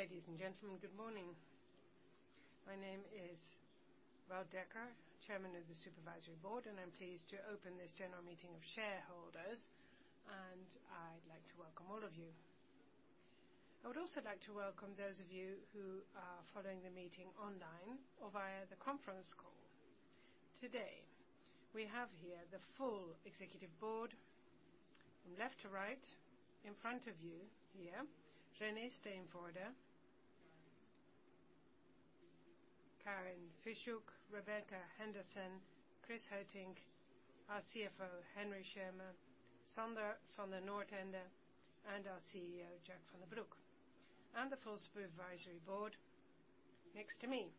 Ladies and gentlemen, good morning. My name is Wout Dekker, Chairman of the Supervisory Board, and I'm pleased to open this general meeting of shareholders, and I'd like to welcome all of you. I would also like to welcome those of you who are following the meeting online or via the conference call. Today, we have here the full executive board. From left to right in front of you here, René Steenvoorden, Karen Fichuk, Rebecca Henderson, Chris Heutink, our CFO, Henry Schirmer, Sander van 't Noordende, and our CEO, Jacques van den Broek. The full supervisory board next to me.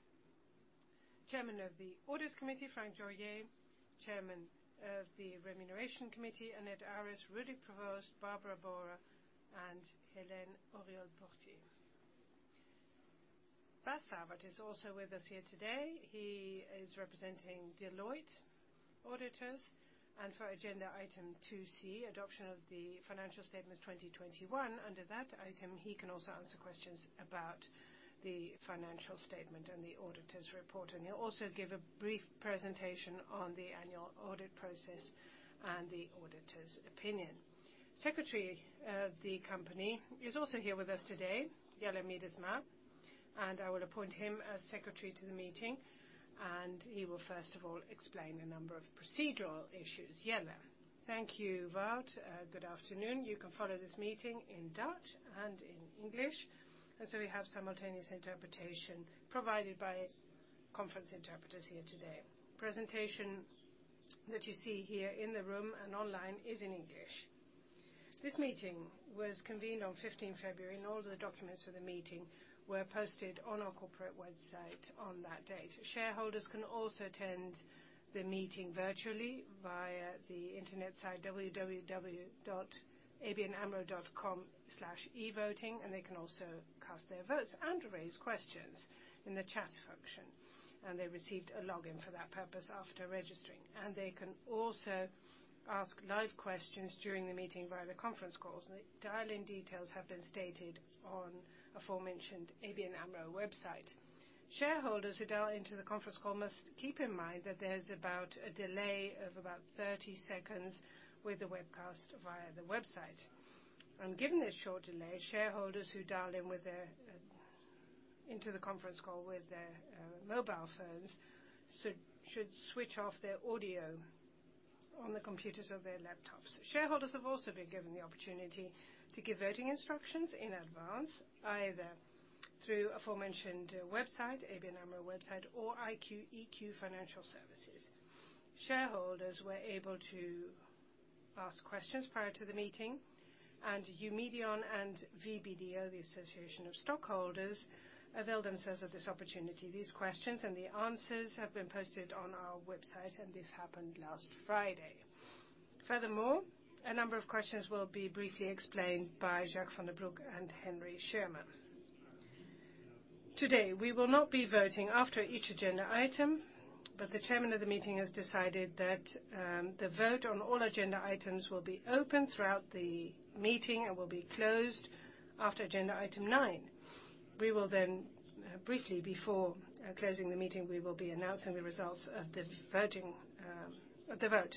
Chairman of the Audit Committee, Frank Dorjee, Chairman of the Remuneration Committee, Annet Aris, Rudy Provoost, Barbara Borra, and Hélène Auriol Potier. Bas Savert is also with us here today. He is representing Deloitte and for agenda item 2c, Adoption of the Financial Statements 2021. Under that item, he can also answer questions about the financial statement and the auditor's report. He'll also give a brief presentation on the annual audit process and the auditor's opinion. Company Secretary is also here with us today, Jelle Miedema, and I will appoint him as secretary to the meeting, and he will first of all explain a number of procedural issues. Jelle. Thank you, Wout. Good afternoon. You can follow this meeting in Dutch and in English. We have simultaneous interpretation provided by conference interpreters here today. Presentation that you see here in the room and online is in English. This meeting was convened on 15 February 2022, and all the documents for the meeting were posted on our corporate website on that date. Shareholders can also attend the meeting virtually via the internet site www.abnamro.com/evoting, and they can also cast their votes and raise questions in the chat function, and they received a login for that purpose after registering. They can also ask live questions during the meeting via the conference call. The dial-in details have been stated on aforementioned ABN AMRO website. Shareholders who dial into the conference call must keep in mind that there's a delay of about 30 seconds with the webcast via the website. Given this short delay, shareholders who dial into the conference call with their mobile phones should switch off their audio on the computers of their laptops. Shareholders have also been given the opportunity to give voting instructions in advance, either through aforementioned website, ABN AMRO website, or IQ EQ Financial Services. Shareholders were able to ask questions prior to the meeting, and Eumedion and VEB, the Association of Stockholders, availed themselves of this opportunity. These questions and the answers have been posted on our website, and this happened last Friday. Furthermore, a number of questions will be briefly explained by Jacques van den Broek and Henry Schirmer. Today, we will not be voting after each agenda item, but the chairman of the meeting has decided that the vote on all agenda items will be open throughout the meeting and will be closed after agenda item nine. We will then briefly before closing the meeting, we will be announcing the results of the voting of the vote.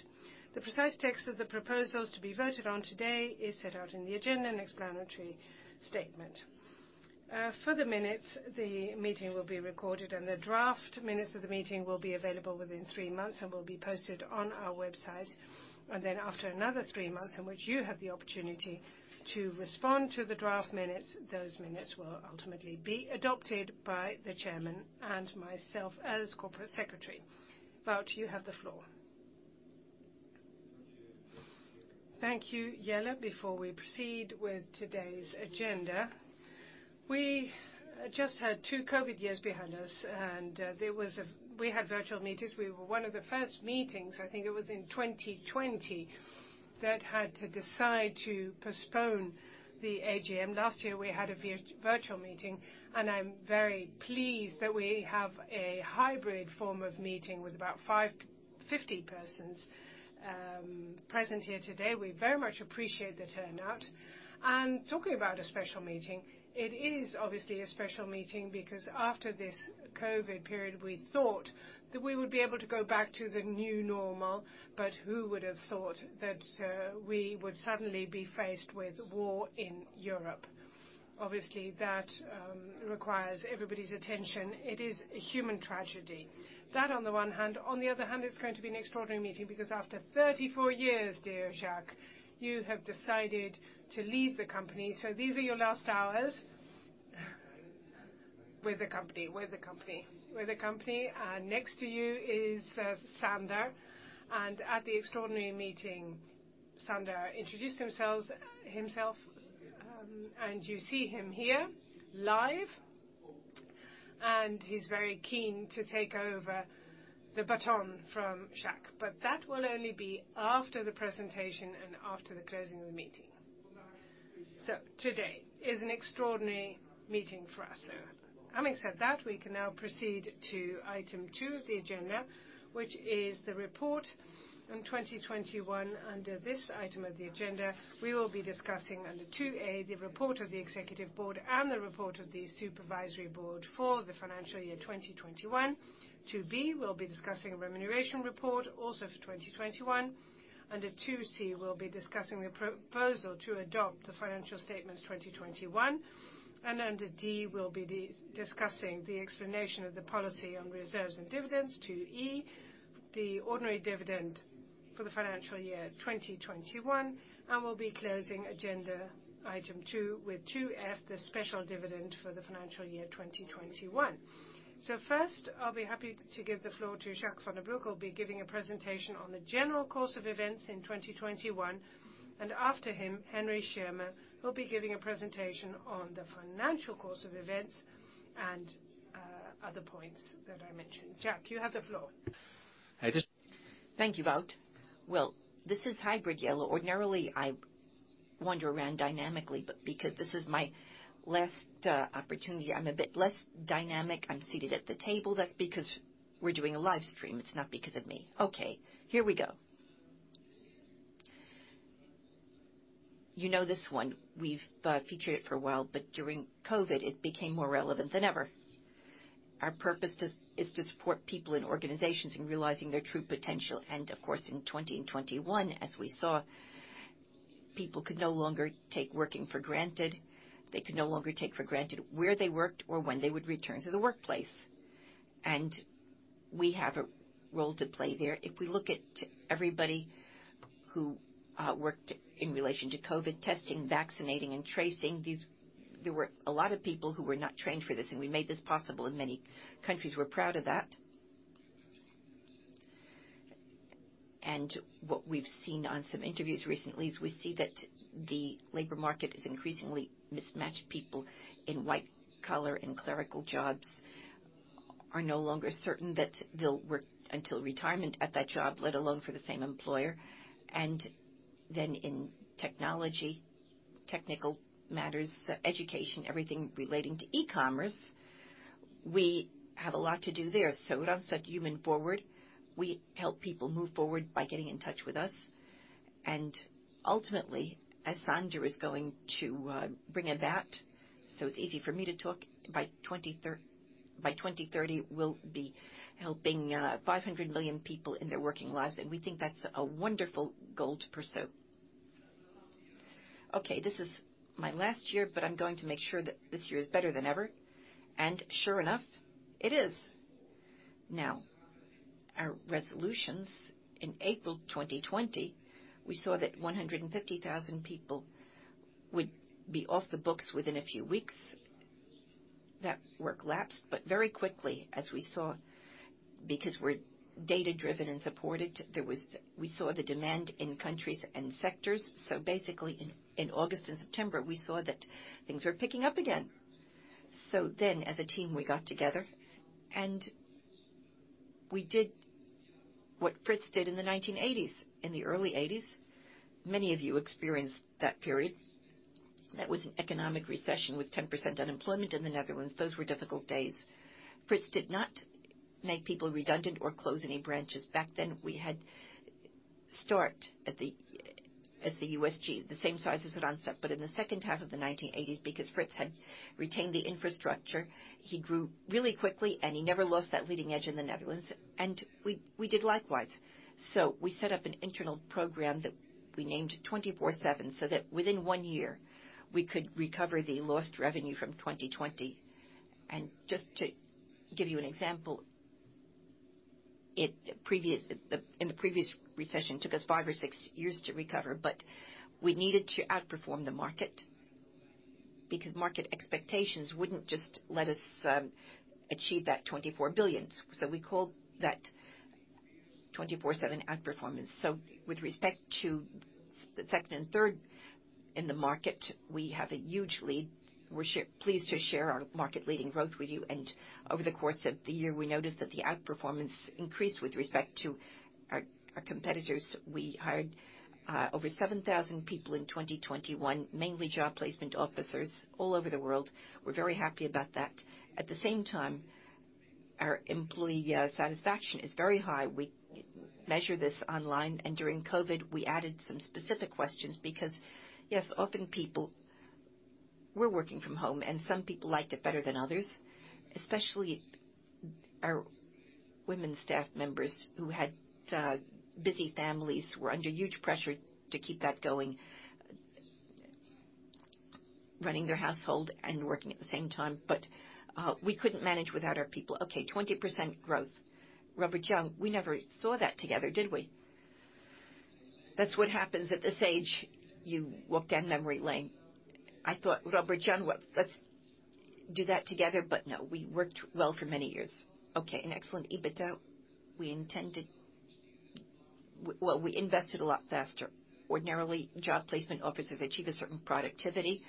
The precise text of the proposals to be voted on today is set out in the agenda and explanatory statement. For the minutes, the meeting will be recorded, and the draft minutes of the meeting will be available within three months and will be posted on our website. Then after another three months, in which you have the opportunity to respond to the draft minutes, those minutes will ultimately be adopted by the chairman and myself as corporate secretary. Wout, you have the floor. Thank you, Jelle. Before we proceed with today's agenda, we just had two COVID years behind us, and we had virtual meetings. We were one of the first meetings, I think it was in 2020, that had to decide to postpone the AGM. Last year, we had a virtual meeting, and I'm very pleased that we have a hybrid form of meeting with about 50 persons present here today. We very much appreciate the turnout. Talking about a special meeting, it is obviously a special meeting because after this COVID period, we thought that we would be able to go back to the new normal, but who would have thought that we would suddenly be faced with war in Europe. Obviously, that requires everybody's attention. It is a human tragedy. That on the one hand, on the other hand, it's going to be an extraordinary meeting because after 34 years, dear Jacques, you have decided to leave the company. These are your last hours with the company. Next to you is Sander. At the extraordinary meeting, Sander introduced himself, and you see him here live. He's very keen to take over the baton from Jacques. That will only be after the presentation and after the closing of the meeting. Today is an extraordinary meeting for us. Having said that, we can now proceed to item two of the agenda, which is the report in 2021. Under this item of the agenda, we will be discussing under 2a, the report of the executive board and the report of the supervisory board for the financial year 2021. 2b, we'll be discussing remuneration report also for 2021. Under 2c, we'll be discussing the proposal to adopt the financial statements of 2021. Under 2d, we'll be discussing the explanation of the policy on reserves and dividends. 2e, the ordinary dividend for the financial year 2021, and we'll be closing agenda item two with 2f, the special dividend for the financial year 2021. First, I'll be happy to give the floor to Jacques van den Broek, who'll be giving a presentation on the general course of events in 2021. After him, Henry Schirmer will be giving a presentation on the financial course of events and other points that I mentioned. Jacques, you have the floor. Thank you, Wout. Well, this is hybrid, hello. Ordinarily, I wander around dynamically, but because this is my last opportunity, I'm a bit less dynamic. I'm seated at the table. That's because we're doing a live stream. It's not because of me. Okay, here we go. You know this one. We've featured it for a while, but during COVID, it became more relevant than ever. Our purpose is to support people in organizations in realizing their true potential. Of course, in 2021, as we saw, people could no longer take working for granted. They could no longer take for granted where they worked or when they would return to the workplace. We have a role to play there. If we look at everybody who worked in relation to COVID testing, vaccinating, and tracing, these. There were a lot of people who were not trained for this, and we made this possible in many countries. We're proud of that. What we've seen on some interviews recently is we see that the labor market is increasingly mismatched. People in white-collar and clerical jobs are no longer certain that they'll work until retirement at that job, let alone for the same employer. Then in technology, technical matters, education, everything relating to e-commerce, we have a lot to do there. Randstad's Human Forward, we help people move forward by getting in touch with us. Ultimately, as Sander is going to bring about, so it's easy for me to talk, by 2030, we'll be helping 500 million people in their working lives, and we think that's a wonderful goal to pursue. Okay, this is my last year, but I'm going to make sure that this year is better than ever. Sure enough, it is. Now, our resolutions in April 2020, we saw that 150,000 people would be off the books within a few weeks. That work lapsed, but very quickly, as we saw, because we're data-driven and supported, we saw the demand in countries and sectors. Basically in August and September, we saw that things were picking up again. Then as a team, we got together, and we did what Frits did in the 1980s, in the early 1980s. Many of you experienced that period. That was an economic recession with 10% unemployment in the Netherlands. Those were difficult days. Frits did not make people redundant or close any branches. Back then, we started at the USG, the same size as Randstad. In the second half of the 1980s, because Frits had retained the infrastructure, he grew really quickly, and he never lost that leading edge in the Netherlands. We did likewise. We set up an internal program that we named 24/7, so that within one year we could recover the lost revenue from 2020. Just to give you an example, in the previous recession, it took us five or six years to recover, but we needed to outperform the market because market expectations wouldn't just let us achieve that 24 billion. We called that 24/7 outperformance. With respect to the second and third in the market, we have a huge lead. We're pleased to share our market-leading growth with you. Over the course of the year, we noticed that the outperformance increased with respect to our competitors. We hired over 7000 people in 2021, mainly job placement officers all over the world. We're very happy about that. At the same time, our employee satisfaction is very high. We measure this online, and during COVID, we added some specific questions because, yes, often people were working from home, and some people liked it better than others, especially our women staff members who had busy families, who were under huge pressure to keep that going, running their household and working at the same time. We couldn't manage without our people. Okay, 20% growth. Robert-Jan, we never saw that together, did we? That's what happens at this age, you walk down memory lane. I thought, Robert-Jan. Let's do that together. No, we worked well for many years. Okay. An excellent EBITDA. We intended to invest a lot faster. Ordinarily, job placement officers achieve a certain productivity.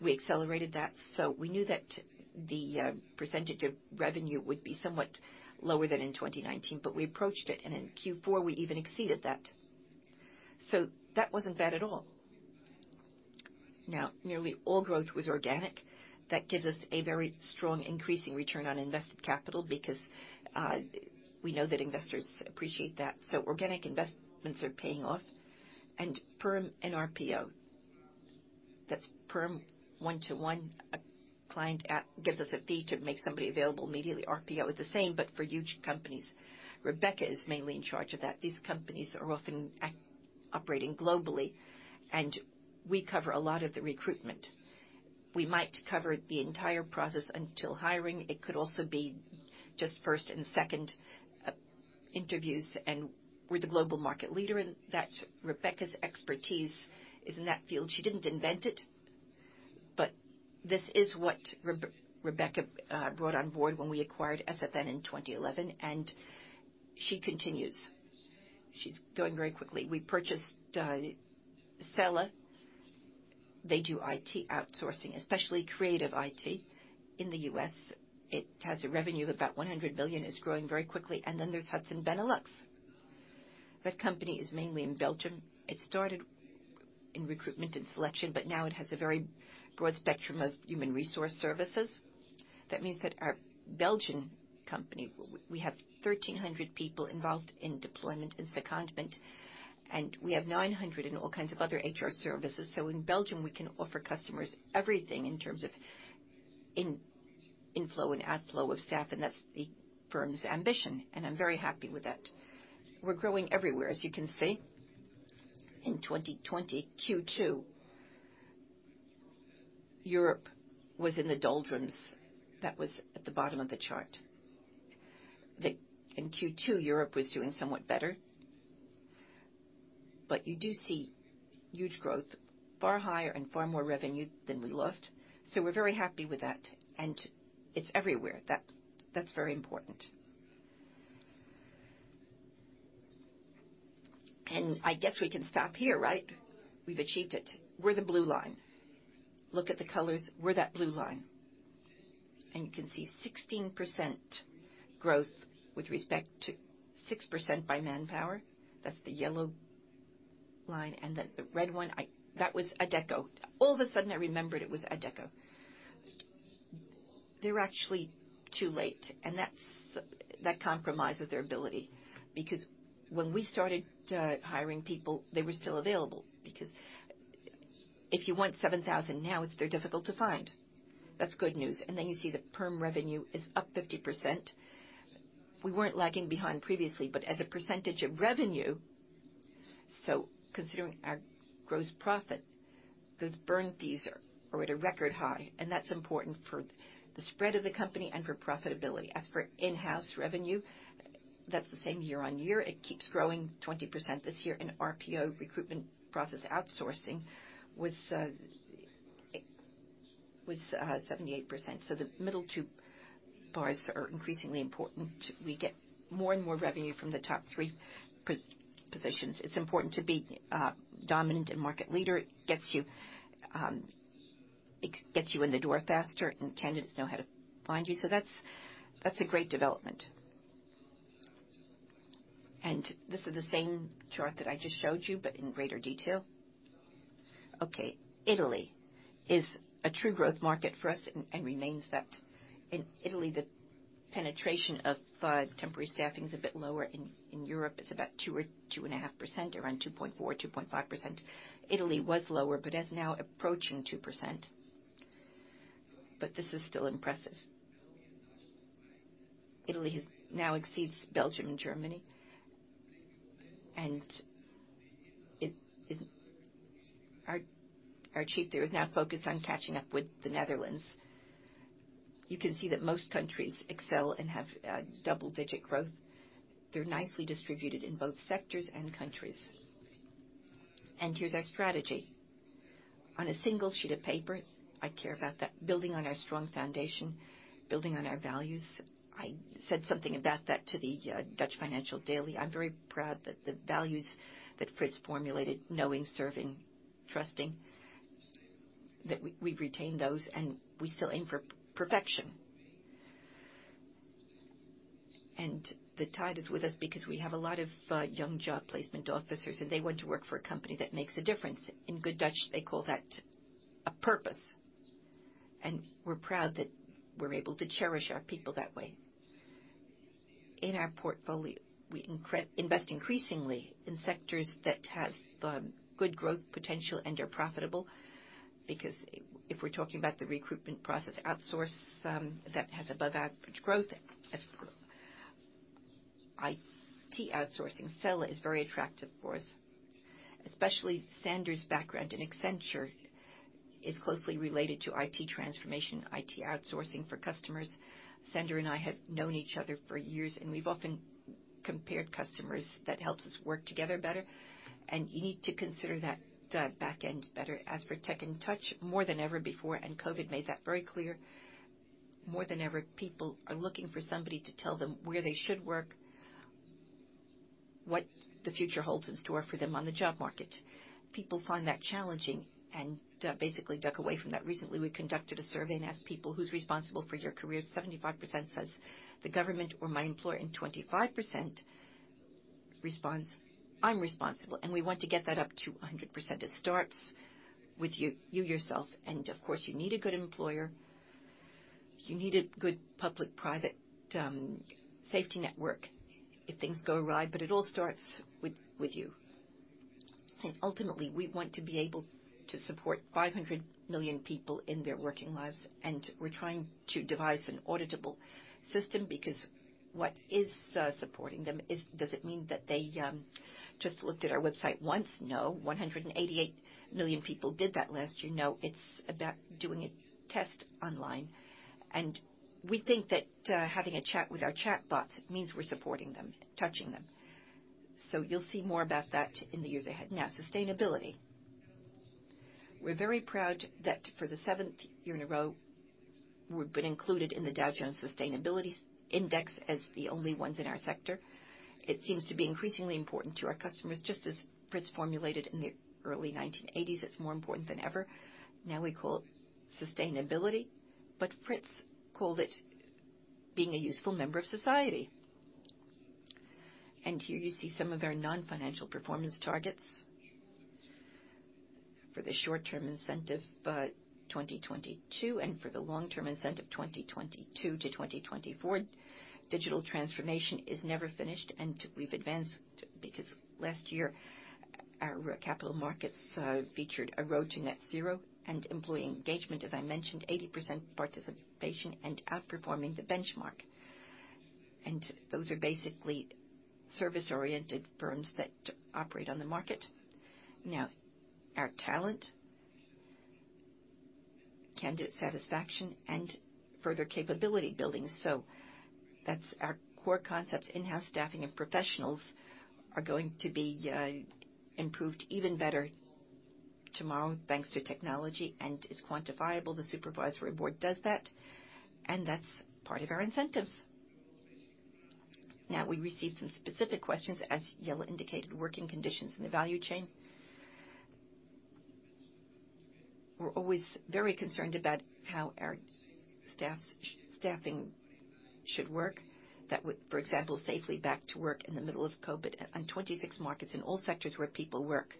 We accelerated that. We knew that the percentage of revenue would be somewhat lower than in 2019, but we approached it, and in Q4, we even exceeded that. That wasn't bad at all. Now, nearly all growth was organic. That gives us a very strong increasing return on invested capital because we know that investors appreciate that. Organic investments are paying off. Perm and RPO. That's perm one-to-one, client gives us a fee to make somebody available immediately. RPO is the same, but for huge companies. Rebecca is mainly in charge of that. These companies are often operating globally, and we cover a lot of the recruitment. We might cover the entire process until hiring. It could also be just first and second interviews, and we're the global market leader in that. Rebecca's expertise is in that field. She didn't invent it, but this is what Rebecca brought on board when we acquired SFN in 2011, and she continues. She's going very quickly. We purchased Cella, they do IT outsourcing, especially creative IT in the U.S. It has a revenue of about $100 million. It's growing very quickly. There's Hudson Benelux, that company is mainly in Belgium. It started in recruitment and selection, but now it has a very broad spectrum of human resource services. That means that our Belgian company, we have 1,300 people involved in deployment and secondment, and we have 900 in all kinds of other HR services. In Belgium, we can offer customers everything in terms of inflow and outflow of staff, and that's the firm's ambition, and I'm very happy with that. We're growing everywhere, as you can see. In 2020 Q2, Europe was in the doldrums. That was at the bottom of the chart. In Q2, Europe was doing somewhat better. You do see huge growth, far higher and far more revenue than we lost. We're very happy with that, and it's everywhere. That's very important. I guess we can stop here, right? We've achieved it. We're the blue line. Look at the colors. We're that blue line. You can see 16% growth with respect to 6% by Manpower. That's the yellow line. Then the red one. That was Adecco. All of a sudden, I remembered it was Adecco. They're actually too late, and that's that compromises their ability because when we started hiring people, they were still available. Because if you want 7,000 now, they're difficult to find. That's good news. You see the perm revenue is up 50%. We weren't lagging behind previously, but as a percentage of revenue. Considering our gross profit, those burn fees are at a record high, and that's important for the spread of the company and for profitability. As for in-house revenue, that's the same year-on-year. It keeps growing 20% this year. RPO recruitment process outsourcing was 78%. The middle two bars are increasingly important. We get more and more revenue from the top three positions. It's important to be dominant and market leader. It gets you in the door faster, and candidates know how to find you. That's a great development. This is the same chart that I just showed you, but in greater detail. Okay. Italy is a true growth market for us and remains that. In Italy, the penetration of temporary staffing is a bit lower. In Europe, it's about 2% or 2.5%, around 2.4%, 2.5%. Italy was lower, but is now approaching 2%. This is still impressive. Italy now exceeds Belgium and Germany. Our chief there is now focused on catching up with the Netherlands. You can see that most countries excel and have double-digit growth. They're nicely distributed in both sectors and countries. Here's our strategy. On a single sheet of paper, I care about that, building on our strong foundation, building on our values. I said something about that to the Dutch Financial Daily. I'm very proud that the values that Frits formulated, knowing, serving, trusting, that we've retained those, and we still aim for perfection. The tide is with us because we have a lot of young job placement officers, and they want to work for a company that makes a difference. In good Dutch, they call that a purpose. We're proud that we're able to cherish our people that way. In our portfolio, we invest increasingly in sectors that have good growth potential and are profitable. Because if we're talking about the recruitment process outsourcing, that has above average growth. As for IT outsourcing, Cella is very attractive for us. Especially Sander's background in Accenture is closely related to IT transformation, IT outsourcing for customers. Sander and I have known each other for years, and we've often compared customers. That helps us work together better, and you need to consider that, back end better. As for Tech and Touch, more than ever before, and COVID made that very clear, more than ever, people are looking for somebody to tell them where they should work. What the future holds in store for them on the job market. People find that challenging and, basically duck away from that. Recently, we conducted a survey and asked people, "Who's responsible for your career?" 75% says, "The government or my employer." 25% responds, "I'm responsible." We want to get that up to 100%. It starts with you yourself, and of course, you need a good employer. You need a good public-private safety network if things go awry, but it all starts with you. Ultimately, we want to be able to support 500 million people in their working lives, and we're trying to devise an auditable system because what is supporting them is. Does it mean that they just looked at our website once? No. 188 million people did that last year. No, it's about doing a test online. We think that having a chat with our chatbots means we're supporting them, touching them. You'll see more about that in the years ahead. Now, sustainability. We're very proud that for the seventh year in a row, we've been included in the Dow Jones Sustainability Index as the only ones in our sector. It seems to be increasingly important to our customers, just as Frits formulated in the early 1980s. It's more important than ever. Now we call it sustainability, but Frits called it being a useful member of society. Here you see some of our non-financial performance targets. For the short-term incentive, 2022, and for the long-term incentive, 2022 to 2024. Digital transformation is never finished, and we've advanced because last year our capital markets featured a road to net zero and employee engagement, as I mentioned, 80% participation and outperforming the benchmark. Those are basically service-oriented firms that operate on the market. Now, our talent, candidate satisfaction, and further capability building, that's our core concepts. In-house staffing of professionals are going to be improved even better tomorrow, thanks to technology, and it's quantifiable. The Supervisory Board does that, and that's part of our incentives. Now, we received some specific questions, as Jelle indicated, working conditions in the value chain. We're always very concerned about how our staffing should work. That would, for example, safely back to work in the middle of COVID on 26 markets in all sectors where people work.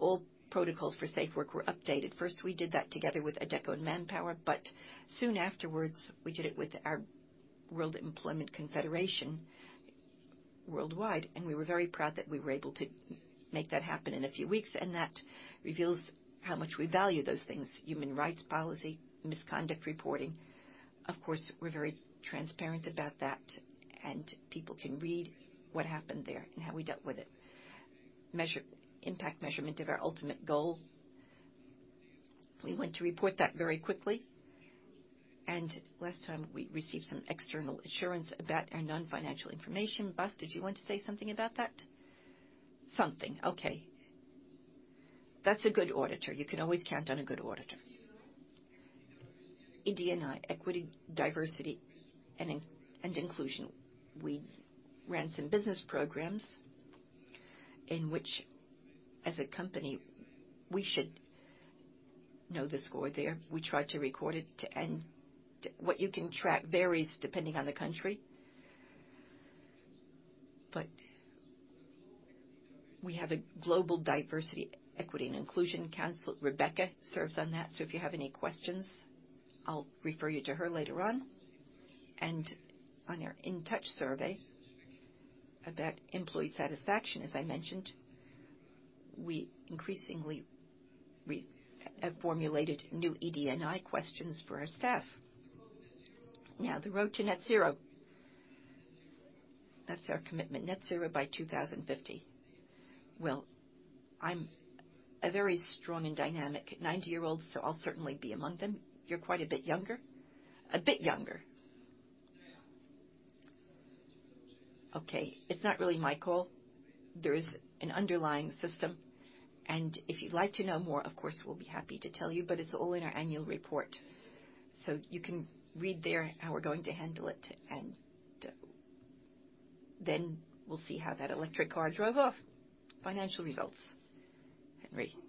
All protocols for safe work were updated. First, we did that together with Adecco and Manpower, but soon afterwards, we did it with our World Employment Confederation worldwide, and we were very proud that we were able to make that happen in a few weeks, and that reveals how much we value those things. Human rights policy, misconduct reporting. Of course, we're very transparent about that, and people can read what happened there and how we dealt with it. Impact measurement of our ultimate goal. We want to report that very quickly. Last time, we received some external assurance about our non-financial information. Bas, did you want to say something about that? Something. Okay. That's a good auditor. You can always count on a good auditor. ED&I, equity, diversity, and inclusion. We ran some business programs in which, as a company, we should know the score there. What you can track varies depending on the country. We have a Global Diversity, Equity, and Inclusion Council. Rebecca serves on that, so if you have any questions, I'll refer you to her later on. On our In Touch survey about employee satisfaction, as I mentioned, we have formulated new ED&I questions for our staff. Now, the road to net zero. That's our commitment. Net zero by 2050. Well, I'm a very strong and dynamic 90-year-old, so I'll certainly be among them. You're quite a bit younger. A bit younger. Okay. It's not really my call. There is an underlying system. And if you'd like to know more, of course, we'll be happy to tell you, but it's all in our annual report. You can read there how we're going to handle it, and then we'll see how that electric car drove off. Financial results. Henry. Thank you.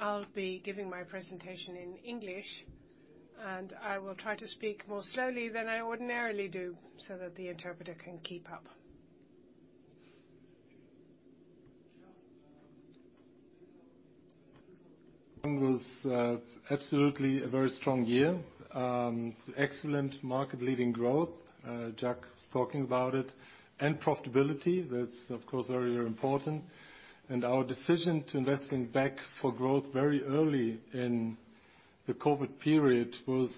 I'll be giving my presentation in English, and I will try to speak more slowly than I ordinarily do so that the interpreter can keep up. It was absolutely a very strong year. Excellent market-leading growth, Jacques was talking about it, and profitability, that's of course very, very important. Our decision to investing back for growth very early in the COVID period was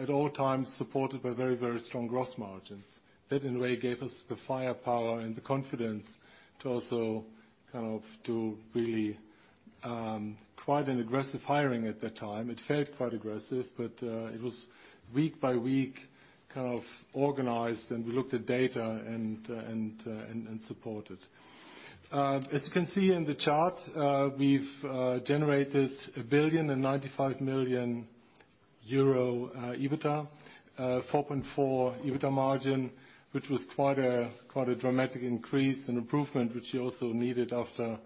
at all times supported by very, very strong gross margins. That, in a way, gave us the firepower and the confidence to also kind of do really quite an aggressive hiring at that time. It felt quite aggressive, but it was week by week kind of organized, and we looked at data and supported. As you can see in the chart, we've generated EUR 1,095 million EBITDA. 4.4% EBITDA margin, which was quite a dramatic increase and improvement, which we also needed after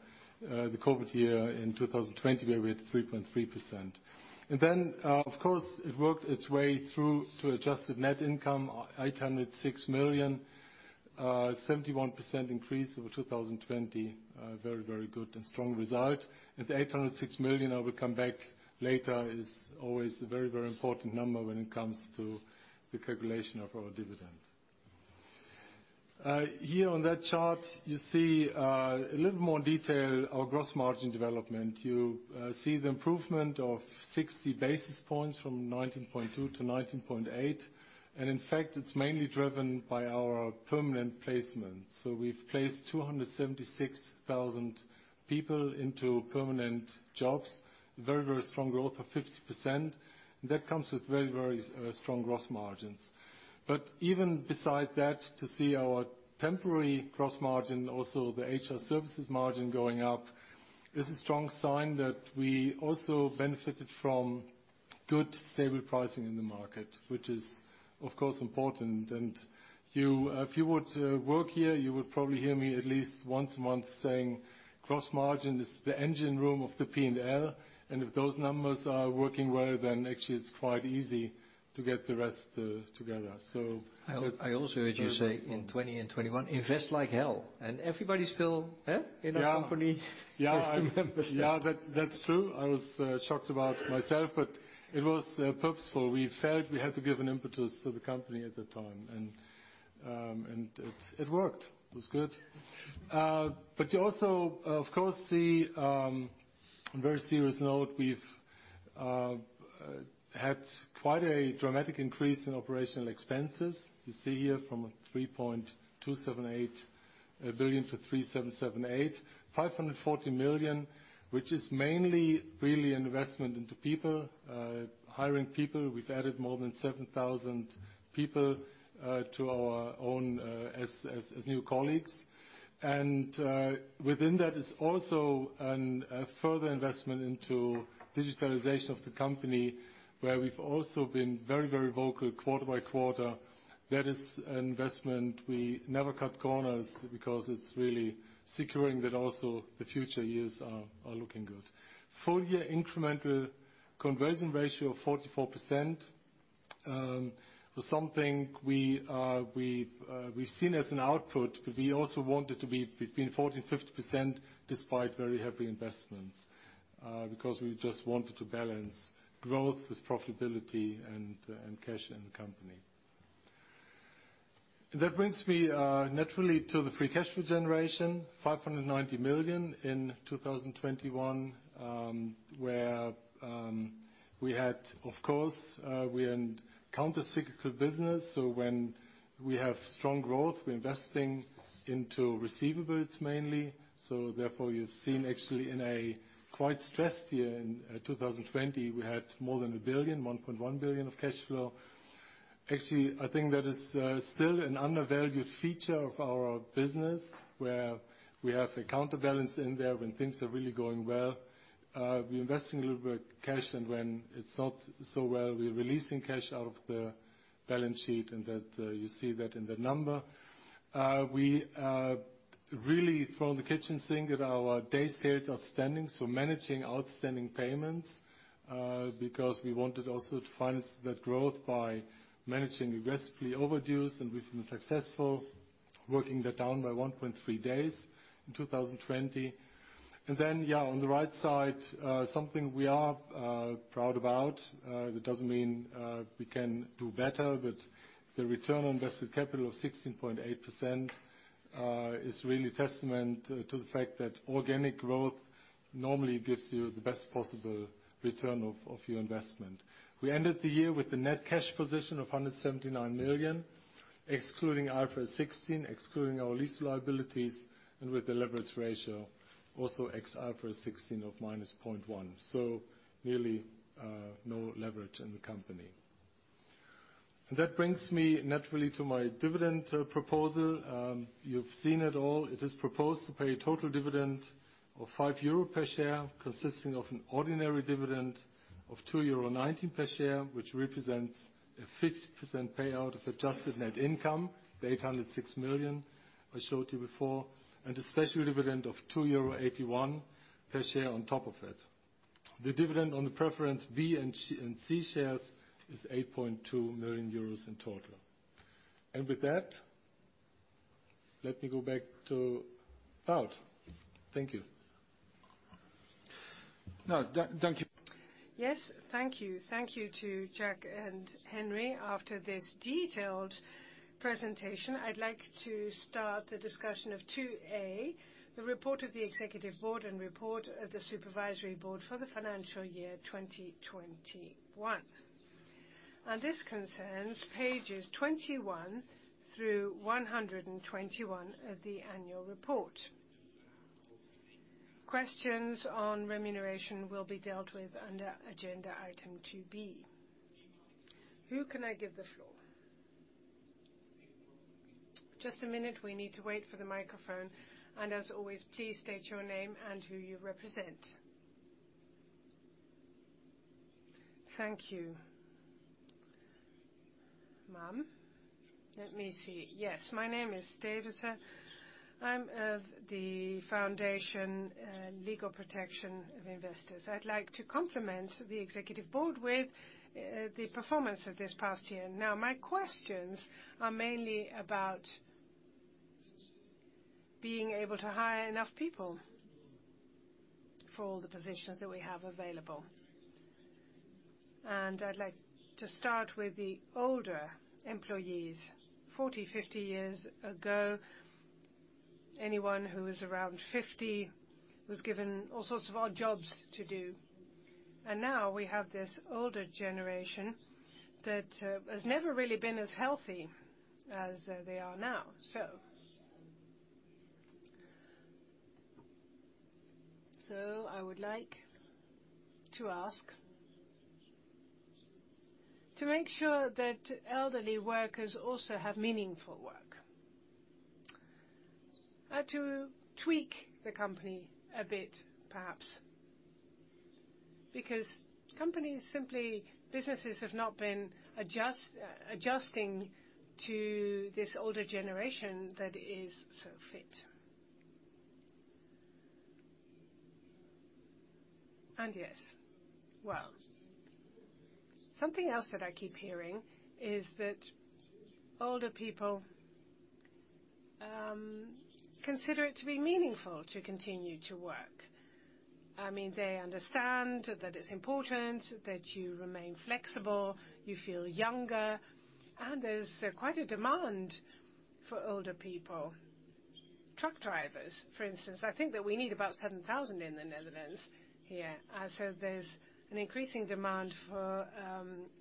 the COVID year in 2020 where we had 3.3%. Of course it worked its way through to adjusted net income, 806 million, 71% increase over 2020. Very, very good and strong result. The 806 million, I will come back later, is always a very, very important number when it comes to the calculation of our dividend. Here on that chart, you see a little more detail our gross margin development. You see the improvement of 60 basis points from 19.2% to 19.8%. In fact, it's mainly driven by our permanent placement. We've placed 276,000 people into permanent jobs. Very, very strong growth of 50%. That comes with very, very strong gross margins. Even besides that, to see our temporary gross margin, also the HR services margin going up, is a strong sign that we also benefited from good stable pricing in the market, which is of course important. If you would work here, you would probably hear me at least once a month saying, "Gross margin is the engine room of the P&L." If those numbers are working well, then actually it's quite easy to get the rest together. I also heard you say in 2020 and 2021, "Invest like hell." Everybody's still in the company. Yeah. Yeah. If you remember that. Yeah. That's true. I was shocked about myself, but it was purposeful. We felt we had to give an impetus to the company at the time. It worked. It was good. But you also, of course, on a very serious note, we've had quite a dramatic increase in operational expenses. You see here from 3.278 billion to 3.778 billion, 540 million, which is mainly really investment into people, hiring people. We've added more than 7,000 people to our own as new colleagues. Within that is also a further investment into digitalization of the company, where we've also been very vocal quarter by quarter. That is an investment. We never cut corners because it's really securing that also the future years are looking good. Full year incremental conversion ratio of 44% was something we've seen as an output, but we also want it to be between 40%-50% despite very heavy investments. Because we just wanted to balance growth with profitability and cash in the company. That brings me naturally to the free cash flow generation, 590 million in 2021. Where we had of course we're in counter-cyclical business, so when we have strong growth, we're investing into receivables mainly. Therefore, you've seen actually in a quite stressed year in 2020, we had more than 1 billion, 1.1 billion of cash flow. Actually, I think that is still an undervalued feature of our business, where we have a counterbalance in there when things are really going well. We invest in a little bit of cash, and when it's not so well, we're releasing cash out of the balance sheet, and that you see that in the number. We really throw in the kitchen sink at our days sales outstanding, so managing outstanding payments. Because we wanted also to finance that growth by managing aggressively overdues, and we've been successful working that down by 1.3 days in 2020. Then, yeah, on the right side, something we are proud about. That doesn't mean we can do better, but the return on invested capital of 16.8% is really testament to the fact that organic growth normally gives you the best possible return of your investment. We ended the year with a net cash position of 179 million, excluding IFRS 16, excluding our lease liabilities, and with the leverage ratio, also ex IFRS 16 of -0.1. Really, no leverage in the company. That brings me naturally to my dividend proposal. You've seen it all. It is proposed to pay a total dividend of 5 euro per share, consisting of an ordinary dividend of 2.19 euro per share, which represents a 50% payout of adjusted net income, the 806 million I showed you before, and a special dividend of 2.81 euro per share on top of it. The dividend on the preference B and C shares is 8.2 million euros in total. With that, let me go back to Wout. Thank you. Now, Danke. Yes. Thank you. Thank you to Jaques and Henry. After this detailed presentation, I'd like to start the discussion of 2a, the report of the executive board and report of the supervisory board for the financial year 2021. This concerns pages 21 through 121 of the annual report. Questions on remuneration will be dealt with under agenda item 2b. Who can I give the floor? Just a minute, we need to wait for the microphone. As always, please state your name and who you represent. Thank you. Ma'am. Let me see. Yes, my name is Stevense. I'm of the Foundation and Legal Protection of Investors. I'd like to compliment the executive board with the performance of this past year. Now, my questions are mainly about being able to hire enough people for all the positions that we have available. I'd like to start with the older employees. 40, 50 years ago, anyone who was around 50 was given all sorts of odd jobs to do. Now we have this older generation that has never really been as healthy as they are now. I would like to ask to make sure that elderly workers also have meaningful work to tweak the company a bit, perhaps, because companies simply have not been adjusting to this older generation that is so fit. Yes. Well, something else that I keep hearing is that older people consider it to be meaningful to continue to work. I mean, they understand that it's important that you remain flexible, you feel younger, and there's quite a demand for older people. Truck drivers, for instance. I think that we need about 7,000 in the Netherlands here. There's an increasing demand for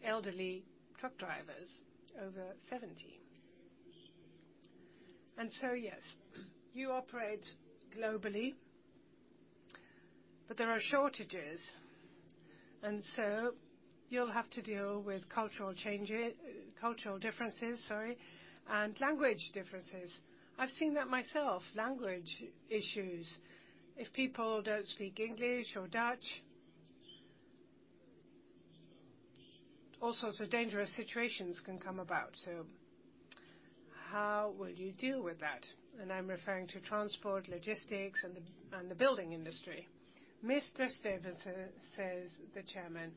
elderly truck drivers over 70. Yes, you operate globally, but there are shortages, and you'll have to deal with cultural differences, sorry, and language differences. I've seen that myself. Language issues. If people don't speak English or Dutch, all sorts of dngerous situations can come about. How will you deal with that? I'm referring to transport, logistics, and the building industry. Mr. Stevense, says the Chairman,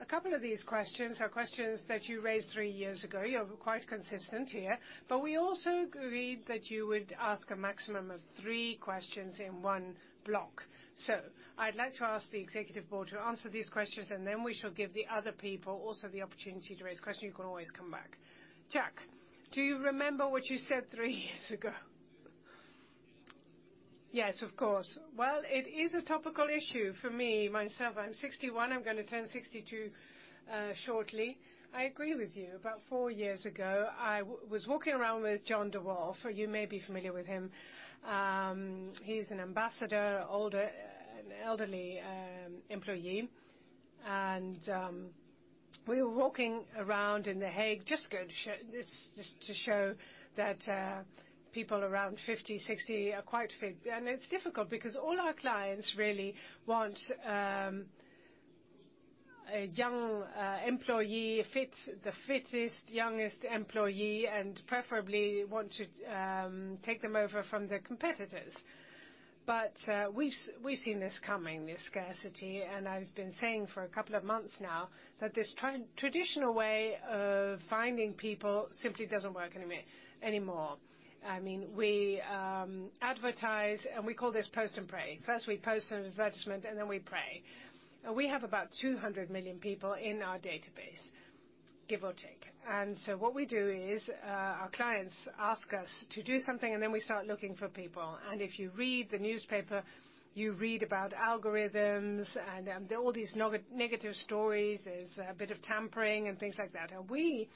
a couple of these questions are questions that you raised three years ago. You're quite consistent here. We also agreed that you would ask a maximum of three questions in one block. I'd like to ask the executive board to answer these questions, and then we shall give the other people also the opportunity to raise questions. You can always come back. Jaques, do you remember what you said three years ago? Yes, of course. Well, it is a topical issue for me, myself. I'm 61. I'm gonna turn 62 shortly. I agree with you. About four years ago, I was walking around with John de Wolff. You may be familiar with him. He's an ambassador, older, an elderly employee. We were walking around in The Hague just to show that people around 50, 60 are quite fit. It's difficult because all our clients really want a young employee, fit, the fittest, youngest employee, and preferably want to take them over from their competitors. We've seen this coming, this scarcity, and I've been saying for a couple of months now that this traditional way of finding people simply doesn't work anymore. I mean, we advertise, and we call this post and pray. First, we post an advertisement, and then we pray. We have about 200 million people in our database, give or take. What we do is, our clients ask us to do something, and then we start looking for people. If you read the newspaper, you read about algorithms and all these negative stories. There's a bit of tampering and things like that. We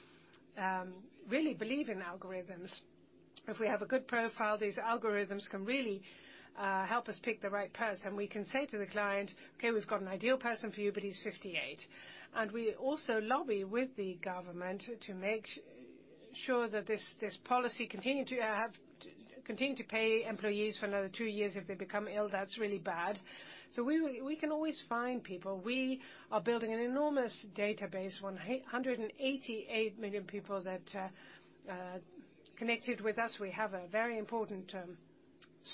really believe in algorithms. If we have a good profile, these algorithms can really help us pick the right person. We can say to the client, "Okay, we've got an ideal person for you, but he's 58." We also lobby with the government to make sure that this policy continues to pay employees for another two years if they become ill. That's really bad. We can always find people. We are building an enormous database, 188 million people that connected with us. We have a very important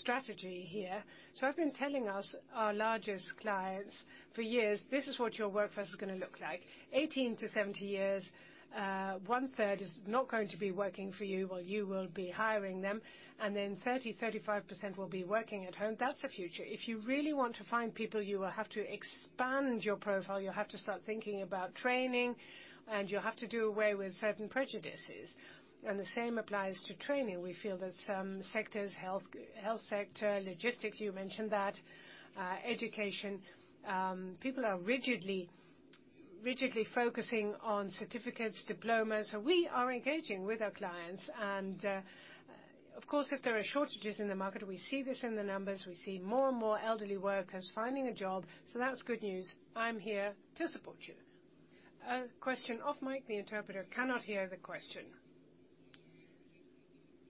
strategy here. I've been telling our largest clients for years, this is what your workforce is gonna look like. 18 to 70 years, 1/3 is not going to be working for you. Well, you will be hiring them. Then 35% will be working at home. That's the future. If you really want to find people, you will have to expand your profile. You'll have to start thinking about training, and you'll have to do away with certain prejudices. The same applies to training. We feel that some sectors, health sector, logistics, you mentioned that, education, people are rigidly focusing on certificates, diplomas. We are engaging with our clients. Of course, if there are shortages in the market, we see this in the numbers. We see more and more elderly workers finding a job. That's good news. I'm here to support you. A question off mic. The interpreter cannot hear the question.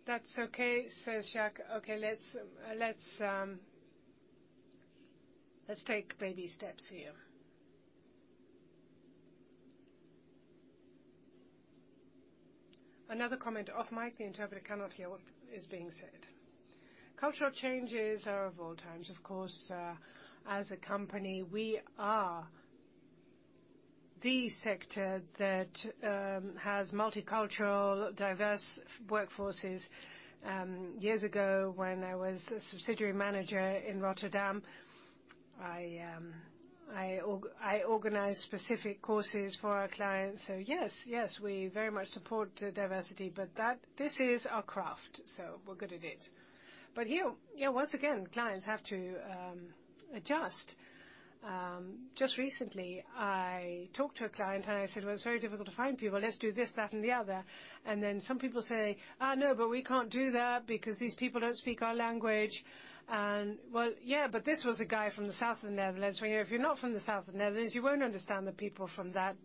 That's okay, says Jacques. Okay, let's take baby steps here. Another comment off mic. The interpreter cannot hear what is being said. Cultural changes are of all times, of course. As a company, we are the sector that has multicultural, diverse workforces. Years ago, when I was a subsidiary manager in Rotterdam, I organized specific courses for our clients. Yes, we very much support diversity, but that this is our craft, so we're good at it. Here, yeah, once again, clients have to adjust. Just recently, I talked to a client, and I said, "Well, it's very difficult to find people. Let's do this, that, and the other." Then some people say, "No, but we can't do that because these people don't speak our language." Well, yeah, but this was a guy from the south of the Netherlands, where if you're not from the south of the Netherlands, you won't understand the people from that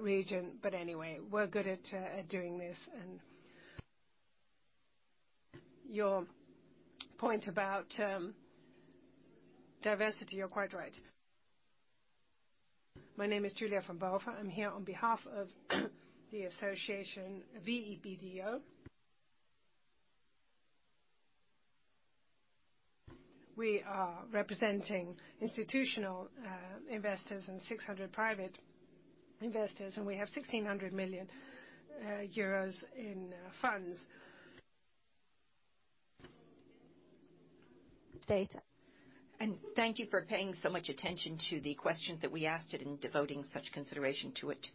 region. But anyway, we're good at doing this. Your point about diversity, you're quite right. My name is Julia van Boven. I'm here on behalf of the association VBDO. We are representing institutional investors and 600 private investors, and we have 1,600 million euros in funds. Thank you for paying so much attention to the questions that we asked and devoting such consideration to it.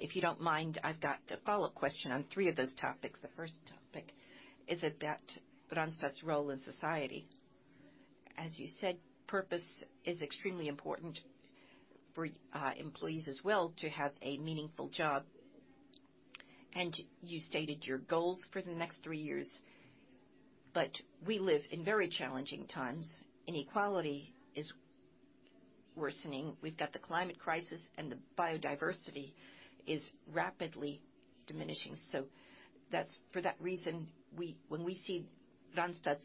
If you don't mind, I've got a follow-up question on three of those topics. The first topic is about Randstad's role in society. As you said, purpose is extremely important for employees as well to have a meaningful job. You stated your goals for the next three years. We live in very challenging times. Inequality is worsening. We've got the climate crisis, and the biodiversity is rapidly diminishing. For that reason, when we see Randstad's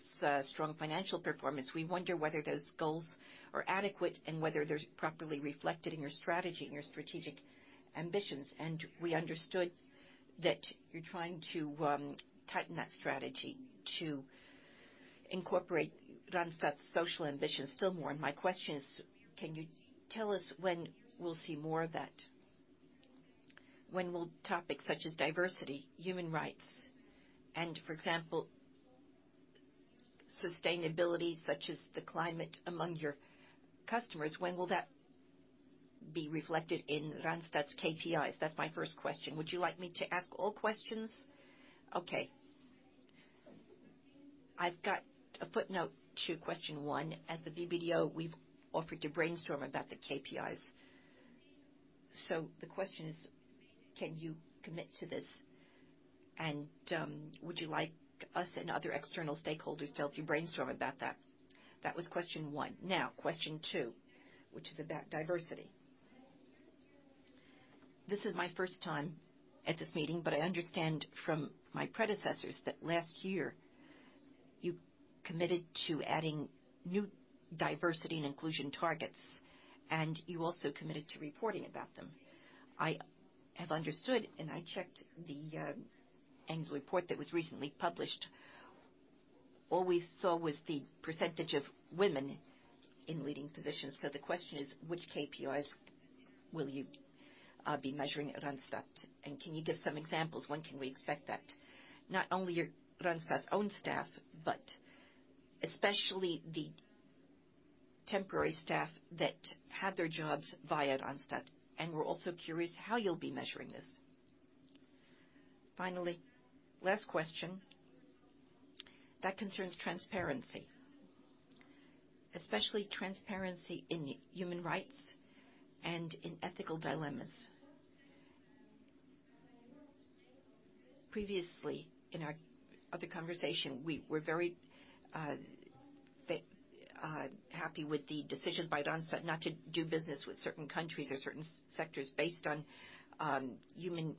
strong financial performance, we wonder whether those goals are adequate and whether they're properly reflected in your strategy and your strategic ambitions. We understood that you're trying to tighten that strategy to incorporate Randstad's social ambitions still more. My question is, can you tell us when we'll see more of that? When will topics such as diversity, human rights, and for example, sustainability, such as the climate among your customers, when will that be reflected in Randstad's KPIs? That's my first question. Would you like me to ask all questions? Okay. I've got a footnote to question one. At the VBDO, we've offered to brainstorm about the KPIs. The question is, can you commit to this? Would you like us and other external stakeholders to help you brainstorm about that? That was question one. Now, question two, which is about diversity. This is my first time at this meeting, but I understand from my predecessors that last year you committed to adding new diversity and inclusion targets, and you also committed to reporting about them. I have understood, and I checked the annual report that was recently published. All we saw was the percentage of women in leading positions. The question is, which KPIs will you be measuring at Randstad? Can you give some examples, when can we expect that? Not only Randstad's own staff, but especially the temporary staff that had their jobs via Randstad. We're also curious how you'll be measuring this. Finally, last question that concerns transparency, especially transparency in human rights and in ethical dilemmas. Previously, in our other conversation, we were very happy with the decision by Randstad not to do business with certain countries or certain sectors based on human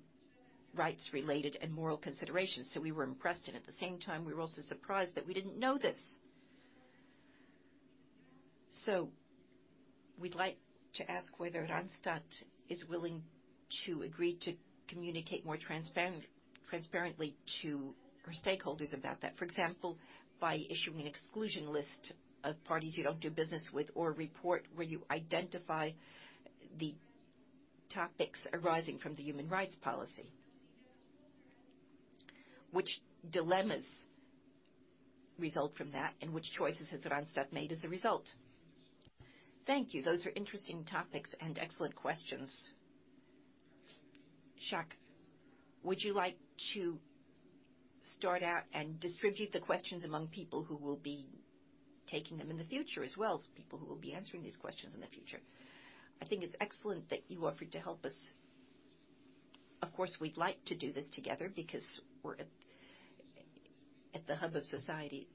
rights-related and moral considerations. We were impressed, and at the same time, we were also surprised that we didn't know this. We'd like to ask whether Randstad is willing to agree to communicate more transparently to her stakeholders about that. For example, by issuing an exclusion list of parties you don't do business with or report where you identify the topics arising from the human rights policy. Which dilemmas result from that, and which choices has Randstad made as a result? Thank you. Those are interesting topics and excellent questions. Jacques, would you like to start out and distribute the questions among people who will be? Taking them in the future as well as people who will be answering these questions in the future. I think it's excellent that you offered to help us. Of course, we'd like to do this together because we're at the hub of society.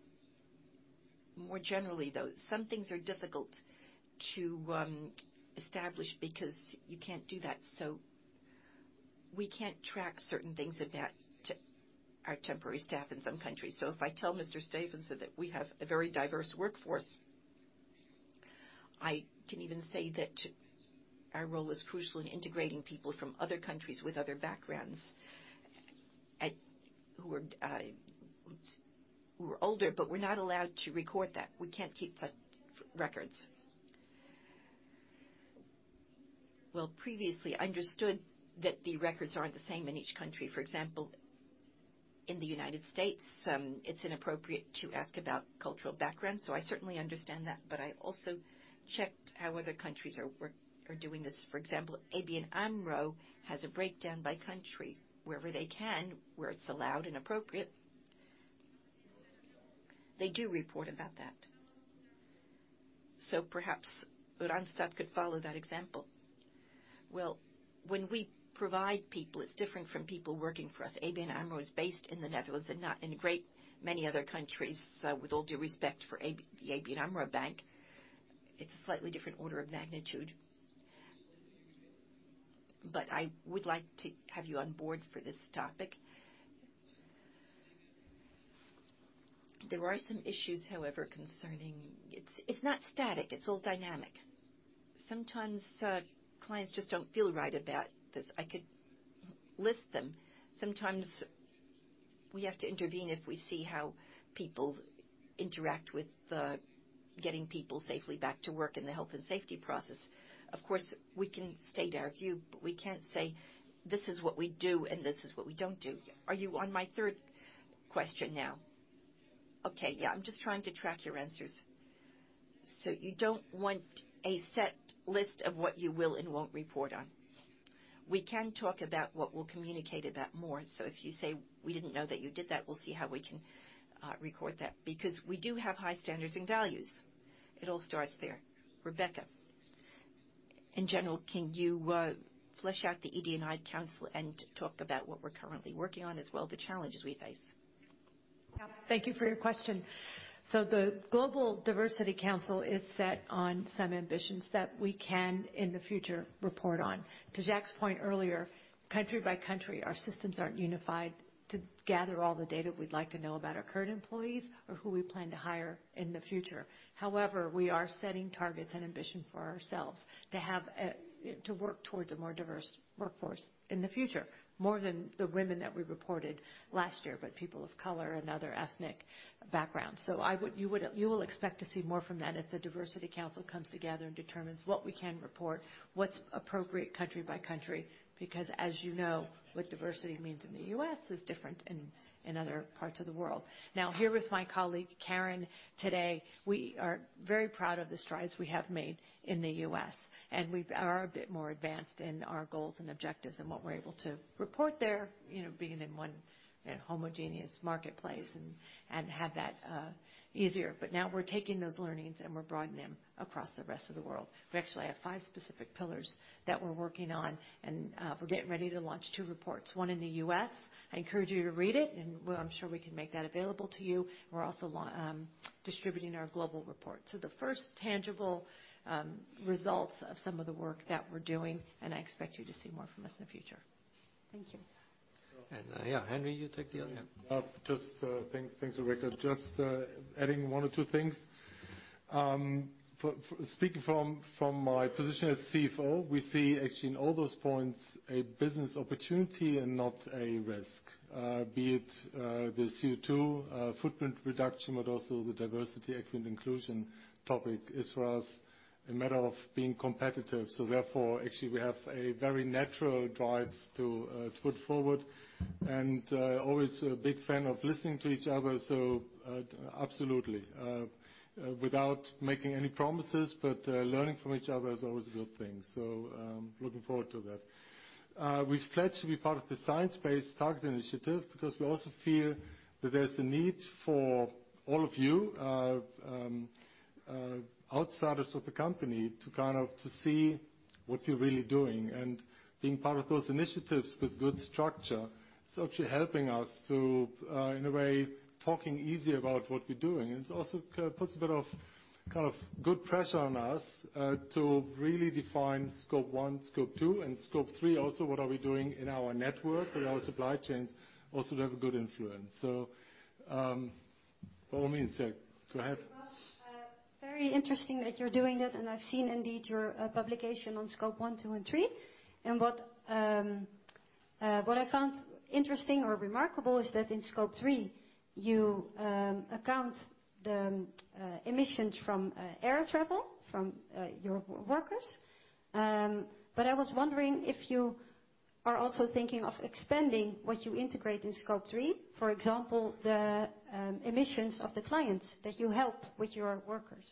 More generally, though, some things are difficult to establish because you can't do that. We can't track certain things about our temporary staff in some countries. If I tell Mr. Stevensen that we have a very diverse workforce, I can even say that our role is crucial in integrating people from other countries with other backgrounds, who are older, but we're not allowed to record that. We can't keep such records. Previously, I understood that the records aren't the same in each country. For example, in the United States, it's inappropriate to ask about cultural background, so I certainly understand that. I also checked how other countries are doing this. For example, ABN AMRO has a breakdown by country wherever they can, where it's allowed and appropriate. They do report about that. Perhaps Randstad could follow that example. Well, when we provide people, it's different from people working for us. ABN AMRO is based in the Netherlands and not in a great many other countries. With all due respect for the ABN AMRO bank, it's a slightly different order of magnitude. I would like to have you on board for this topic. There are some issues, however, concerning. It's not static. It's all dynamic. Sometimes, clients just don't feel right about this. I could list them. Sometimes we have to intervene if we see how people interact with getting people safely back to work in the health and safety process. Of course, we can state our view, but we can't say, "This is what we do and this is what we don't do." Are you on my third question now? Okay. Yeah. I'm just trying to track your answers. You don't want a set list of what you will and won't report on. We can talk about what we'll communicate about more. If you say, we didn't know that you did that, we'll see how we can record that because we do have high standards and values. It all starts there. Rebecca, in general, can you flesh out the ED&I Council and talk about what we're currently working on as well, the challenges we face? Yeah. Thank you for your question. The Global Diversity Council is set on some ambitions that we can in the future report on. To Jacques' point earlier, country by country, our systems aren't unified to gather all the data we'd like to know about our current employees or who we plan to hire in the future. We are setting targets and ambition for ourselves to have, to work towards a more diverse workforce in the future, more than the women that we reported last year, but people of color and other ethnic backgrounds. You will expect to see more from that if the Diversity Council comes together and determines what we can report, what's appropriate country by country, because as you know, what diversity means in the U.S. is different in other parts of the world. Now, here with my colleague, Karen, today, we are very proud of the strides we have made in the U.S., and we are a bit more advanced in our goals and objectives and what we're able to report there, you know, being in one homogeneous marketplace and have that easier. Now we're taking those learnings and we're broadening them across the rest of the world. We actually have five specific pillars that we're working on, and we're getting ready to launch two reports, one in the U.S. I encourage you to read it, and I'm sure we can make that available to you. We're also distributing our global report. The first tangible results of some of the work that we're doing, and I expect you to see more from us in the future. Thank you. Yeah, Henry, you take the other? Yeah. Just thanks, Rebecca. Just adding one or two things. Speaking from my position as CFO, we see actually in all those points a business opportunity and not a risk. Be it the CO2 footprint reduction, but also the diversity, equity and inclusion topic, as well as a matter of being competitive. Therefore, actually, we have a very natural drive to put forward and always a big fan of listening to each other. Absolutely, without making any promises, but learning from each other is always a good thing. Looking forward to that. We've pledged to be part of the Science Based Targets initiative because we also feel that there's the need for all of you, outsiders of the company to see what you're really doing. Being part of those initiatives with good structure is actually helping us to, in a way, talk easily about what we're doing. It also puts a bit of kind of good pressure on us to really define Scope 1, Scope 2, and Scope 3, also what we are doing in our network, with our supply chains also to have a good influence. By all means, yeah, go ahead. Thank you very much. Very interesting that you're doing it. I've seen indeed your publication on Scope 1, 2, and 3. What I found interesting or remarkable is that in Scope 3, you account for the emissions from air travel from your workers. I was wondering if you are also thinking of expanding what you integrate in Scope 3, for example, the emissions of the clients that you help with your workers.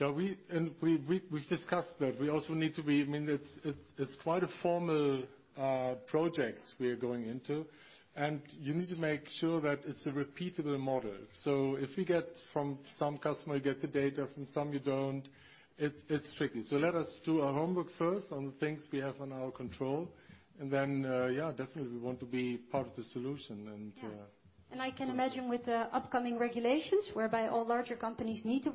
We've discussed that. We also need to be, I mean, it's quite a formal project we are going into, and you need to make sure that it's a repeatable model. If you get from some customer, you get the data, from some you don't, it's tricky. Let us do our homework first on things we have on our control, and then, yeah, definitely we want to be part of the solution. Yeah. I can imagine with the upcoming regulations whereby all larger companies need to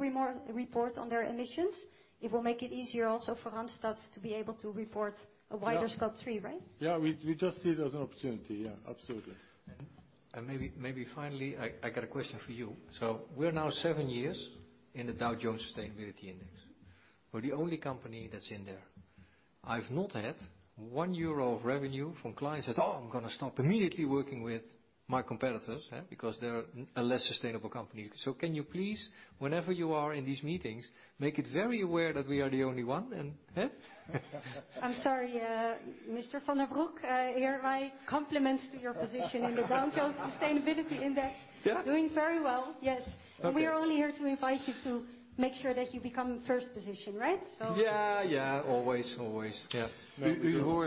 report on their emissions, it will make it easier also for Randstad to be able to report. Yeah. A wider Scope 3, right? Yeah. We just see it as an opportunity. Yeah, absolutely. Maybe finally, I got a question for you. We're now seven years in the Dow Jones Sustainability Index. We're the only company that's in there. I've not had 1 euro of revenue from clients that, "Oh, I'm gonna stop immediately working with my competitors, because they're a less sustainable company." Can you please, whenever you are in these meetings, make it very aware that we are the only one? I'm sorry, Mr. van den Broek, hereby compliments to your position in the Dow Jones Sustainability Index. Yeah. Doing very well. Yes. Okay. We're only here to invite you to make sure that you become first position, right? Yeah, yeah. Always, always. Yeah. You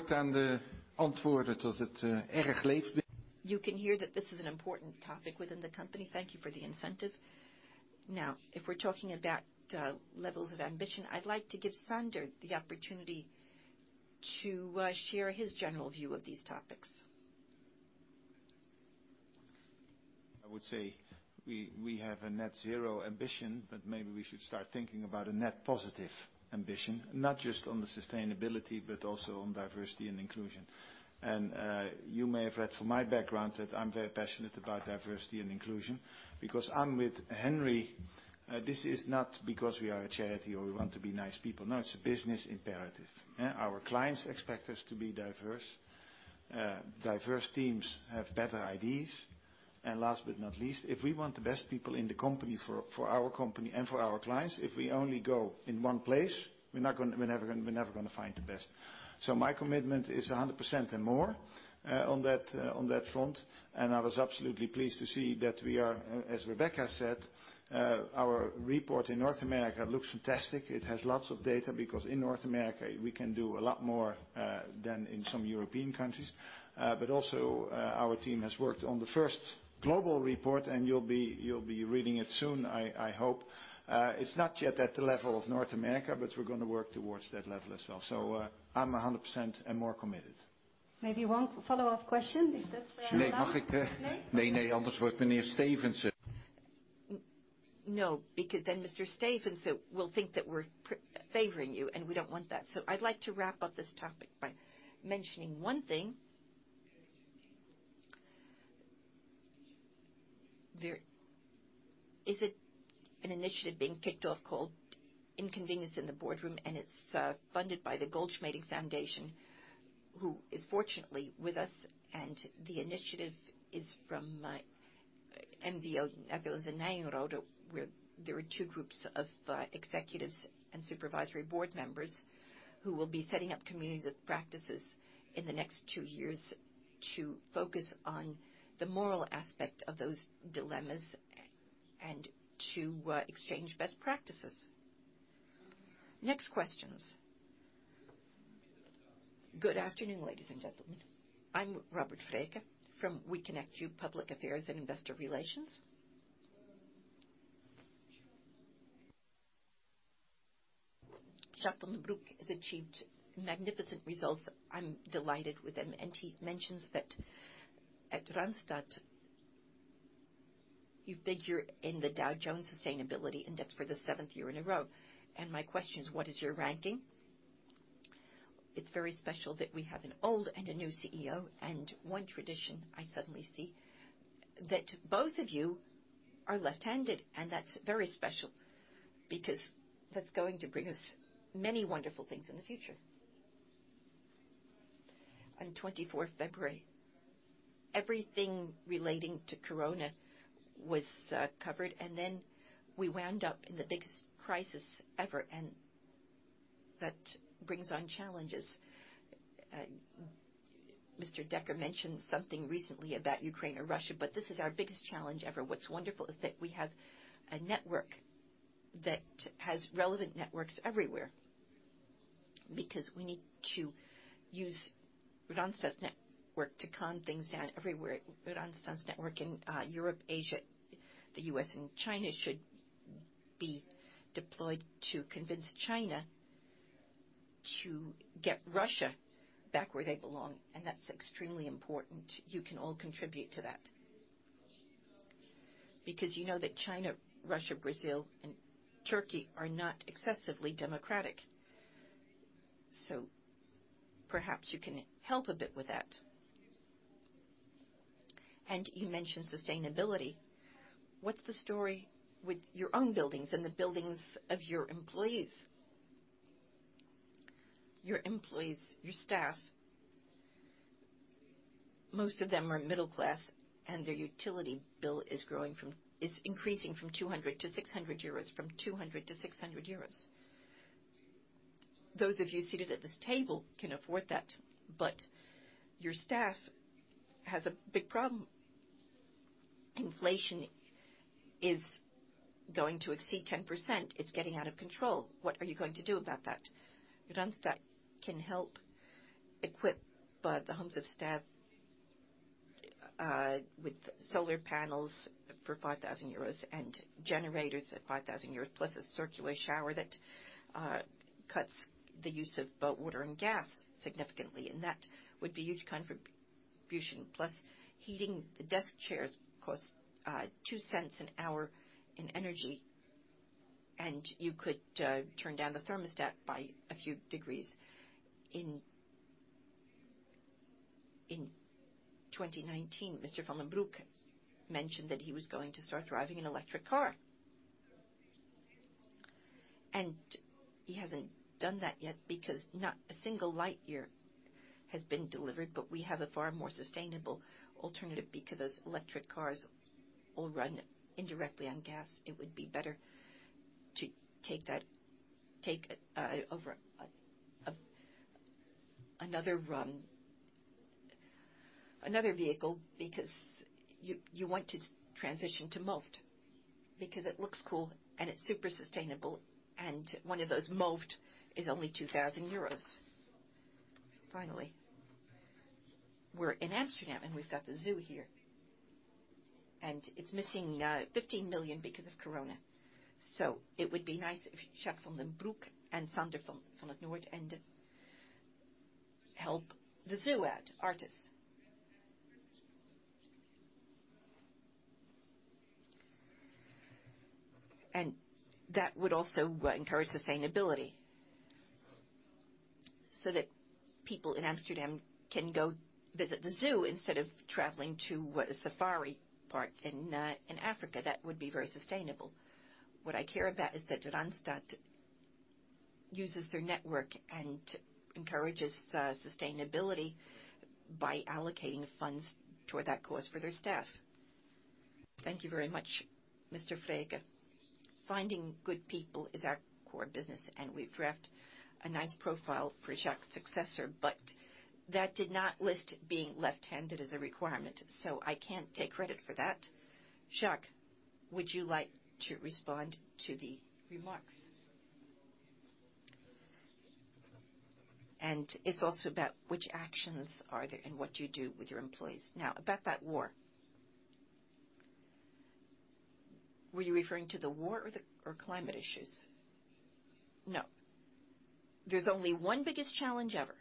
can hear that this is an important topic within the company. Thank you for the incentive. Now, if we're talking about levels of ambition, I'd like to give Sander the opportunity to share his general view of these topics. I would say we have a net zero ambition, but maybe we should start thinking about a net positive ambition, not just on the sustainability, but also on diversity and inclusion. You may have read from my background that I'm very passionate about diversity and inclusion because I'm with Henry. This is not because we are a charity or we want to be nice people. No, it's a business imperative, yeah? Our clients expect us to be diverse. Diverse teams have better ideas. Last but not least, if we want the best people in the company for our company and for our clients, if we only go in one place, we're not gonna find the best. My commitment is 100% and more on that front. I was absolutely pleased to see that we are, as Rebecca said, our report in North America looks fantastic. It has lots of data because in North America we can do a lot more than in some European countries. Our team has worked on the first global report, and you'll be reading it soon, I hope. It's not yet at the level of North America, but we're gonna work towards that level as well. I'm 100% and more committed. Maybe one follow-up question, if that's allowed. No, because then Mr. Stevens will think that we're preferring you, and we don't want that. I'd like to wrap up this topic by mentioning one thing. There is an initiative being kicked off called Inconvenience in the Boardroom, and it's funded by the Goldschmeding Foundation, who is fortunately with us. The initiative is from NVO, Nederlands Ondernemingsraad, where there are two groups of executives and supervisory board members who will be setting up communities of practices in the next two years to focus on the moral aspect of those dilemmas and to exchange best practices. Next questions. Good afternoon, ladies and gentlemen. I'm Robert Vreeken from We Connect You Public Affairs & Investor Relations. Jacques van den Broek has achieved magnificent results. I'm delighted with him. He mentions that at Randstad, you figure in the Dow Jones Sustainability Index for the seventh year in a row. My question is, what is your ranking? It's very special that we have an old and a new CEO, and one tradition I suddenly see, that both of you are left-handed, and that's very special because that's going to bring us many wonderful things in the future. On 24th February, everything relating to Corona was covered, and then we wound up in the biggest crisis ever, and that brings on challenges. Mr. Dekker mentioned something recently about Ukraine or Russia, but this is our biggest challenge ever. What's wonderful is that we have a network that has relevant networks everywhere because we need to use Randstad's network to calm things down everywhere. Randstad's network in Europe, Asia, the U.S., and China should be deployed to convince China to get Russia back where they belong, and that's extremely important. You can all contribute to that. You know that China, Russia, Brazil, and Turkey are not excessively democratic, so perhaps you can help a bit with that. You mentioned sustainability. What's the story with your own buildings and the buildings of your employees? Your employees, your staff, most of them are middle class, and their utility bill is increasing from 200 to 600 euros. Those of you seated at this table can afford that, but your staff has a big problem. Inflation is going to exceed 10%. It's getting out of control. What are you going to do about that? Randstad can help equip the homes of staff with solar panels for 5,000 euros and generators at 5,000 euros, plus a circular shower that cuts the use of both water and gas significantly. That would be huge contribution. Plus, heating the desk chairs costs 0.02 an hour in energy, and you could turn down the thermostat by a few degrees. In 2019, Mr. van den Broek mentioned that he was going to start driving an electric car. He hasn't done that yet because not a single Lightyear has been delivered. We have a far more sustainable alternative because electric cars all run indirectly on gas. It would be better to take over another vehicle, because you want to transition to VanMoof because it looks cool and it's super sustainable, and one of those VanMoof is only 2,000 euros. Finally, we're in Amsterdam, and we've got the zoo here, and it's missing 15 million because of Corona. It would be nice if Jacques van den Broek and Sander van 't Noordende help the zoo out, ARTIS. That would also encourage sustainability so that people in Amsterdam can go visit the zoo instead of traveling to a safari park in Africa. That would be very sustainable. What I care about is that Randstad uses their network and encourages sustainability by allocating funds toward that cause for their staff. Thank you very much, Mr. Vreeken. Finding good people is our core business, and we've drafted a nice profile for Jacques's successor, but that did not list being left-handed as a requirement, so I can't take credit for that. Jacques, would you like to respond to the remarks? It's also about which actions are there and what you do with your employees. Now, about that war. Were you referring to the war or climate issues? No. There's only one biggest challenge ever.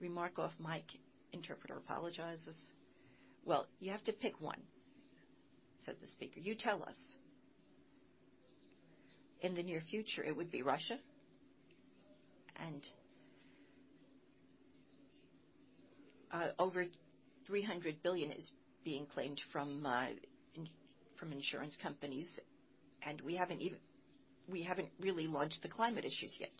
In the near future it would be Russia. Over 300 billion is being claimed from insurance companies, and we haven't really launched the climate issues yet.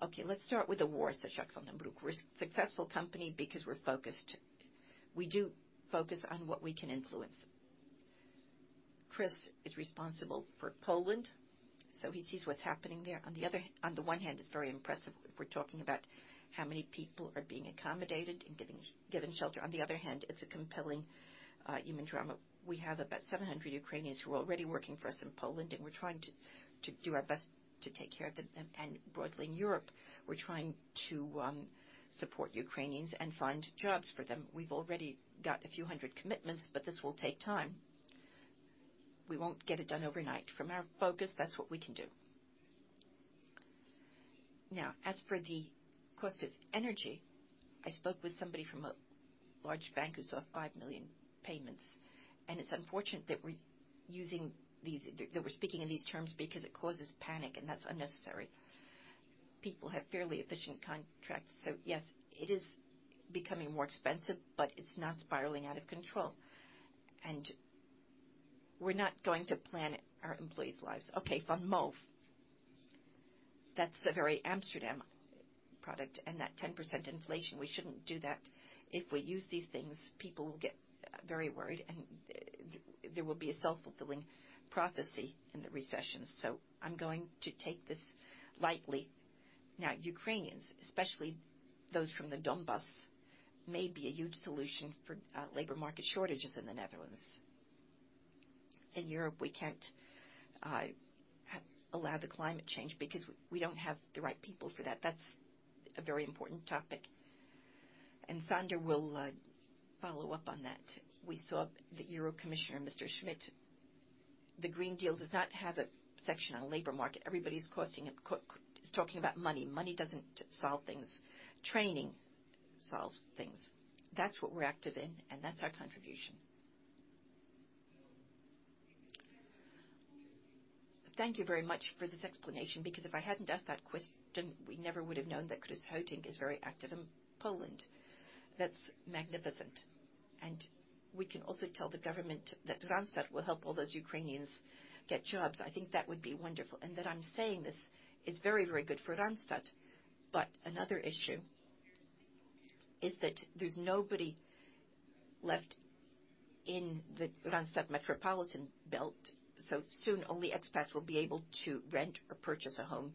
Okay, let's start with the war, said Jacques van den Broek. We're a successful company because we're focused. We do focus on what we can influence. Chris is responsible for Poland, so he sees what's happening there. On the one hand, it's very impressive if we're talking about how many people are being accommodated and given shelter. On the other hand, it's a compelling human drama. We have about 700 Ukrainians who are already working for us in Poland, and we're trying to do our best to take care of them. Broadly in Europe, we're trying to support Ukrainians and find jobs for them. We've already got a few hundred commitments, but this will take time. We won't get it done overnight. From our focus, that's what we can do. Now, as for the cost of energy, I spoke with somebody from a large bank who saw 5 million payments, and it's unfortunate that we're speaking in these terms because it causes panic, and that's unnecessary. People have fairly efficient contracts. Yes, it is becoming more expensive, but it's not spiraling out of control, and we're not going to plan our employees' lives. Okay, VanMoof, that's a very Amsterdam product. That 10% inflation, we shouldn't do that. If we use these things, people will get very worried, and there will be a self-fulfilling prophecy in the recession. I'm going to take this lightly. Now, Ukrainians, especially those from the Donbas, may be a huge solution for labor market shortages in the Netherlands. In Europe, we can't allow the climate change because we don't have the right people for that. That's a very important topic, and Sander will follow up on that. We saw the European Commissioner, Mr. Schmit. The Green Deal does not have a section on labor market. Everybody's talking about money. Money doesn't solve things. Training solves things. That's what we're active in, and that's our contribution. Thank you very much for this explanation, because if I hadn't asked that question, we never would have known that Chris Heutink is very active in Poland. That's magnificent. We can also tell the government that Randstad will help all those Ukrainians get jobs. I think that would be wonderful, and that I'm saying this is very, very good for Randstad. Another issue is that there's nobody left in the Randstad metropolitan belt, so soon only expats will be able to rent or purchase a home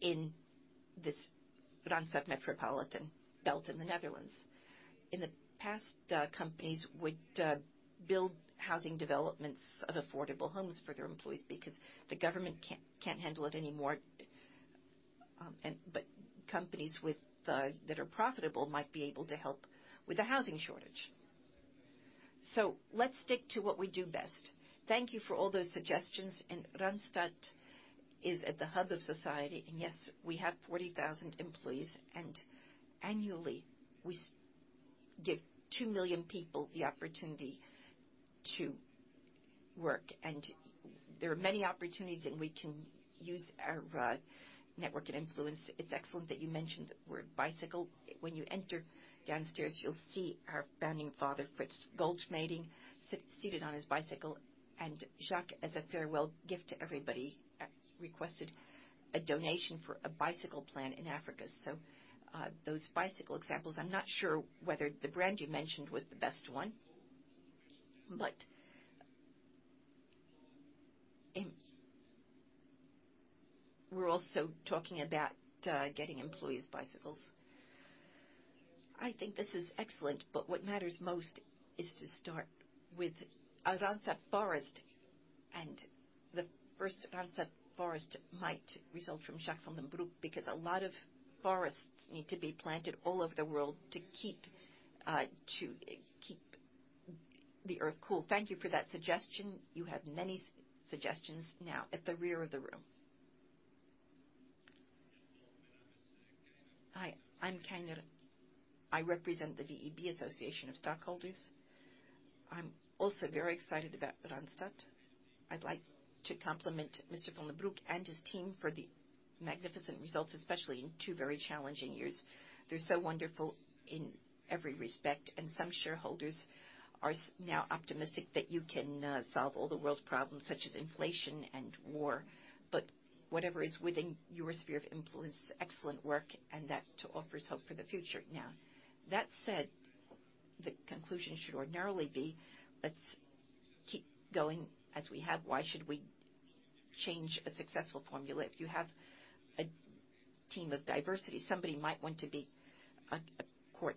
in this Randstad metropolitan belt in the Netherlands. In the past, companies would build housing developments of affordable homes for their employees because the government can't handle it anymore. Companies that are profitable might be able to help with the housing shortage. Let's stick to what we do best. Thank you for all those suggestions, and Randstad is at the hub of society. Yes, we have 40,000 employees, and annually we give 2 million people the opportunity to work. There are many opportunities, and we can use our network and influence. It's excellent that you mentioned the word bicycle. When you enter downstairs, you'll see our founding father, Frits Goldschmeding, seated on his bicycle. Jacques, as a farewell gift to everybody, requested a donation for a bicycle plan in Africa. Those bicycle examples, I'm not sure whether the brand you mentioned was the best one, but we're also talking about getting employees bicycles. I think this is excellent, but what matters most is to start with a Randstad forest, and the first Randstad forest might result from Jacques van den Broek because a lot of forests need to be planted all over the world to keep the Earth cool. Thank you for that suggestion. You have many suggestions now. At the rear of the room. Hi, I'm Keyner. I represent the VEB Association of Stockholders. I'm also very excited about Randstad. I'd like to compliment Mr. van den Broek and his team for the magnificent results, especially in two very challenging years. They're so wonderful in every respect, and some shareholders are now optimistic that you can solve all the world's problems such as inflation and war. Whatever is within your sphere of influence, excellent work, and that offers hope for the future. Now, that said, the conclusion should ordinarily be, let's keep going as we have. Why should we change a successful formula? If you have a team of diversity, somebody might want to be a court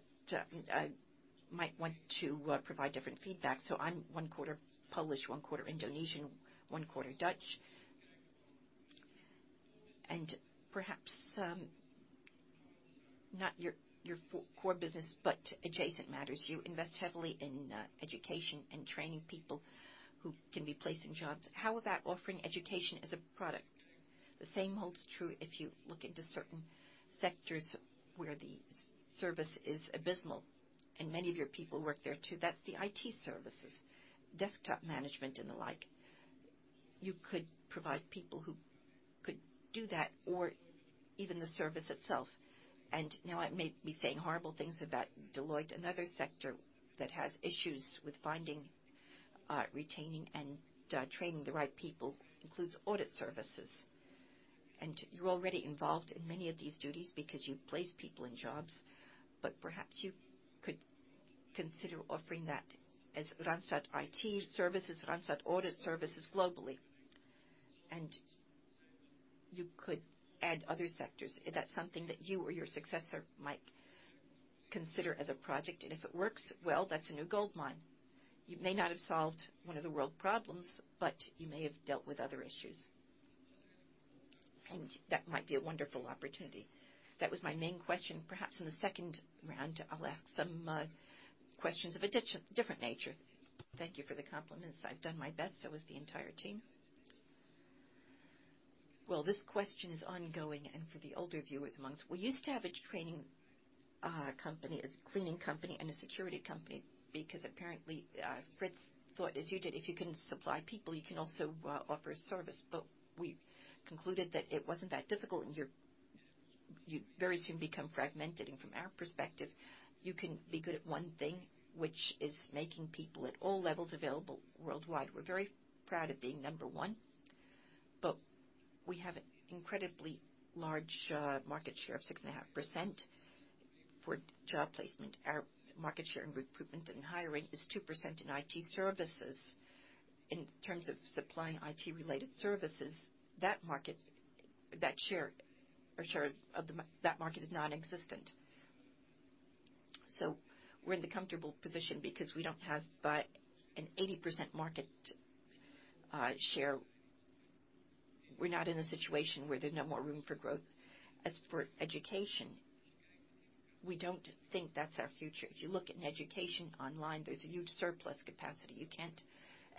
might want to provide different feedback. I'm 1/4 Polish, 1/4 Indonesian, 1/4 Dutch. Perhaps not your core business, but adjacent matters. You invest heavily in education and training people who can be placed in jobs. How about offering education as a product? The same holds true if you look into certain sectors where the service is abysmal, and many of your people work there too. That's the IT services, desktop management and the like. You could provide people who could do that or even the service itself. Now I may be saying horrible things about Deloitte. Another sector that has issues with finding, retaining, and training the right people includes audit services. You're already involved in many of these duties because you place people in jobs, but perhaps you could consider offering that as Randstad IT services, Randstad audit services globally. You could add other sectors. If that's something that you or your successor might consider as a project, and if it works, well, that's a new goldmine. You may not have solved one of the world problems, but you may have dealt with other issues. That might be a wonderful opportunity. That was my main question. Perhaps in the second round, I'll ask some questions of a different nature. Thank you for the compliments. I've done my best, so has the entire team. Well, this question is ongoing, and for the older viewers amongst us. We used to have a training company, a screening company, and a security company because apparently, Frits thought as you did, if you can supply people, you can also offer a service. But we concluded that it wasn't that difficult, and you very soon become fragmented. From our perspective, you can be good at one thing, which is making people at all levels available worldwide. We're very proud of being number one, but we have an incredibly large market share of 6.5% for job placement. Our market share in recruitment and hiring is 2% in IT services. In terms of supplying IT-related services, that market, that share, that market is nonexistent. We're in the comfortable position because we don't have but an 80% market share. We're not in a situation where there's no more room for growth. As for education, we don't think that's our future. If you look at education online, there's a huge surplus capacity. You can't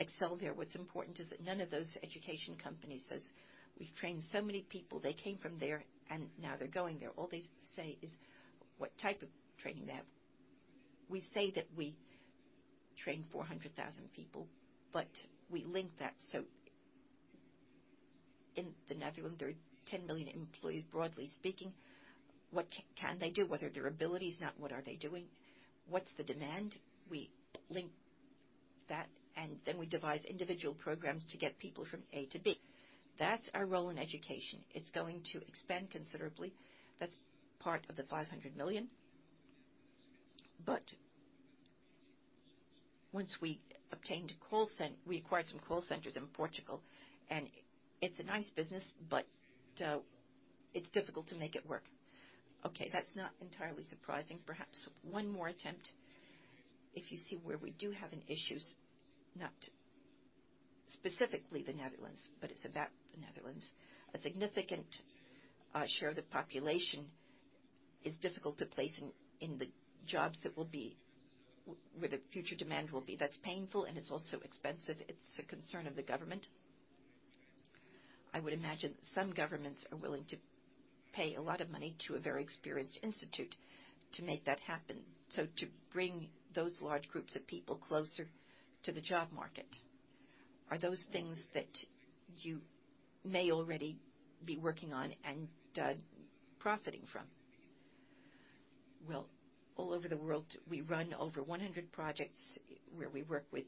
excel there. What's important is that none of those education companies says, "We've trained so many people," they came from there, and now they're going there. All they say is what type of training they have. We say that we train 400,000 people, but we link that. In the Netherlands, there are 10 million employees, broadly speaking. What can they do? What are their abilities? Not what are they doing. What's the demand? We link that, and then we devise individual programs to get people from A to B. That's our role in education. It's going to expand considerably. That's part of the 500 million. We acquired some call centers in Portugal, and it's a nice business, but it's difficult to make it work. Okay, that's not entirely surprising. Perhaps one more attempt. If you see where we do have an issue, it's not specifically the Netherlands, but it's about the Netherlands. A significant share of the population is difficult to place in the jobs that will be where the future demand will be. That's painful and it's also expensive. It's a concern of the government. I would imagine some governments are willing to pay a lot of money to a very experienced institute to make that happen. To bring those large groups of people closer to the job market. Are those things that you may already be working on and, profiting from? Well, all over the world, we run over 100 projects where we work with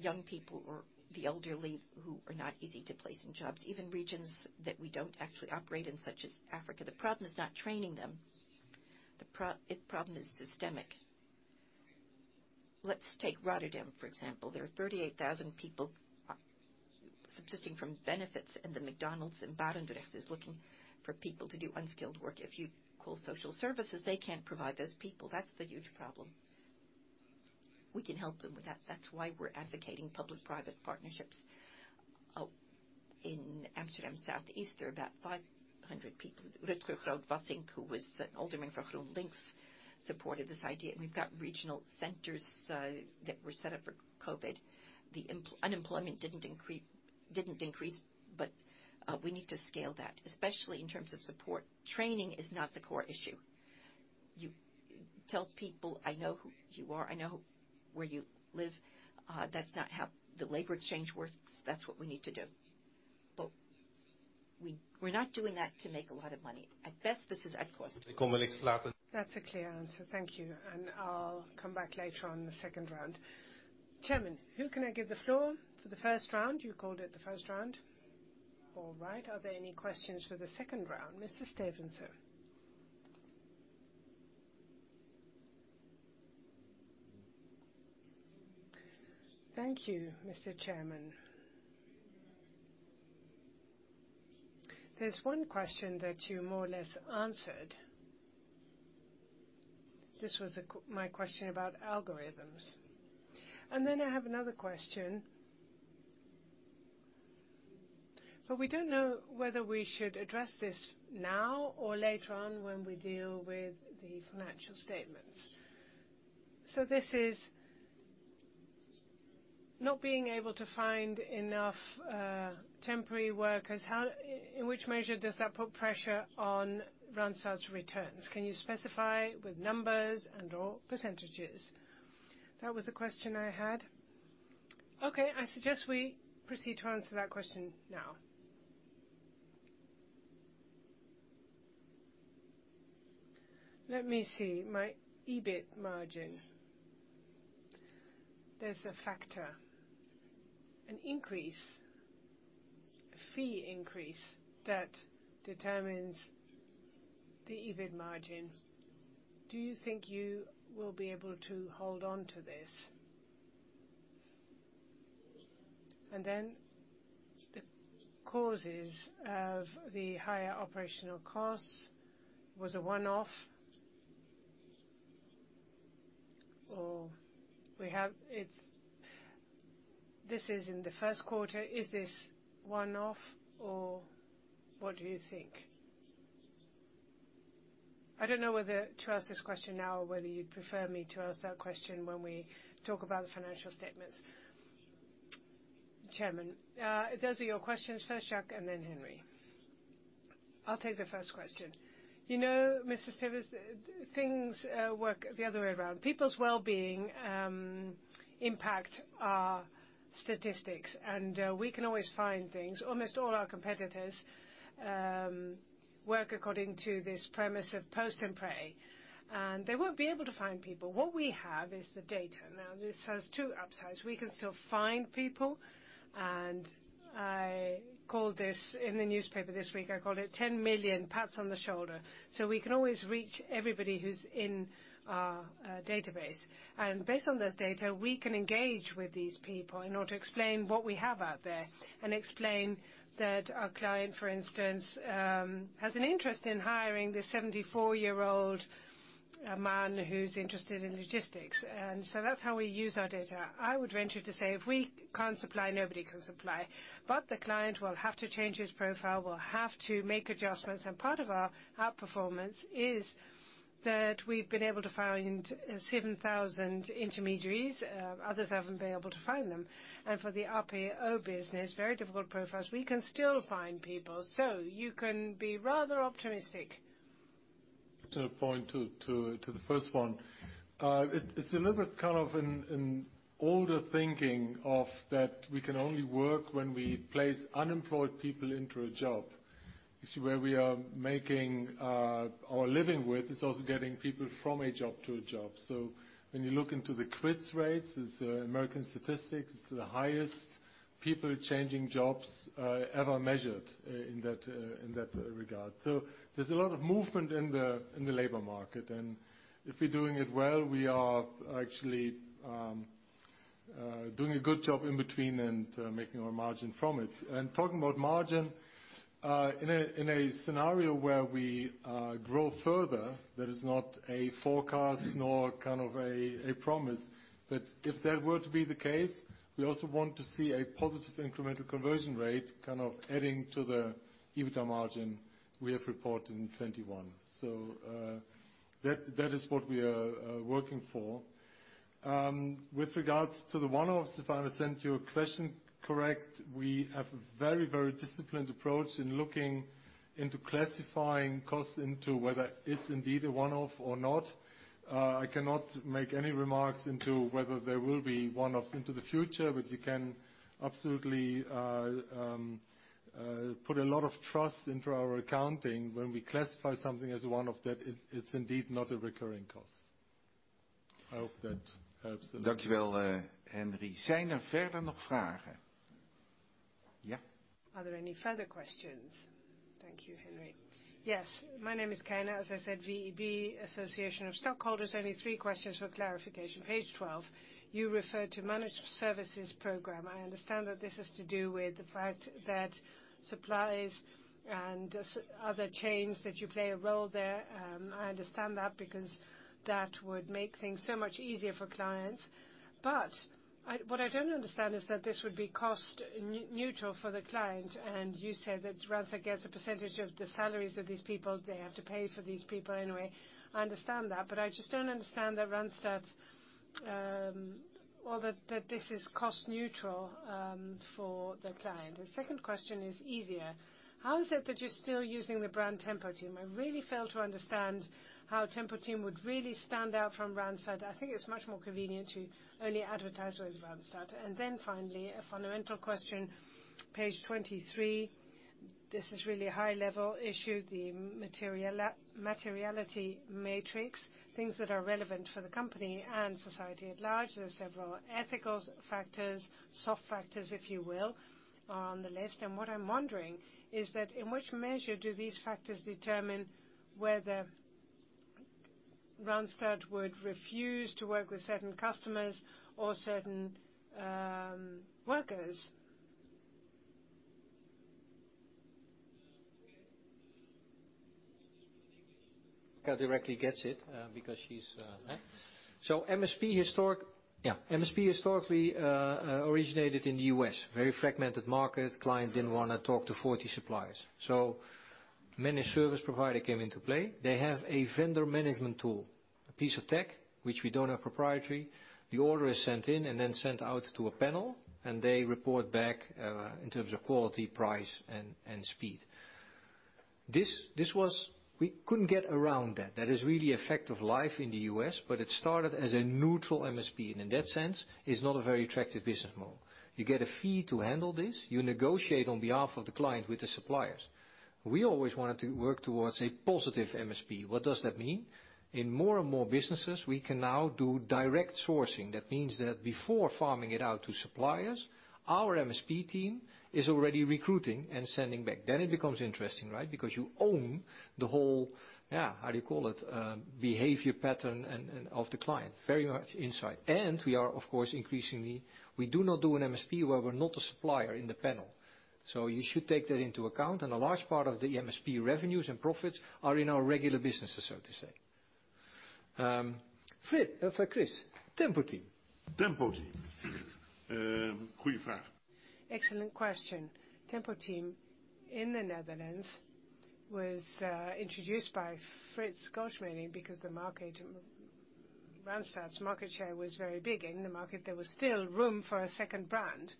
young people or the elderly who are not easy to place in jobs. Even regions that we don't actually operate in, such as Africa. The problem is not training them. It's a systemic problem. Let's take Rotterdam, for example. There are 38,000 people subsisting from benefits, and the McDonald's in Barendrecht is looking for people to do unskilled work. If you call social services, they can't provide those people. That's the huge problem. We can help them with that. That's why we're advocating public-private partnerships. In Amsterdam Southeast, there are about 500 people. Rutger Groot Wassink, who was an alderman for GroenLinks, supported this idea, and we've got regional centers that were set up for COVID. Unemployment didn't increase, but we need to scale that, especially in terms of support. Training is not the core issue. You tell people, "I know who you are. I know where you live." That's not how the labor exchange works. That's what we need to do. We're not doing that to make a lot of money. At best, this is at cost. That's a clear answer. Thank you. I'll come back later on in the second round. Chairman, who can I give the floor for the first round? You called it the first round. All right. Are there any questions for the second round? Mr. Stevensen. Thank you, Mr. Chairman. There's one question that you more or less answered. This was my question about algorithms. I have another question. We don't know whether we should address this now or later on when we deal with the financial statements. This is not being able to find enough temporary workers. In which measure does that put pressure on Randstad's returns? Can you specify with numbers and/or percentages? That was the question I had. Okay, I suggest we proceed to answer that question now. Let me see. My EBIT margin. There's a factor, an increase, a fee increase that determines the EBIT margin. Do you think you will be able to hold on to this? The causes of the higher operational costs was a one-off. This is in the first quarter. Is this one-off or what do you think? I don't know whether to ask this question now or whether you'd prefer me to ask that question when we talk about the financial statements. Chairman, those are your questions. First Jacques, and then Henry. I'll take the first question. You know, Mr. Stevense, things work the other way around. People's wellbeing impact our statistics, and we can always find things. Almost all our competitors work according to this premise of post and pray, and they won't be able to find people. What we have is the data. Now, this has two upsides. We can still find people, and I called this in the newspaper this week, I called it 10 million pats on the shoulder. We can always reach everybody who's in our database. Based on this data, we can engage with these people in order to explain what we have out there and explain that a client, for instance, has an interest in hiring this 74-year-old man who's interested in logistics. That's how we use our data. I would venture to say, if we can't supply, nobody can supply. The client will have to change his profile. We'll have to make adjustments. Part of our outperformance is that we've been able to find 7,000 intermediaries. Others haven't been able to find them. For the RPO business, very difficult profiles, we can still find people. You can be rather optimistic. To point to the first one. It's a little bit kind of an older thinking of that we can only work when we place unemployed people into a job. You see, where we are making our living with is also getting people from a job to a job. So when you look into the quits rates, it's American statistics, it's the highest people changing jobs ever measured in that regard. So there's a lot of movement in the labor market. If we're doing it well, we are actually doing a good job in between and making our margin from it. Talking about margin, in a scenario where we grow further, that is not a forecast nor kind of a promise. If that were to be the case, we also want to see a positive incremental conversion ratio kind of adding to the EBITDA margin we have reported in 2021. That is what we are working for. With regards to the one-offs, if I understand your question correct, we have a very disciplined approach in looking into classifying costs into whether it's indeed a one-off or not. I cannot make any remarks into whether there will be one-offs into the future, but you can absolutely put a lot of trust into our accounting when we classify something as a one-off, that it's indeed not a recurring cost. I hope that helps a little. Dank je wel, Henry. Zijn er verder nog vragen? Ja. Are there any further questions? Thank you, Henry. Yes. My name is Keyner. As I said, VEB Association of Stockholders. Only three questions for clarification. Page 12, you refer to Managed Services Program. I understand that this is to do with the fact that suppliers and other chains, that you play a role there. I understand that because that would make things so much easier for clients. What I don't understand is that this would be cost-neutral for the client. You said that Randstad gets a percentage of the salaries of these people. They have to pay for these people anyway. I understand that, but I just don't understand that Randstad, or that this is cost neutral, for the client. The second question is easier. How is it that you're still using the brand Tempo-Team? I really fail to understand how Tempo-Team would really stand out from Randstad. I think it's much more convenient to only advertise with Randstad. Finally, a fundamental question. Page 23. This is really a high-level issue, the materiality matrix, things that are relevant for the company and society at large. There are several ethical factors, soft factors, if you will, on the list. What I'm wondering is that in which measure do these factors determine whether Randstad would refuse to work with certain customers or certain workers? [Chris] directly gets it because she's. Yeah, MSP historically originated in the U.S. Very fragmented market, client didn't wanna talk to 40 suppliers. Managed service provider came into play. They have a vendor management tool, a piece of tech, which we don't have proprietary. The order is sent in and then sent out to a panel, and they report back in terms of quality, price, and speed. This was. We couldn't get around that. That is really a fact of life in the U.S., but it started as a neutral MSP, and in that sense, it's not a very attractive business model. You get a fee to handle this. You negotiate on behalf of the client with the suppliers. We always wanted to work towards a positive MSP. What does that mean? In more and more businesses, we can now do direct sourcing. That means that before farming it out to suppliers, our MSP team is already recruiting and sending back. Then it becomes interesting, right? Because you own the whole, yeah, how do you call it, behavior pattern and of the client. Very much insight. We are of course increasingly we do not do an MSP where we're not a supplier in the panel. You should take that into account. A large part of the MSP revenues and profits are in our regular businesses, so to say. Frits for Chris. Tempo-Team. Tempo-Team. Goeie vraag. Excellent question. Tempo-Team in the Netherlands was introduced by Frits Goldschmeding because the market, Randstad's market share, was very big in the market. There was still room for a second brand.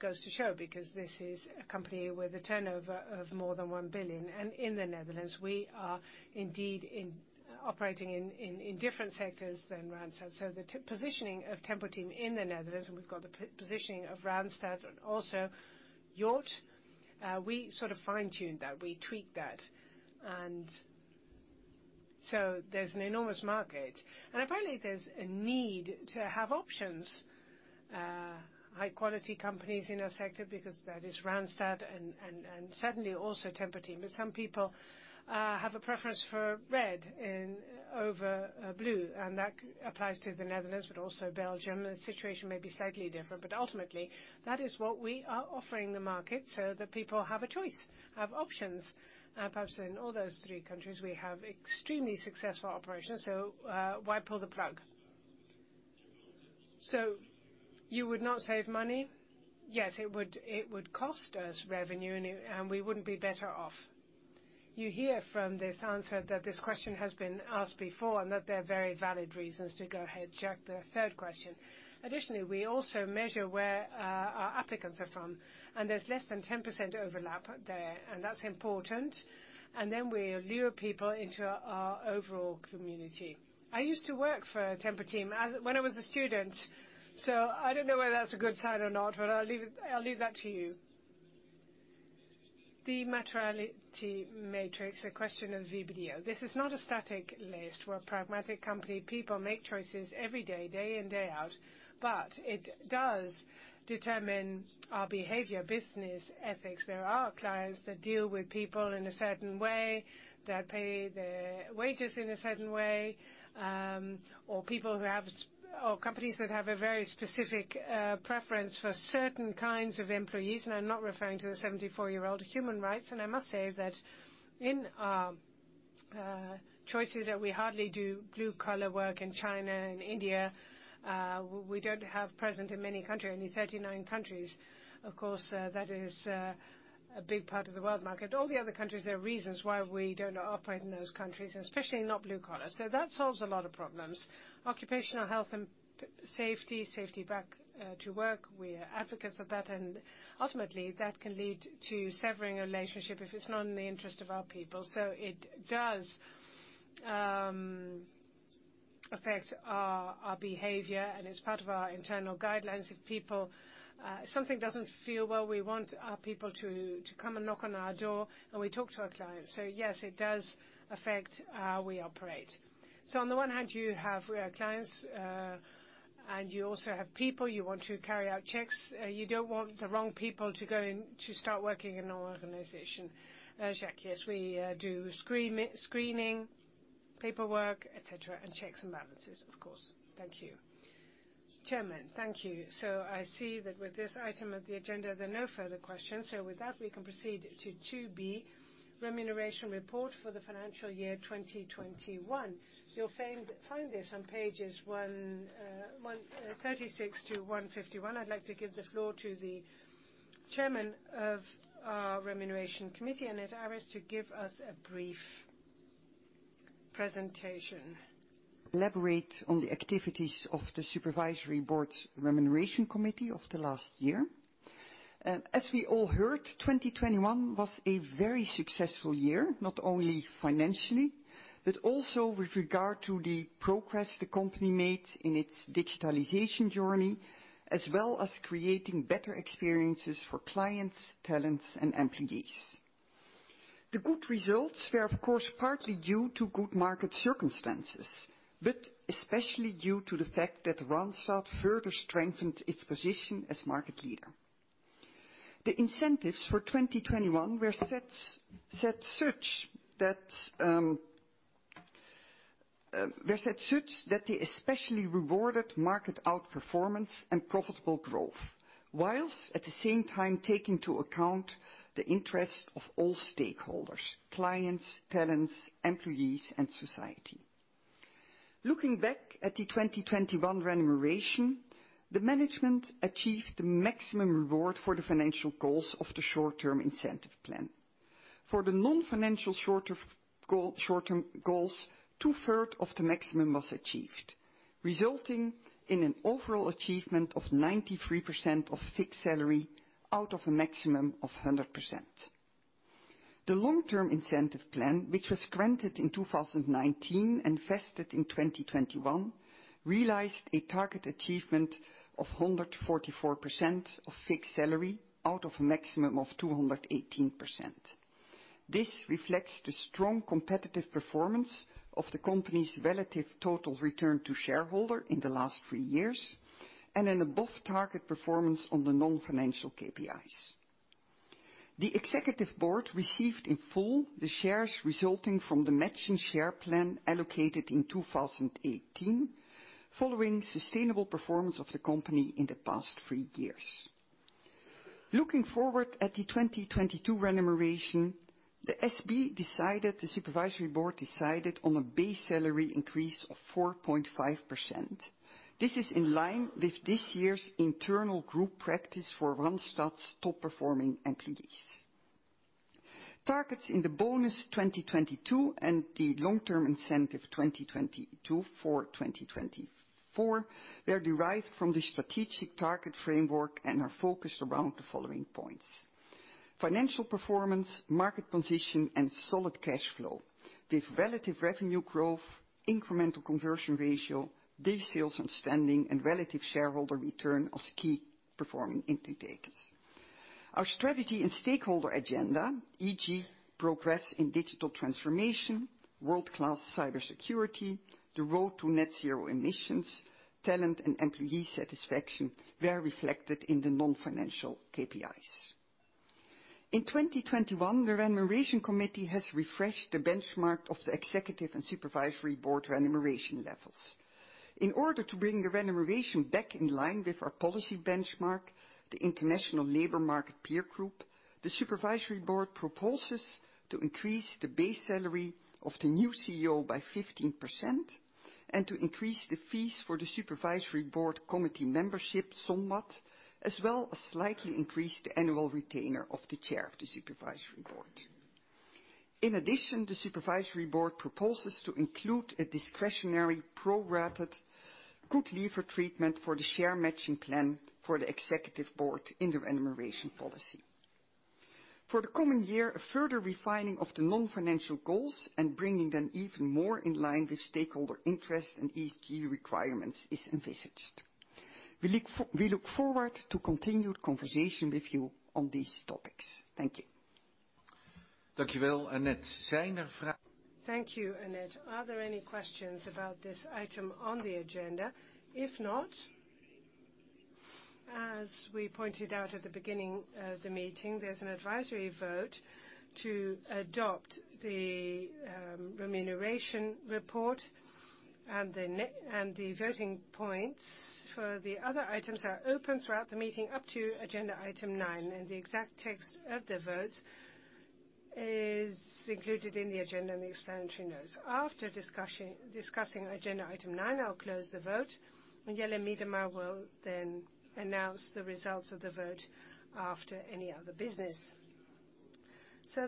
Goes to show because this is a company with a turnover of more than 1 billion. In the Netherlands, we are indeed operating in different sectors than Randstad. The positioning of Tempo-Team in the Netherlands, and we've got the positioning of Randstad, also Yacht. We sort of fine-tuned that. We tweaked that. There's an enormous market. Apparently, there's a need to have options, high quality companies in our sector because that is Randstad and certainly also Tempo-Team. Some people have a preference for red over blue, and that applies to the Netherlands but also Belgium. The situation may be slightly different, but ultimately, that is what we are offering the market so that people have a choice, have options. Perhaps in all those three countries, we have extremely successful operations, so why pull the plug? So you would not save money? Yes, it would cost us revenue, and we wouldn't be better off. You hear from this answer that this question has been asked before and that there are very valid reasons to go ahead, Jacques, the third question. Additionally, we also measure where our applicants are from, and there's less than 10% overlap there, and that's important. Then we lure people into our overall community. I used to work for Tempo-Team when I was a student, so I don't know whether that's a good sign or not, but I'll leave that to you. The materiality matrix, a question of VBDO. This is not a static list. We're a pragmatic company. People make choices every day in, day out, but it does determine our behavior, business ethics. There are clients that deal with people in a certain way, that pay their wages in a certain way, or people who have or companies that have a very specific preference for certain kinds of employees, and I'm not referring to the 74-year-old human rights. I must say that in choices that we hardly do blue-collar work in China and India, we don't have presence in many countries, only 39 countries. Of course, that is a big part of the world market. All the other countries, there are reasons why we don't operate in those countries, especially not blue collar. That solves a lot of problems. Occupational health and safety, back to work, we are advocates of that. Ultimately, that can lead to severing a relationship if it's not in the interest of our people. It does affect our behavior, and it's part of our internal guidelines if people, something doesn't feel well, we want our people to come and knock on our door, and we talk to our clients. Yes, it does affect how we operate. On the one hand, you have our clients, and you also have people you want to carry out checks. You don't want the wrong people to go in to start working in an organization. Jacques, yes, we do screen it, screening, paperwork, et cetera, and checks and balances, of course. Thank you, Chairman. Thank you. I see that with this item of the agenda, there are no further questions. With that, we can proceed to 2b, remuneration report for the financial year 2021. You'll find this on pages 136 to 151. I'd like to give the floor to the chairman of our Remuneration Committee, Annet Aris, to give us a brief presentation. Elaborate on the activities of the Supervisory Board's Remuneration Committee of the last year? As we all heard, 2021 was a very successful year, not only financially, but also with regard to the progress the company made in its digitalization journey, as well as creating better experiences for clients, talents, and employees. The good results were, of course, partly due to good market circumstances, but especially due to the fact that Randstad further strengthened its position as market leader. The incentives for 2021 were set such that they especially rewarded market outperformance and profitable growth, whilst at the same time taking into account the interest of all stakeholders, clients, talents, employees, and society. Looking back at the 2021 remuneration, the management achieved the maximum reward for the financial goals of the short-term incentive plan. For the non-financial short-term goals, 2/3 of the maximum was achieved, resulting in an overall achievement of 93% of fixed salary out of a maximum of 100%. The long-term incentive plan, which was granted in 2019 and vested in 2021, realized a target achievement of 144% of fixed salary out of a maximum of 218%. This reflects the strong competitive performance of the company's relative total return to shareholder in the last three years and an above target performance on the non-financial KPIs. The Executive Board received in full the shares resulting from the matching share plan allocated in 2018 following sustainable performance of the company in the past three years. Looking forward at the 2022 remuneration, the Supervisory Board decided on a base salary increase of 4.5%. This is in line with this year's internal group practice for Randstad's top-performing employees. Targets in the bonus 2022 and the long-term incentive 2022 for 2024 were derived from the strategic target framework and are focused around the following points. Financial performance, market position, and solid cash flow with relative revenue growth, incremental conversion ratio, days sales outstanding, and relative shareholder return as key performance indicators. Our strategy and stakeholder agenda, e.g., progress in digital transformation, world-class cybersecurity, the road to net zero emissions, talent and employee satisfaction, were reflected in the non-financial KPIs. In 2021, the Remuneration Committee has refreshed the benchmark of the executive and supervisory board remuneration levels. In order to bring the remuneration back in line with our policy benchmark, the International Labor Market Peer Group, the Supervisory Board proposes to increase the base salary of the new CEO by 15%. To increase the fees for the Supervisory Board committee membership somewhat, as well as slightly increase the annual retainer of the chair of the Supervisory Board. In addition, the Supervisory Board proposes to include a discretionary prorated good leaver treatment for the share matching plan for the Executive Board in the remuneration policy. For the coming year, a further refining of the non-financial goals and bringing them even more in line with stakeholder interests and ESG requirements is envisaged. We look forward to continued conversation with you on these topics. Thank you. Thank you, Annet. Are there any questions about this item on the agenda? If not, as we pointed out at the beginning of the meeting, there's an advisory vote to adopt the remuneration report and the voting points for the other items are open throughout the meeting up to agenda item nine, and the exact text of the votes is included in the agenda and the explanatory notes. After discussing agenda item nine, I'll close the vote, and Jelle Miedema will then announce the results of the vote after any other business.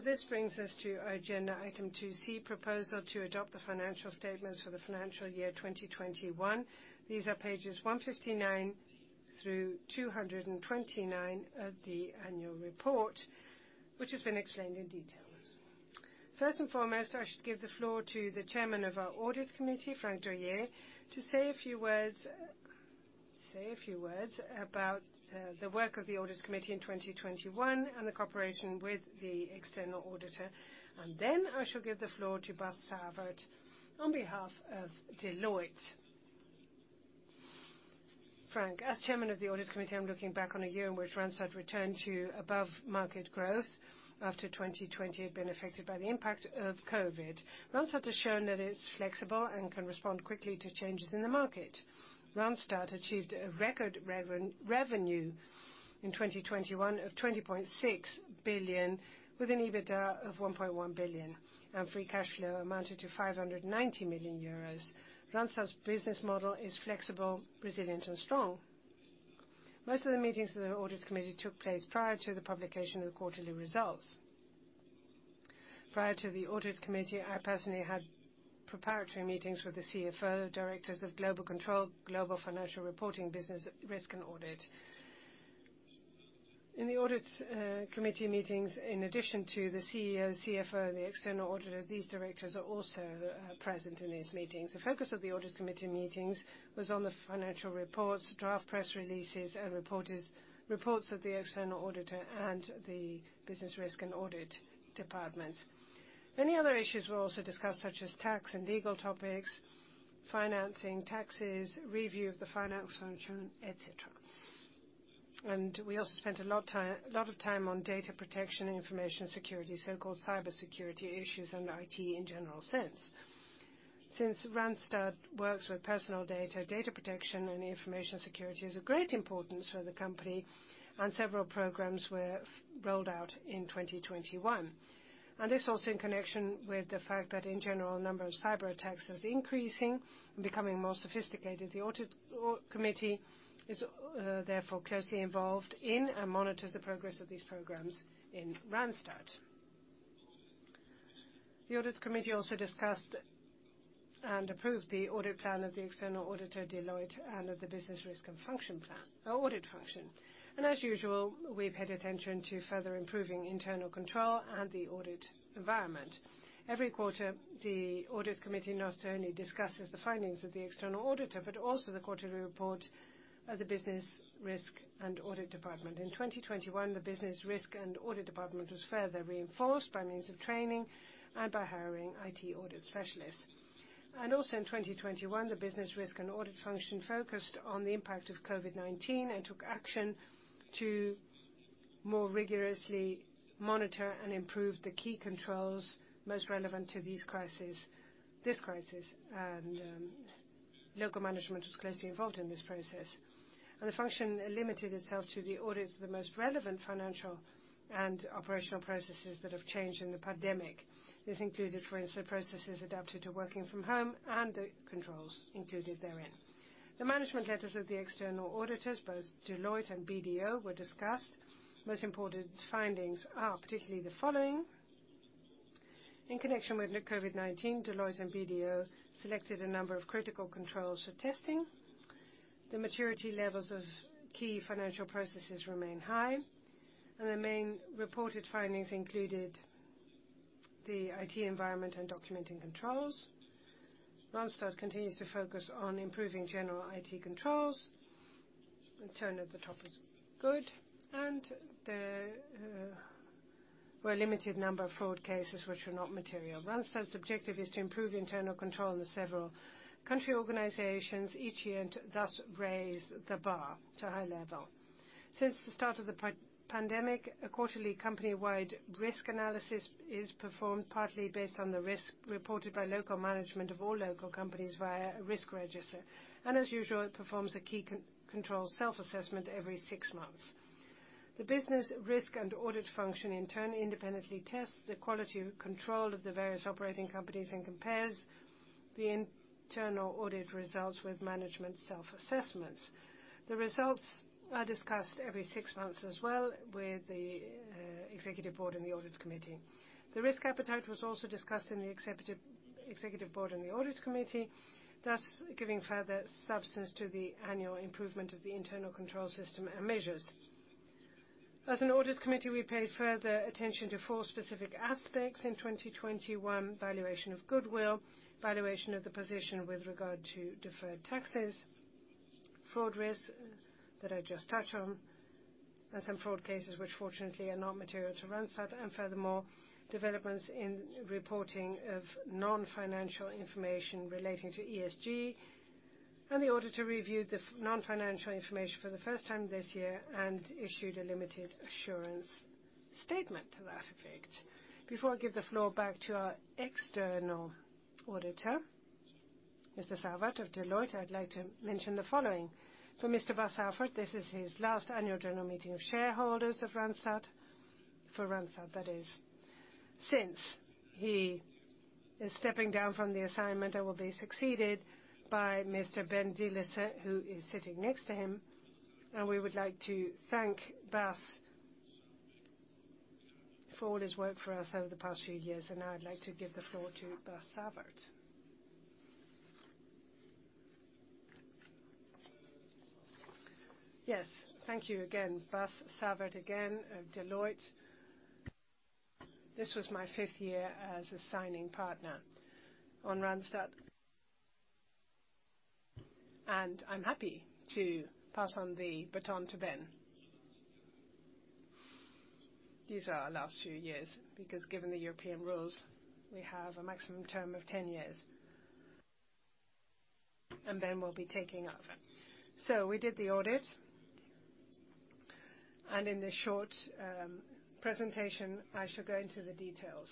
This brings us to agenda item 2c, Proposal to adopt the financial statements for the financial year 2021. These are pages 159 through 229 of the annual report, which has been explained in detail. First and foremost, I should give the floor to the chairman of our Audit Committee, Frank Dorjee, to say a few words about the work of the Audit Committee in 2021 and the cooperation with the external auditor. Then I shall give the floor to Bas Savert on behalf of Deloitte. Frank, as chairman of the Audit Committee, I'm looking back on a year in which Randstad returned to above-market growth after 2020 had been affected by the impact of COVID. Randstad has shown that it's flexible and can respond quickly to changes in the market. Randstad achieved a record revenue in 2021 of 20.6 billion, with an EBITDA of 1.1 billion, and free cash flow amounted to 590 million euros. Randstad's business model is flexible, resilient, and strong. Most of the meetings of the Audit Committee took place prior to the publication of the quarterly results. Prior to the Audit Committee, I personally had preparatory meetings with the CFO, directors of Global Control, Global Financial Reporting, Business, Risk, and Audit. In the Audit Committee meetings, in addition to the CEO, CFO, and the external auditors, these directors are also present in these meetings. The focus of the Audit Committee meetings was on the financial reports, draft press releases, and reports of the external auditor and the Business, Risk, and Audit departments. Many other issues were also discussed, such as tax and legal topics, financing, taxes, review of the finance function, et cetera. We also spent a lot of time on data protection and information security, so-called cybersecurity issues, and IT in general sense. Since Randstad works with personal data protection and information security is of great importance for the company, and several programs were rolled out in 2021. This also in connection with the fact that in general, the number of cyberattacks is increasing and becoming more sophisticated. The Audit Committee is therefore closely involved in and monitors the progress of these programs in Randstad. The Audit Committee also discussed and approved the audit plan of the external auditor, Deloitte, and of the Business Risk and Audit function plan. As usual, we've paid attention to further improving internal control and the audit environment. Every quarter, the Audit Committee not only discusses the findings of the external auditor, but also the quarterly report of the Business Risk and Audit department. In 2021, the Business, Risk, and Audit department was further reinforced by means of training and by hiring IT audit specialists. In 2021, the Business, Risk, and Audit function focused on the impact of COVID-19 and took action to more rigorously monitor and improve the key controls most relevant to this crisis. Local management was closely involved in this process. The function limited itself to the audits of the most relevant financial and operational processes that have changed in the pandemic. This included, for instance, processes adapted to working from home and the controls included therein. The management letters of the external auditors, both Deloitte and BDO, were discussed. Most important findings are particularly the following. In connection with the COVID-19, Deloitte and BDO selected a number of critical controls for testing. The maturity levels of key financial processes remain high, and the main reported findings included the IT environment and documenting controls. Randstad continues to focus on improving general IT controls. The tone at the top is good, and there were a limited number of fraud cases which were not material. Randstad's objective is to improve internal control in the several country organizations each year and thus raise the bar to a high level. Since the start of the pandemic, a quarterly company-wide risk analysis is performed partly based on the risk reported by local management of all local companies via a risk register. As usual, it performs a key control self-assessment every six months. The business risk and audit function in turn independently tests the quality control of the various operating companies and compares the internal audit results with management self-assessments. The results are discussed every six months as well with the executive board and the Audit Committee. The risk appetite was also discussed in the executive board and the Audit Committee, thus giving further substance to the annual improvement of the internal control system and measures. As an Audit Committee, we paid further attention to four specific aspects in 2021. Valuation of goodwill, valuation of the position with regard to deferred taxes, fraud risk, that I just touched on, and some fraud cases which fortunately are not material to Randstad. Furthermore, developments in reporting of non-financial information relating to ESG, and the auditor reviewed the non-financial information for the first time this year and issued a limited assurance statement to that effect. Before I give the floor back to our external auditor, Mr. Savert of Deloitte, I'd like to mention the following. For Mr. Bas Savert, this is his last annual general meeting of shareholders of Randstad. For Randstad, that is. Since he is stepping down from the assignment and will be succeeded by Mr. Ben Dielissen, who is sitting next to him. We would like to thank Bas for all his work for us over the past few years. Now I'd like to give the floor to Bas Savert. Yes. Thank you again. Bas Savert again of Deloitte. This was my fifth year as assigning partner on Randstad. I'm happy to pass on the baton to Ben. These are our last few years, because given the European rules, we have a maximum term of 10 years. Ben will be taking over. We did the audit. In this short presentation, I shall go into the details.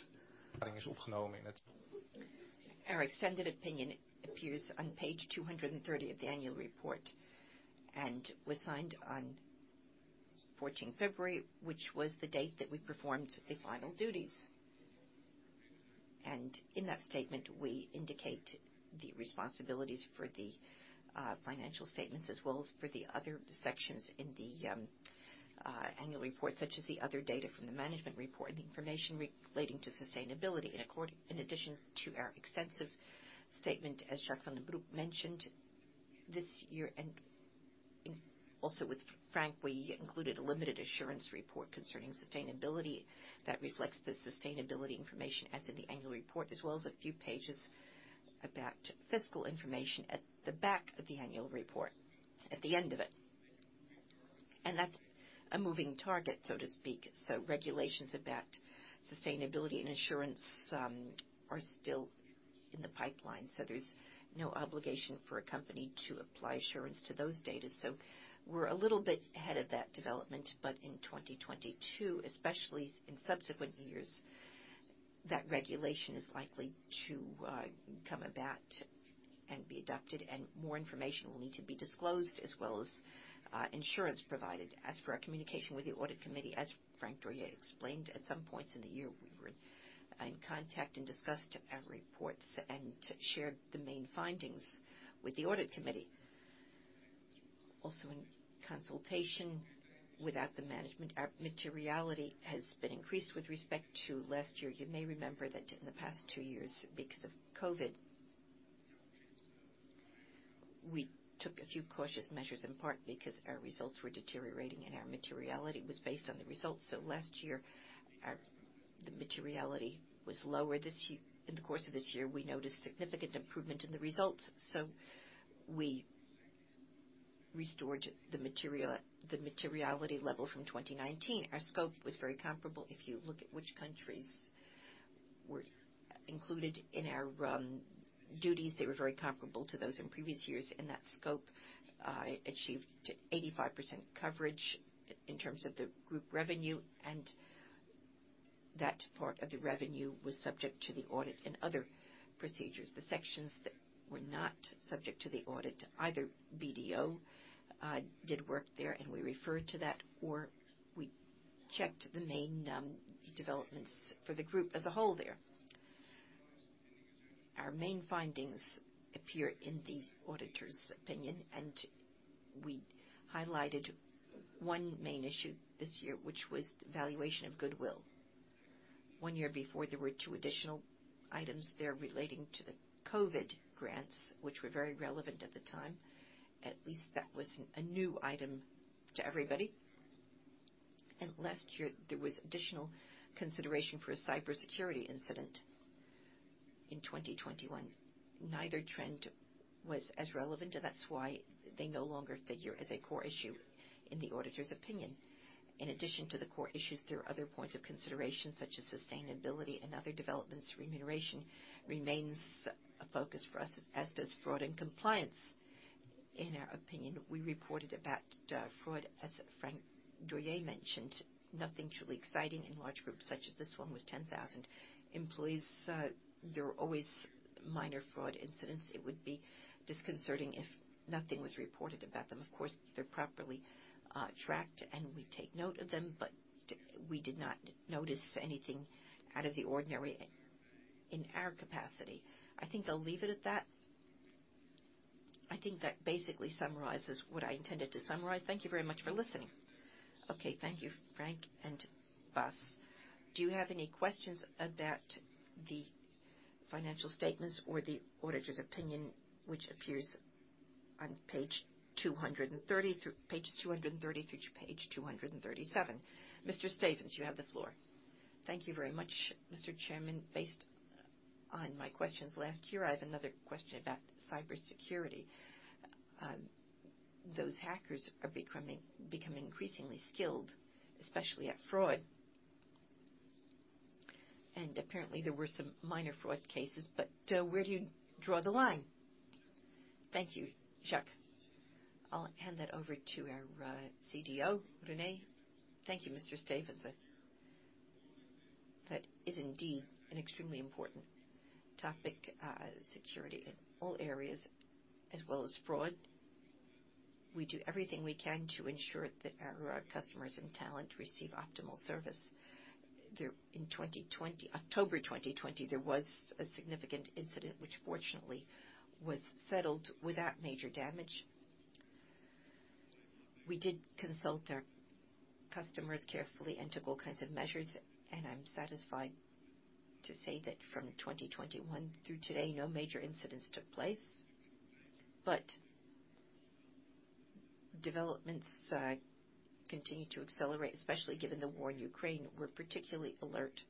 Our extended opinion appears on page 230 of the annual report and was signed on February 14, which was the date that we performed the final duties. In that statement, we indicate the responsibilities for the financial statements as well as for the other sections in the annual report, such as the other data from the management report and the information relating to sustainability. In addition to our extensive statement, as Jacques van den Broek mentioned this year, and also with Frank, we included a limited assurance report concerning sustainability that reflects the sustainability information as in the annual report, as well as a few pages about fiscal information at the back of the annual report, at the end of it. That's a moving target, so to speak, so regulations about sustainability and assurance are still in the pipeline, so there's no obligation for a company to apply assurance to those data. We're a little bit ahead of that development. In 2022, especially in subsequent years, that regulation is likely to come about and be adopted, and more information will need to be disclosed as well as assurance provided. As for our communication with the Audit Committee, as Frank Dorjee explained, at some points in the year, we were in contact and discussed our reports and shared the main findings with the Audit Committee. Also in consultation with the management. Our materiality has been increased with respect to last year. You may remember that in the past two years, because of COVID, we took a few cautious measures, in part because our results were deteriorating and our materiality was based on the results. Last year, the materiality was lower this year. In the course of this year, we noticed significant improvement in the results, so we restored the materiality level from 2019. Our scope was very comparable. If you look at which countries were included in our duties, they were very comparable to those in previous years. In that scope, we achieved 85% coverage in terms of the group revenue, and that part of the revenue was subject to the audit and other procedures. The sections that were not subject to the audit, either BDO did work there and we referred to that, or we checked the main developments for the group as a whole there. Our main findings appear in the auditor's opinion, and we highlighted one main issue this year, which was valuation of goodwill. One year before, there were two additional items there relating to the COVID grants, which were very relevant at the time. At least that was a new item to everybody. Last year there was additional consideration for a cybersecurity incident in 2021. Neither trend was as relevant, and that's why they no longer figure as a core issue in the auditor's opinion. In addition to the core issues, there are other points of consideration such as sustainability and other developments. Remuneration remains a focus for us, as does fraud and compliance. In our opinion, we reported about fraud, as Frank Dorjee mentioned. Nothing truly exciting in large groups such as this one with 10,000 employees. There are always minor fraud incidents. It would be disconcerting if nothing was reported about them. Of course, they're properly tracked, and we take note of them, but we did not notice anything out of the ordinary in our capacity. I think I'll leave it at that. I think that basically summarizes what I intended to summarize. Thank you very much for listening. Okay, thank you, Frank and Bas. Do you have any questions about the financial statements or the auditor's opinion, which appears on pages 230 through to page 237? Mr. Stevense, you have the floor. Thank you very much, Mr. Chairman. Based on my questions last year, I have another question about cybersecurity. Those hackers are becoming increasingly skilled, especially at fraud. Apparently, there were some minor fraud cases, but where do you draw the line? Thank you, Jacques. I'll hand that over to our CDO, René. Thank you, Mr. Stevense. That is indeed an extremely important topic, security in all areas as well as fraud. We do everything we can to ensure that our customers and talent receive optimal service. In October 2020, there was a significant incident which fortunately was settled without major damage. We did consult our customers carefully and took all kinds of measures, and I'm satisfied to say that from 2021 through today, no major incidents took place. Developments continue to accelerate, especially given the war in Ukraine. We're particularly alert,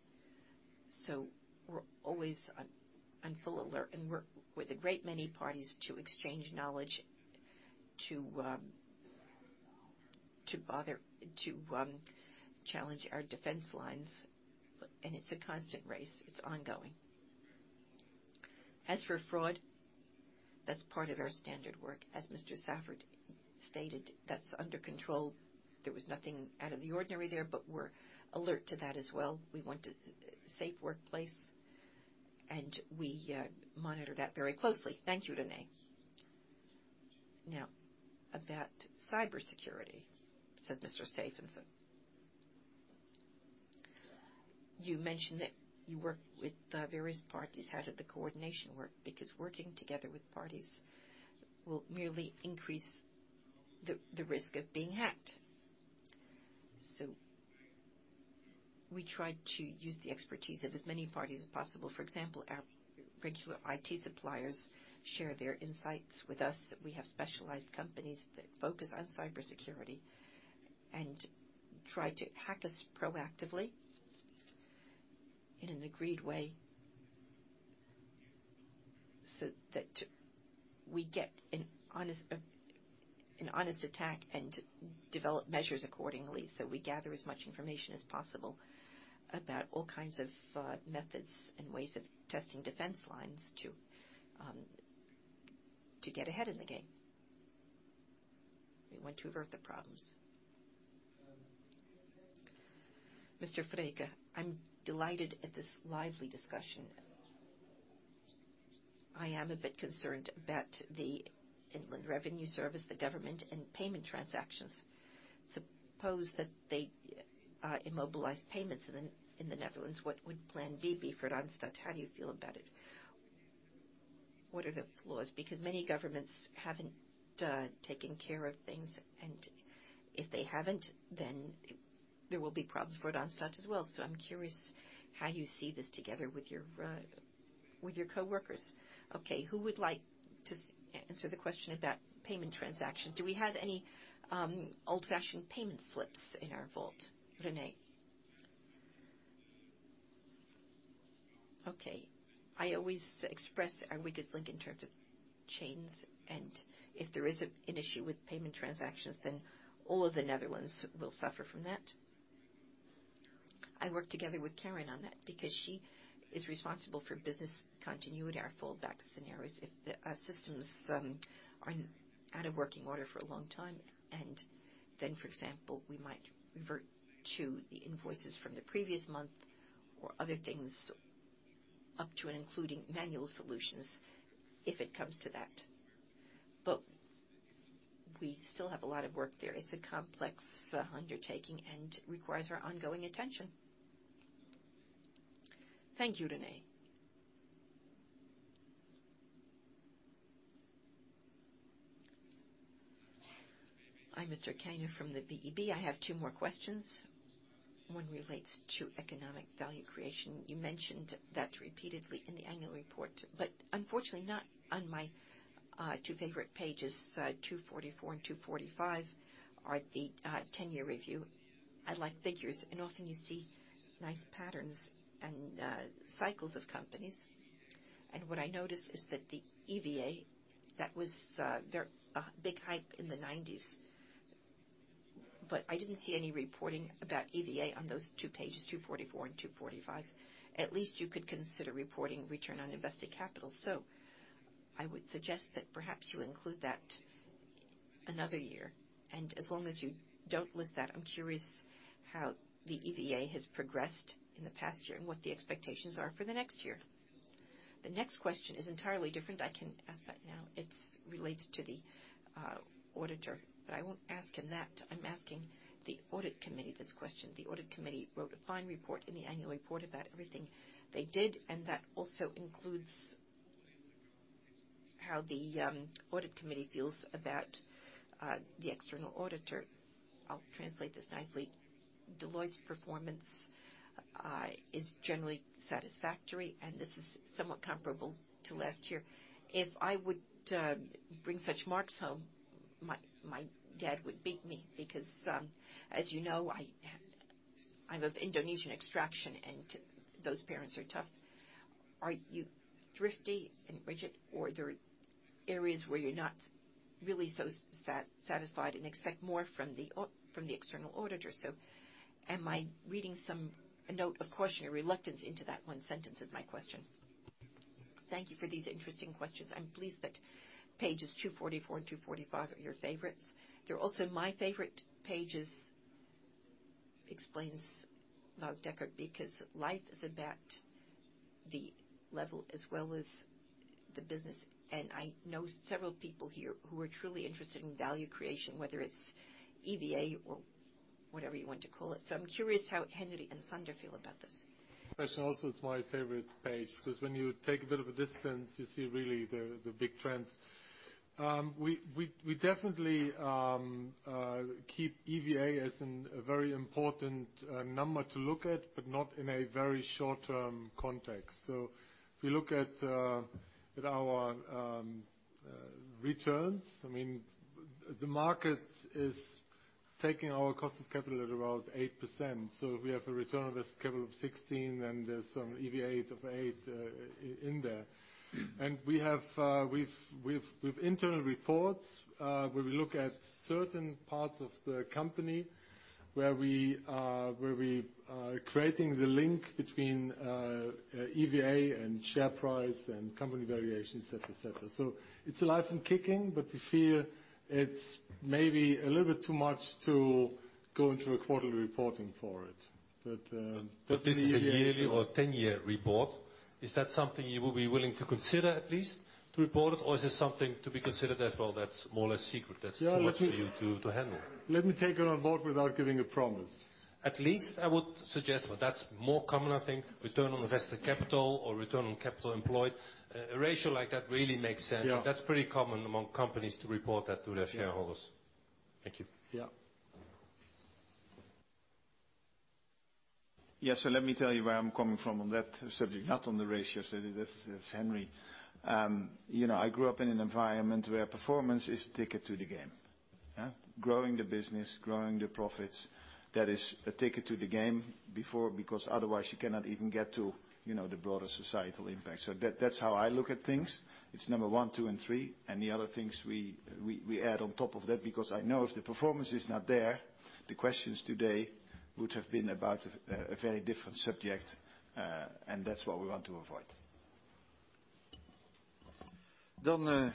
so we're always on full alert and work with a great many parties to exchange knowledge to challenge our defense lines, and it's a constant race. It's ongoing. As for fraud, that's part of our standard work. As Mr. Savert stated, that's under control. There was nothing out of the ordinary there, but we're alert to that as well. We want a safe workplace, and we monitor that very closely. Thank you, René. Now, about cybersecurity, says Mr. Stevense. You mentioned that you work with various parties. How did the coordination work? Because working together with parties will merely increase the risk of being hacked. We try to use the expertise of as many parties as possible. For example, our regular IT suppliers share their insights with us. We have specialized companies that focus on cybersecurity and try to hack us proactively in an agreed way so that we get an honest attack and develop measures accordingly. We gather as much information as possible about all kinds of methods and ways of testing defense lines to get ahead in the game. We want to avert the problems. Mr. Vreeken, I'm delighted at this lively discussion. I am a bit concerned about the inland revenue service, the government, and payment transactions. Suppose that they immobilize payments in the Netherlands, what would plan B be for Randstad? How do you feel about it? What are the flaws? Because many governments haven't taken care of things, and if they haven't, then there will be problems for Randstad as well. I'm curious how you see this together with your, with your coworkers. Okay, who would like to answer the question about payment transaction? Do we have any old-fashioned payment slips in our vault, René? Okay. I always express our weakest link in terms of chains, and if there is an issue with payment transactions, then all of the Netherlands will suffer from that. I work together with Karen on that because she is responsible for business continuity, our fallback scenarios. If the systems aren't out of working order for a long time, and then, for example, we might revert to the invoices from the previous month or other things up to and including manual solutions if it comes to that. We still have a lot of work there. It's a complex undertaking and requires our ongoing attention. Thank you, René. I'm Mr. Keyner from the VEB. I have two more questions. One relates to economic value creation. You mentioned that repeatedly in the annual report, but unfortunately not on my two favorite pages. 244 and 245 are the ten-year review. I like figures, and often you see nice patterns and cycles of companies. What I noticed is that the EVA, that was a very big hype in the 1990s, but I didn't see any reporting about EVA on those two pages, 244 and 245. At least you could consider reporting return on invested capital. I would suggest that perhaps you include that another year. As long as you don't list that, I'm curious how the EVA has progressed in the past year and what the expectations are for the next year. The next question is entirely different. I can ask that now. It's related to the auditor, but I won't ask him that. I'm asking the audit committee this question. The audit committee wrote a fine report in the annual report about everything they did, and that also includes how the audit committee feels about the external auditor. I'll translate this nicely. Deloitte's performance is generally satisfactory, and this is somewhat comparable to last year. If I would bring such marks home, my dad would beat me because, as you know, I'm of Indonesian extraction, and those parents are tough. Are you thrifty and rigid, or there are areas where you're not really so satisfied and expect more from the external auditor? So am I reading some note of caution or reluctance into that one sentence of my question? Thank you for these interesting questions. I'm pleased that pages 244 and 245 are your favorites. They're also my favorite pages, explains Wout Dekker, because life is about the level as well as the business. I know several people here who are truly interested in value creation, whether it's EVA or whatever you want to call it. I'm curious how Henry and Sander feel about this. That is also is my favorite page, because when you take a bit of a distance, you see really the big trends. We definitely keep EVA as a very important number to look at, but not in a very short-term context. If you look at our returns, I mean, the market is taking our cost of capital at about 8%. If we have a return on this capital of 16, then there's some EVA of 8 in there. We have internal reports where we look at certain parts of the company where we are creating the link between EVA and share price and company valuation, et cetera. It's alive and kicking, but we feel it's maybe a little bit too much to go into a quarterly reporting for it. This is a yearly or 10-year report. Is that something you will be willing to consider at least to report it, or is it something to be considered as well that's more or less secret, that's too much for you to handle? Let me take it on board without giving a promise. At least I would suggest, but that's more common, I think, return on invested capital or return on capital employed. A ratio like that really makes sense. Yeah. That's pretty common among companies to report that to their shareholders. Thank you. Yeah. Yes. Let me tell you where I'm coming from on that subject, not on the ratios. This is Henry. You know, I grew up in an environment where performance is ticket to the game. Yeah. Growing the business, growing the profits, that is a ticket to the game before, because otherwise you cannot even get to, you know, the broader societal impact. That, that's how I look at things. It's number one, two, and three, and the other things we add on top of that because I know if the performance is not there, the questions today would have been about a very different subject, and that's what we want to avoid. Now,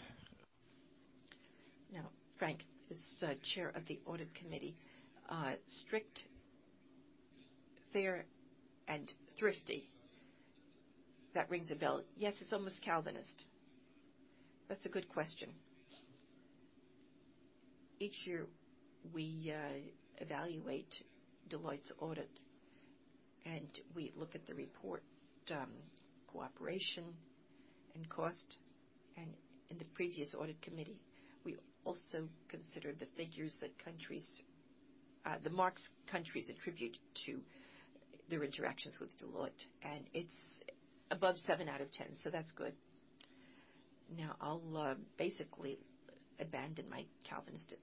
Frank Dorjee is the Chair of the Audit Committee. Strict, fair, and thrifty. That rings a bell. Yes, it's almost Calvinist. That's a good question. Each year, we evaluate Deloitte's audit, and we look at the report, cooperation and cost. In the previous Audit Committee, we also considered the marks countries attribute to their interactions with Deloitte, and it's above 7 out of 10, so that's good. Now, I'll basically abandon my Calvinist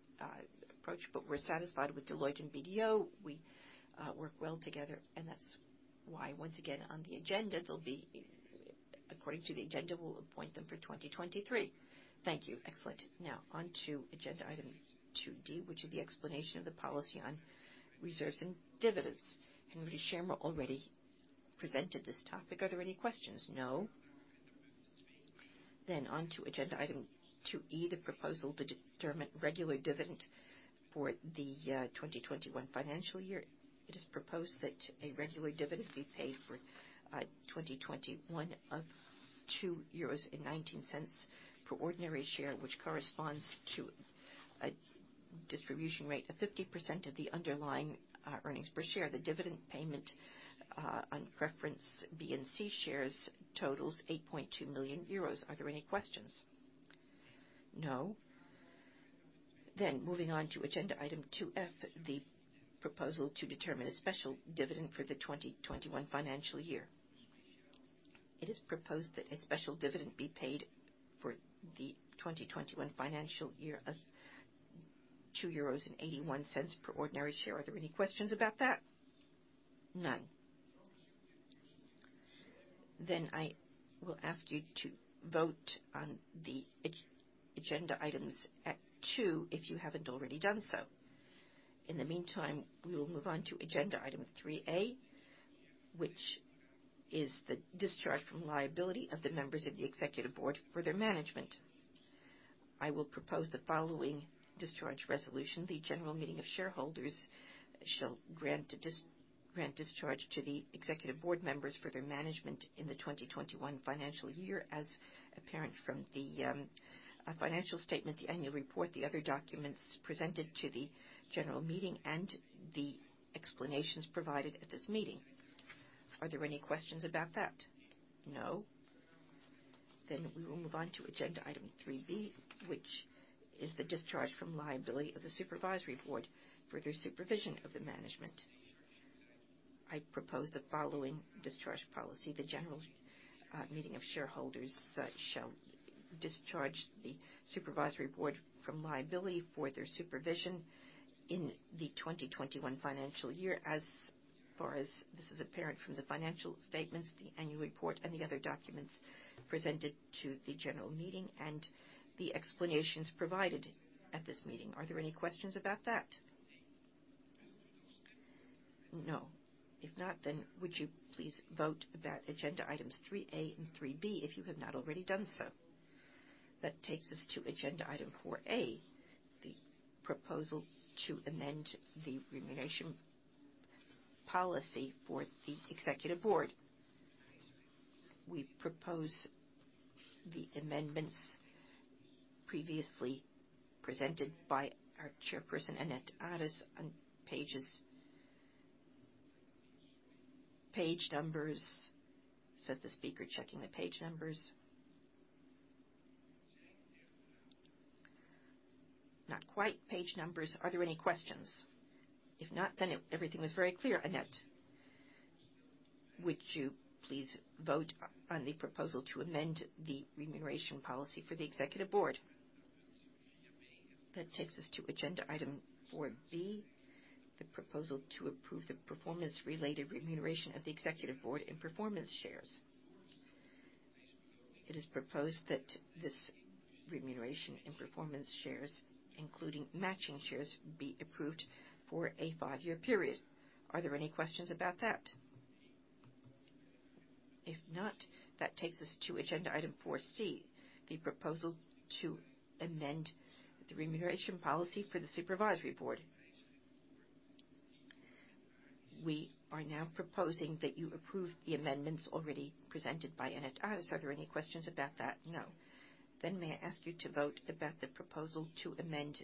approach, but we're satisfied with Deloitte and BDO. We work well together, and that's why once again, on the agenda, there'll be, according to the agenda, we'll appoint them for 2023. Thank you. Excellent. Now on to agenda item 2d, which is the explanation of the policy on reserves and dividends. Henry Schirmer already presented this topic. Are there any questions? No. On to agenda item 2e, the proposal to determine regular dividend for the 2021 financial year. It is proposed that a regular dividend be paid for 2021 of 2.19 euros per ordinary share, which corresponds to a distribution rate of 50% of the underlying earnings per share. The dividend payment on preference B and C shares totals 8.2 million euros. Are there any questions? No. Moving on to agenda item 2f, the proposal to determine a special dividend for the 2021 financial year. It is proposed that a special dividend be paid for the 2021 financial year of 2.81 euros per ordinary share. Are there any questions about that? None. I will ask you to vote on the agenda items at two, if you haven't already done so. In the meantime, we will move on to agenda item 3a, which is the discharge from liability of the members of the Executive Board for their management. I will propose the following discharge resolution. The General Meeting of Shareholders shall grant discharge to the Executive Board members for their management in the 2021 financial year, as apparent from the financial statement, the annual report, the other documents presented to the General Meeting and the explanations provided at this meeting. Are there any questions about that? No. We will move on to agenda item 3b, which is the discharge from liability of the Supervisory Board for their supervision of the management. I propose the following discharge policy. The general meeting of shareholders shall discharge the Supervisory Board from liability for their supervision in the 2021 financial year. As far as this is apparent from the financial statements, the annual report, and the other documents presented to the general meeting and the explanations provided at this meeting. Are there any questions about that? No. If not, would you please vote about agenda items 3a and 3b if you have not already done so. That takes us to agenda item 4a, the proposal to amend the remuneration policy for the Executive Board. We propose the amendments previously presented by our chairperson, Annet Aris. Are there any questions? If not, everything was very clear. Annet, would you please vote on the proposal to amend the remuneration policy for the executive board. That takes us to agenda item 4b, the proposal to approve the performance related remuneration of the executive board in performance shares. It is proposed that this remuneration in performance shares, including matching shares, be approved for a five year period. Are there any questions about that? If not, that takes us to agenda item 4c, the proposal to amend the remuneration policy for the supervisory board. We are now proposing that you approve the amendments already presented by Annet Aris. Are there any questions about that? No. Then may I ask you to vote about the proposal to amend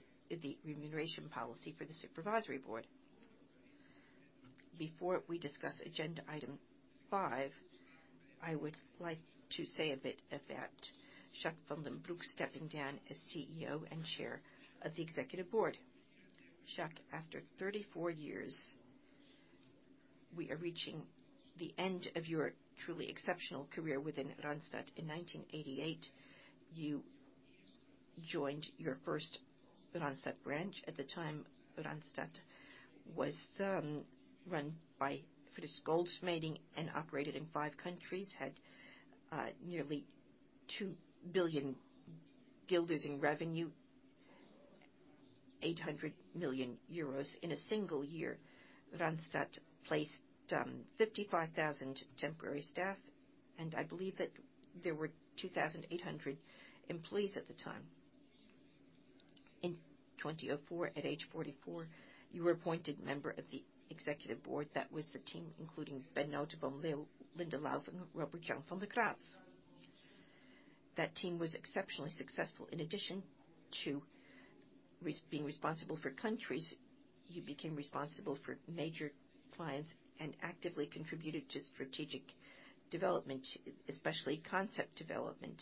the remuneration policy for the supervisory board. Before we discuss agenda item five, I would like to say a bit about Jacques van den Broek stepping down as CEO and Chair of the Executive Board. Jacques, after 34 years, we are reaching the end of your truly exceptional career within Randstad. In 1988, you joined your first Randstad branch. At the time, Randstad was run by Frits Goldschmeding and operated in five countries, had nearly ANG 2 billion in revenue, 800 million euros in a single year. Randstad placed 55,000 temporary staff, and I believe that there were 2,800 employees at the time. In 2004, at age 44, you were appointed member of the Executive Board. That was the team, including Ben Noteboom, Linda Galipeau, and Robert-Jan van de Kraats. That team was exceptionally successful. In addition to being responsible for countries, you became responsible for major clients and actively contributed to strategic development, especially concept development.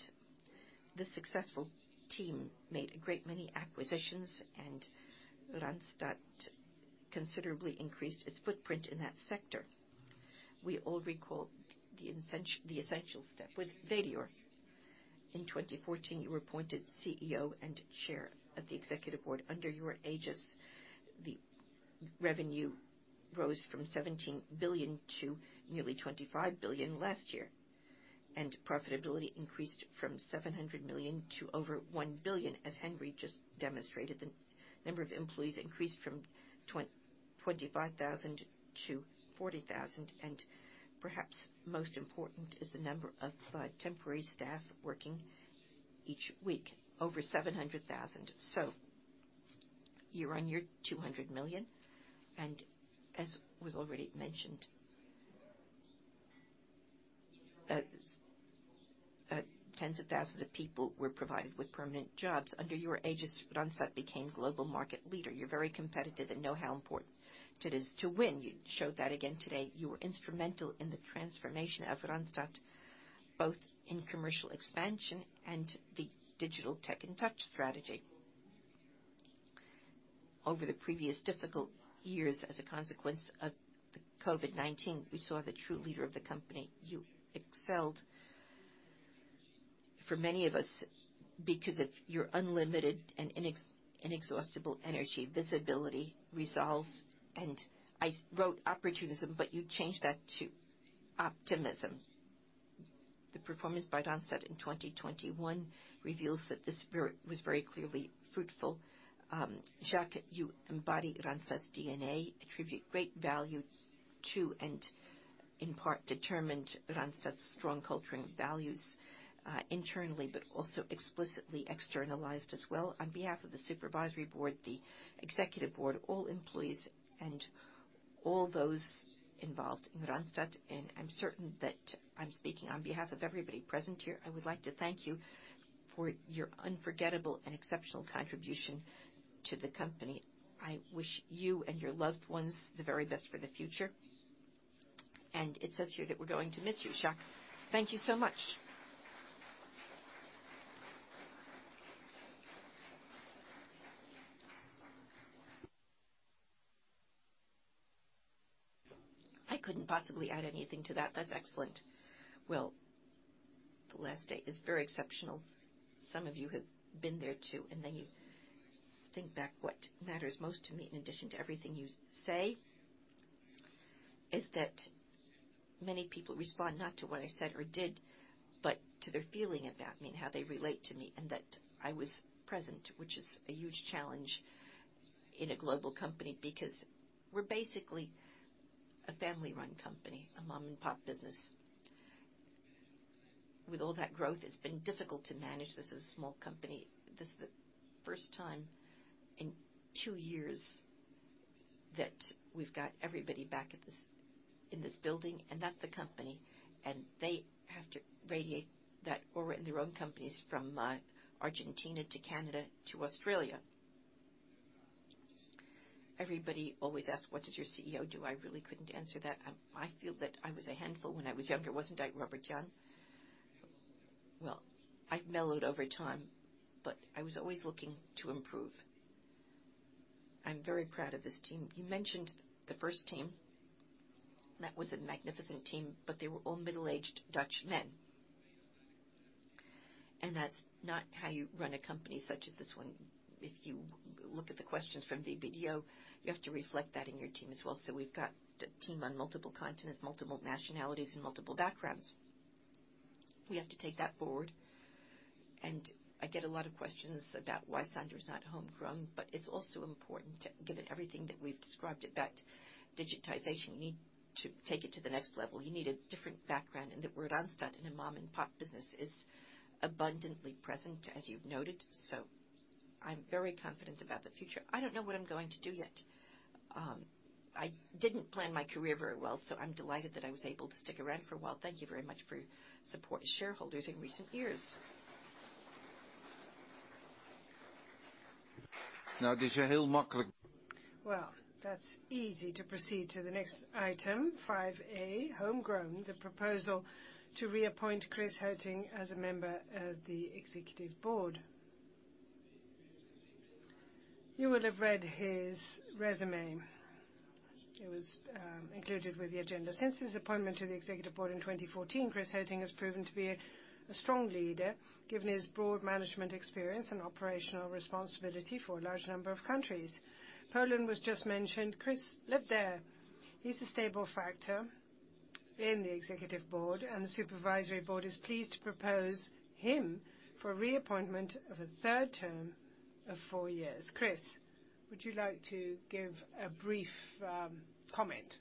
The successful team made a great many acquisitions, and Randstad considerably increased its footprint in that sector. We all recall the essential step with Vedior. In 2014, you were appointed CEO and Chair of the Executive Board. Under your aegis, the revenue rose from 17 billion to nearly 25 billion last year, and profitability increased from 700 million to over 1 billion. As Henry just demonstrated, the number of employees increased from 25,000 to 40,000, and perhaps most important is the number of temporary staff working each week, over 700,000. You're on your 200 million, and as was already mentioned, tens of thousands of people were provided with permanent jobs. Under your aegis, Randstad became global market leader. You're very competitive and know how important it is to win. You showed that again today. You were instrumental in the transformation of Randstad, both in commercial expansion and the digital tech and touch strategy. Over the previous difficult years as a consequence of the COVID-19, we saw the true leader of the company. You excelled for many of us because of your unlimited and inexhaustible energy, visibility, resolve, and I wrote opportunism, but you changed that to optimism. The performance by Randstad in 2021 reveals that this was very clearly fruitful. Jacques, you embody Randstad's DNA, attribute great value to and in part determined Randstad's strong cultural values, internally, but also explicitly externalized as well. On behalf of the Supervisory Board, the Executive Board, all employees, and all those involved in Randstad, and I'm certain that I'm speaking on behalf of everybody present here, I would like to thank you for your unforgettable and exceptional contribution to the company. I wish you and your loved ones the very best for the future, and it says here that we're going to miss you, Jacques. Thank you so much. I couldn't possibly add anything to that. That's excellent. Well, the last day is very exceptional. Some of you have been there too, and then you think back what matters most to me, in addition to everything you say, is that many people respond not to what I said or did, but to their feeling of that, I mean, how they relate to me and that I was present, which is a huge challenge in a global company because we're basically a family-run company, a mom-and-pop business. With all that growth, it's been difficult to manage this as a small company. This is the first time in two years that we've got everybody back at this, in this building and that's the company, and they have to radiate that or in their own companies from Argentina to Canada to Australia. Everybody always asks, "What does your CEO do?" I really couldn't answer that. I feel that I was a handful when I was younger, wasn't I, Robert-Jan? Well, I've mellowed over time, but I was always looking to improve. I'm very proud of this team. You mentioned the first team. That was a magnificent team, but they were all middle-aged Dutch men. That's not how you run a company such as this one. If you look at the questions from the video, you have to reflect that in your team as well. We've got a team on multiple continents, multiple nationalities, and multiple backgrounds. We have to take that forward, and I get a lot of questions about why Sander is not home grown, but it's also important, given everything that we've described about digitization, you need to take it to the next level. You need a different background, and the word Randstad in a mom-and-pop business is abundantly present, as you've noted. I'm very confident about the future. I don't know what I'm going to do yet. I didn't plan my career very well, so I'm delighted that I was able to stick around for a while. Thank you very much for your support to shareholders in recent years. Well, that's easy. To proceed to the next item 5a, the proposal to reappoint Chris Heutink as a member of the Executive Board. You will have read his resume. It was included with the agenda. Since his appointment to the Executive Board in 2014, Chris Heutink has proven to be a strong leader, given his broad management experience and operational responsibility for a large number of countries. Poland was just mentioned. Chris lived there. He's a stable factor in the Executive Board, and the Supervisory Board is pleased to propose him for reappointment of a third term of four years. Chris, would you like to give a brief comment?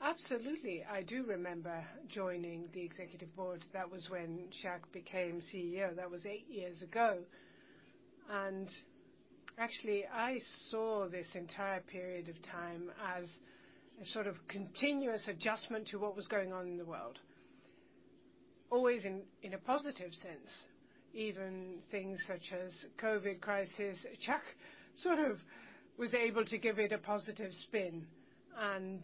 Absolutely. I do remember joining the Executive Board. That was when Jacques became CEO. That was eight years ago. Actually, I saw this entire period of time as a sort of continuous adjustment to what was going on in the world, always in a positive sense, even things such as COVID crisis. Jacques sort of was able to give it a positive spin, and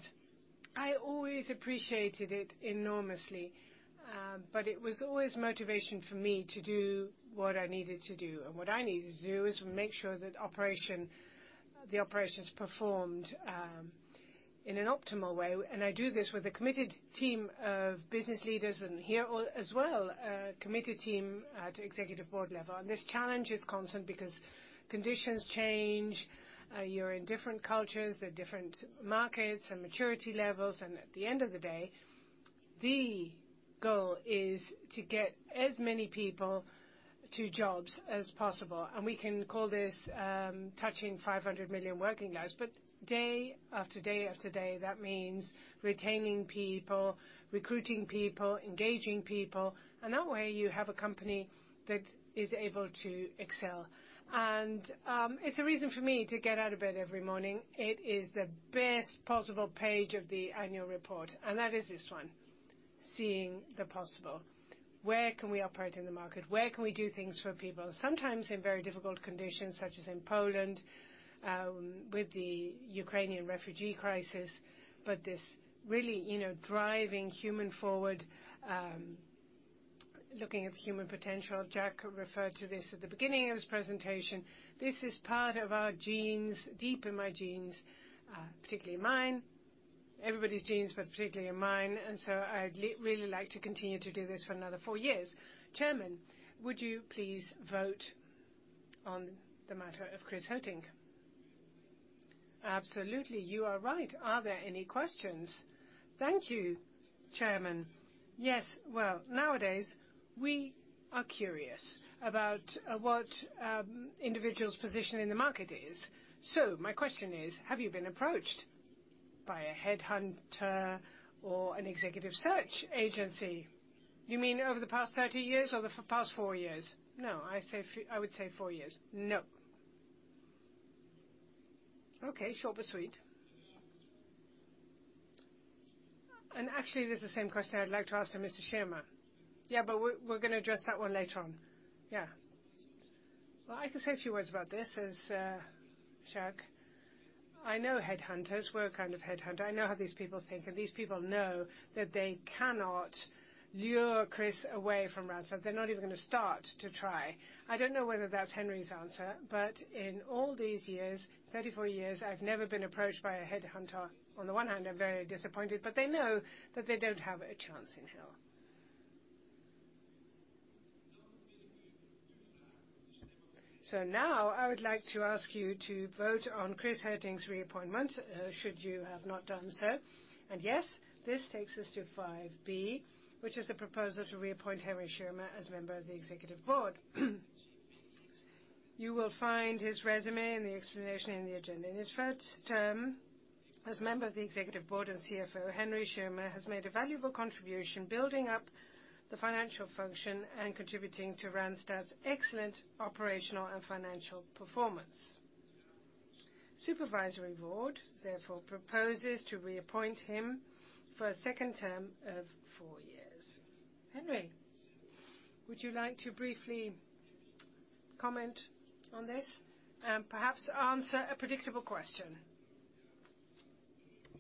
I always appreciated it enormously. But it was always motivation for me to do what I needed to do. What I needed to do is make sure that operation, the operations performed, in an optimal way. I do this with a committed team of business leaders and here as well, a committed team at Executive Board level. This challenge is constant because conditions change. You're in different cultures, there are different markets and maturity levels. At the end of the day, the goal is to get as many people to jobs as possible. We can call this, touching 500 million working lives. Day after day after day, that means retaining people, recruiting people, engaging people. That way, you have a company that is able to excel. It's a reason for me to get out of bed every morning. It is the best possible page of the annual report, and that is this one, seeing the possible. Where can we operate in the market? Where can we do things for people? Sometimes in very difficult conditions, such as in Poland, with the Ukrainian refugee crisis. This really, driving human forward, looking at the human potential. Jacques referred to this at the beginning of his presentation. This is part of our genes, deep in my genes, particularly mine, everybody's genes, but particularly in mine. I'd really like to continue to do this for another four years. Chairman, would you please vote on the matter of Chris Heutink? Absolutely, you are right. Are there any questions? Thank you, Chairman. Yes, well, nowadays, we are curious about what individual's position in the market is. So my question is, have you been approached by a headhunter or an executive search agency? You mean over the past 30 years or the past four years? No, I would say four years. No. Okay, short but sweet. Actually, there's the same question I'd like to ask to Mr. Schirmer. Yeah, but we're gonna address that one later on. Yeah. Well, I can say a few words about this as Jacques. I know headhunters. We're a kind of headhunter. I know how these people think, and these people know that they cannot lure Chris away from Randstad. They're not even gonna start to try. I don't know whether that's Henry's answer, but in all these years, 34 years, I've never been approached by a headhunter. On the one hand, I'm very disappointed, but they know that they don't have a chance in hell. Now I would like to ask you to vote on Chris Heutink's reappointment, should you have not done so. Yes, this takes us to 5b, which is the proposal to reappoint Henry Schirmer as member of the Executive Board. You will find his resume and the explanation in the agenda. In his first term as member of the Executive Board and CFO, Henry Schirmer has made a valuable contribution building up the financial function and contributing to Randstad's excellent operational and financial performance. The Supervisory Board therefore proposes to reappoint him for a second term of four years. Henry, would you like to briefly comment on this and perhaps answer a predictable question?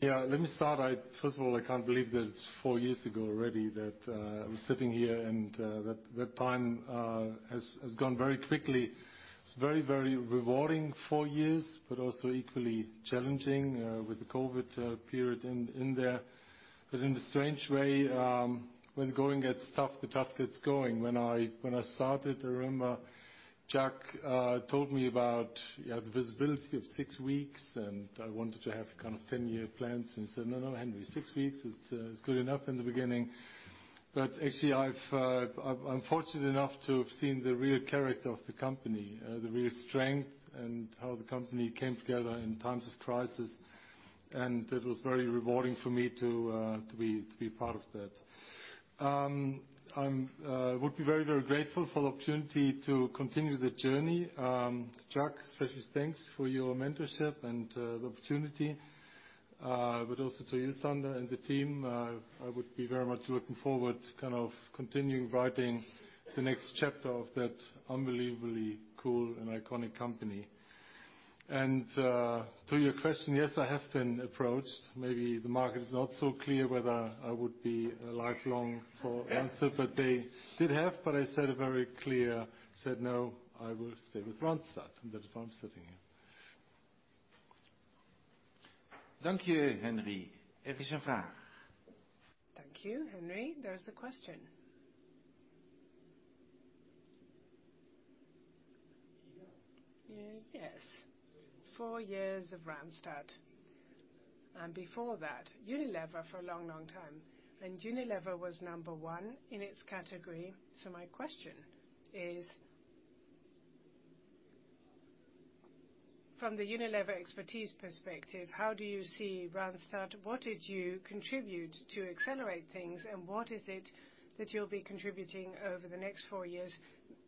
Yeah. Let me start. First of all, I can't believe that it's four years ago already that I was sitting here, and that time has gone very quickly. It's very rewarding four years but also equally challenging with the COVID period in there. But in a strange way, when going gets tough, the tough gets going. When I started, I remember Jacques told me about, you know, the visibility of six weeks, and I wanted to have kind of ten-year plans. He said, "No, no, Henry, six weeks is good enough in the beginning." Actually, I'm fortunate enough to have seen the real character of the company, the real strength and how the company came together in times of crisis, and it was very rewarding for me to be part of that. I would be very grateful for the opportunity to continue the journey. Jacques, special thanks for your mentorship and the opportunity, but also to you, Sander, and the team. I would be very much looking forward to kind of continuing writing the next chapter of that unbelievably cool and iconic company. To your question, yes, I have been approached. Maybe the market is not so clear whether I would be a lifelong for Randstad, but I said very clearly no, I will stay with Randstad, and that is why I'm sitting here. Thank you, Henry. There's a question. Yes. Four years of Randstad, and before that, Unilever for a long, long time, and Unilever was number one in its category. My question is, from the Unilever expertise perspective, how do you see Randstad? What did you contribute to accelerate things, and what is it that you'll be contributing over the next four years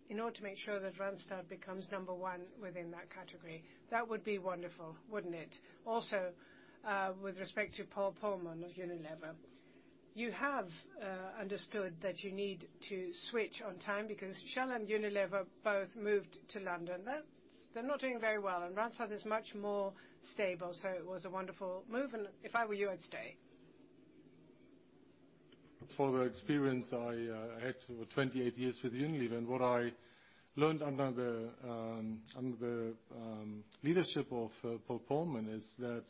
in order to make sure that Randstad becomes number one within that category? That would be wonderful, wouldn't it? Also, with respect to Paul Polman of Unilever, you have understood that you need to switch on time because Shell and Unilever both moved to London. That's. They're not doing very well, and Randstad is much more stable, so it was a wonderful move, and if I were you, I'd stay. For the experience I had over 28 years with Unilever, and what I learned under the leadership of Paul Polman is that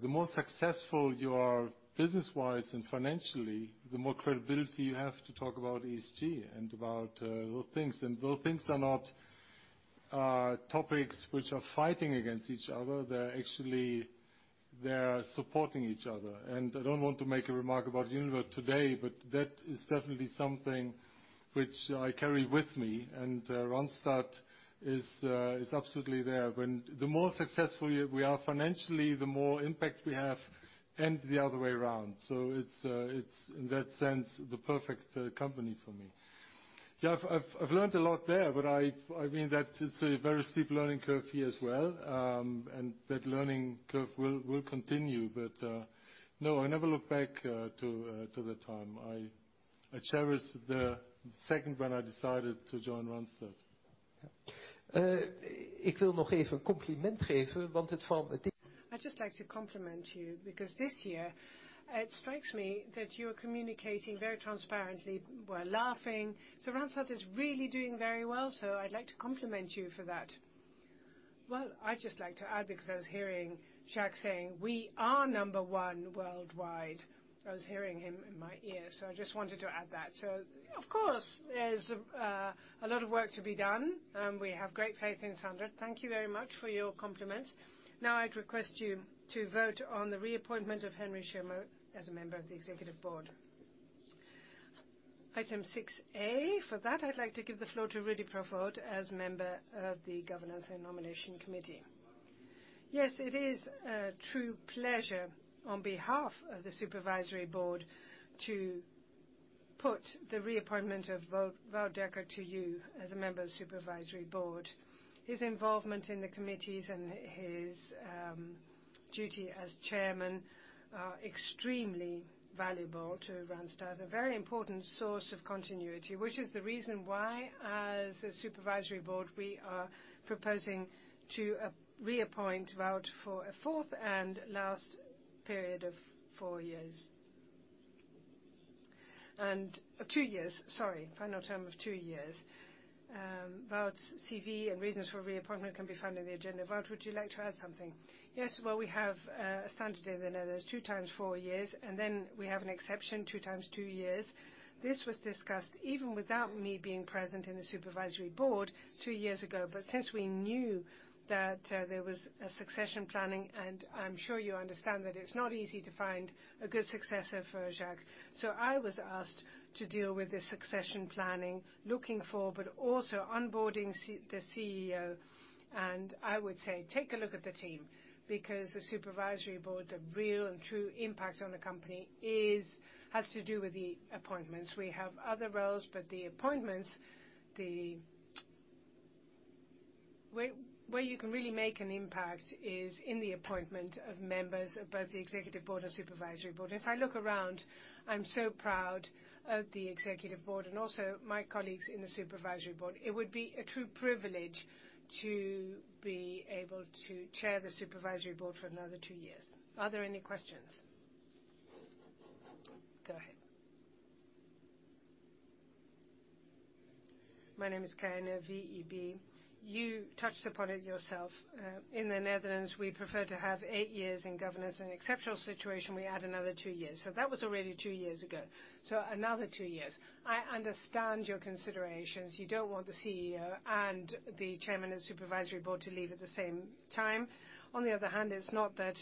the more successful you are business-wise and financially, the more credibility you have to talk about ESG and about those things. Those things are not topics which are fighting against each other. They're actually supporting each other. I don't want to make a remark about Unilever today, but that is definitely something which I carry with me. Randstad is absolutely there. The more successful we are financially, the more impact we have and the other way around. It's in that sense the perfect company for me. Yeah. I've learned a lot there, but I mean that it's a very steep learning curve here as well. That learning curve will continue. No, I never look back to the time. I cherish the second when I decided to join Randstad. Yeah. I'd just like to compliment you because this year it strikes me that you're communicating very transparently. We're laughing. Randstad is really doing very well, so I'd like to compliment you for that. Well, I'd just like to add, because I was hearing Jacques saying, "We are number one worldwide." I was hearing him in my ear, so I just wanted to add that. Of course, there's a lot of work to be done, and we have great faith in Sander. Thank you very much for your compliment. Now I'd request you to vote on the reappointment of Henry Schirmer as a member of the Executive Board. Item 6a. For that, I'd like to give the floor to Rudy Provoost as a member of the Governance and Nomination Committee. Yes, it is a true pleasure on behalf of the Supervisory Board to put the reappointment of Wout Dekker to you as a member of the Supervisory Board. His involvement in the committees and his duty as chairman are extremely valuable to Randstad, a very important source of continuity, which is the reason why, as a Supervisory Board, we are proposing to reappoint Wout for a fourth and last period of four years. Two years, sorry, final term of two years. Wout's CV and reasons for reappointment can be found in the agenda. Wout, would you like to add something? Yes. Well, we have a standard in the Netherlands, two times four years, and then we have an exception, two times two years. This was discussed even without me being present in the Supervisory Board two years ago. Since we knew that there was a succession planning, and I'm sure you understand that it's not easy to find a good successor for Jacques. I was asked to deal with the succession planning, looking for, but also onboarding the CEO, and I would say, take a look at the team, because the Supervisory Board, the real and true impact on the company is, has to do with the appointments. We have other roles, but the appointments. Where you can really make an impact is in the appointment of members of both the Executive Board and Supervisory Board. If I look around, I'm so proud of the Executive Board and also my colleagues in the Supervisory Board. It would be a true privilege to be able to chair the Supervisory Board for another two years. Are there any questions? Go ahead. My name is Keyner, VEB. You touched upon it yourself. In the Netherlands, we prefer to have eight years in governance. In exceptional situation, we add another two years. That was already two years ago. Another two years. I understand your considerations. You don't want the CEO and the Chairman and Supervisory Board to leave at the same time. On the other hand, it's not that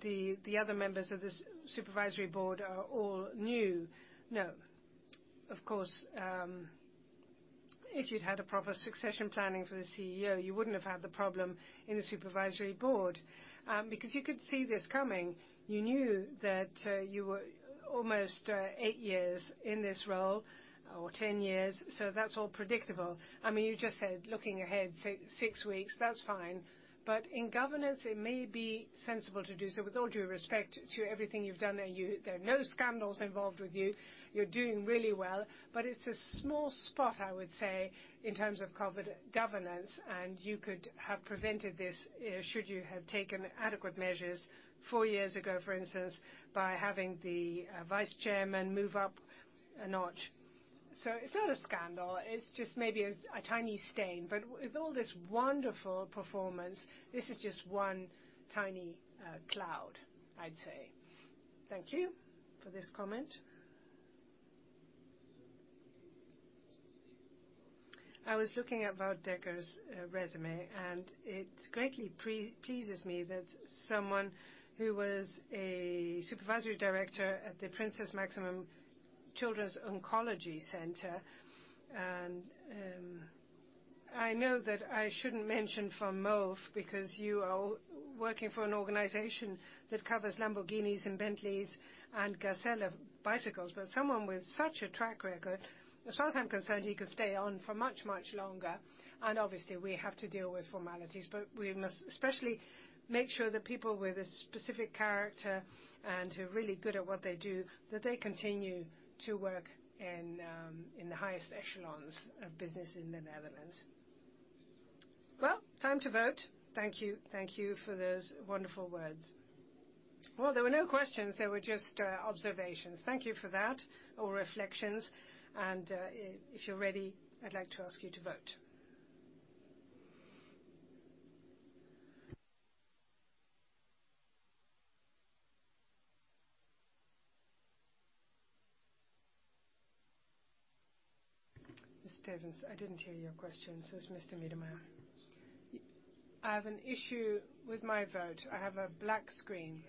the other members of the Supervisory Board are all new. No. Of course, if you'd had a proper succession planning for the CEO, you wouldn't have had the problem in the Supervisory Board, because you could see this coming. You knew that you were almost eight years in this role or 10 years, so that's all predictable. I mean, you just said looking ahead six weeks, that's fine. In governance, it may be sensible to do so with all due respect to everything you've done, and you, there are no scandals involved with you. You're doing really well. It's a small spot, I would say, in terms of governance, and you could have prevented this, should you have taken adequate measures four years ago, for instance, by having the vice chairman move up a notch. It's not a scandal, it's just maybe a tiny stain. With all this wonderful performance, this is just one tiny cloud, I'd say. Thank you for this comment. I was looking at Wout Dekker's resume, and it greatly pleases me that someone who was a supervisory director at the Princess Máxima Children's Oncology Center. I know that I shouldn't mention VanMoof, because you are working for an organization that covers Lamborghinis and Bentleys and Gazelle bicycles. Someone with such a track record, as far as I'm concerned, he could stay on for much, much longer. Obviously, we have to deal with formalities, but we must especially make sure that people with a specific character and who are really good at what they do, that they continue to work in the highest echelons of business in the Netherlands. Well, time to vote. Thank you. Thank you for those wonderful words. Well, there were no questions. There were just observations. Thank you for that, or reflections. If you're ready, I'd like to ask you to vote. Mr. Stevens, I didn't hear your question. It's Mr. Miedema. I have an issue with my vote. I have a black screen.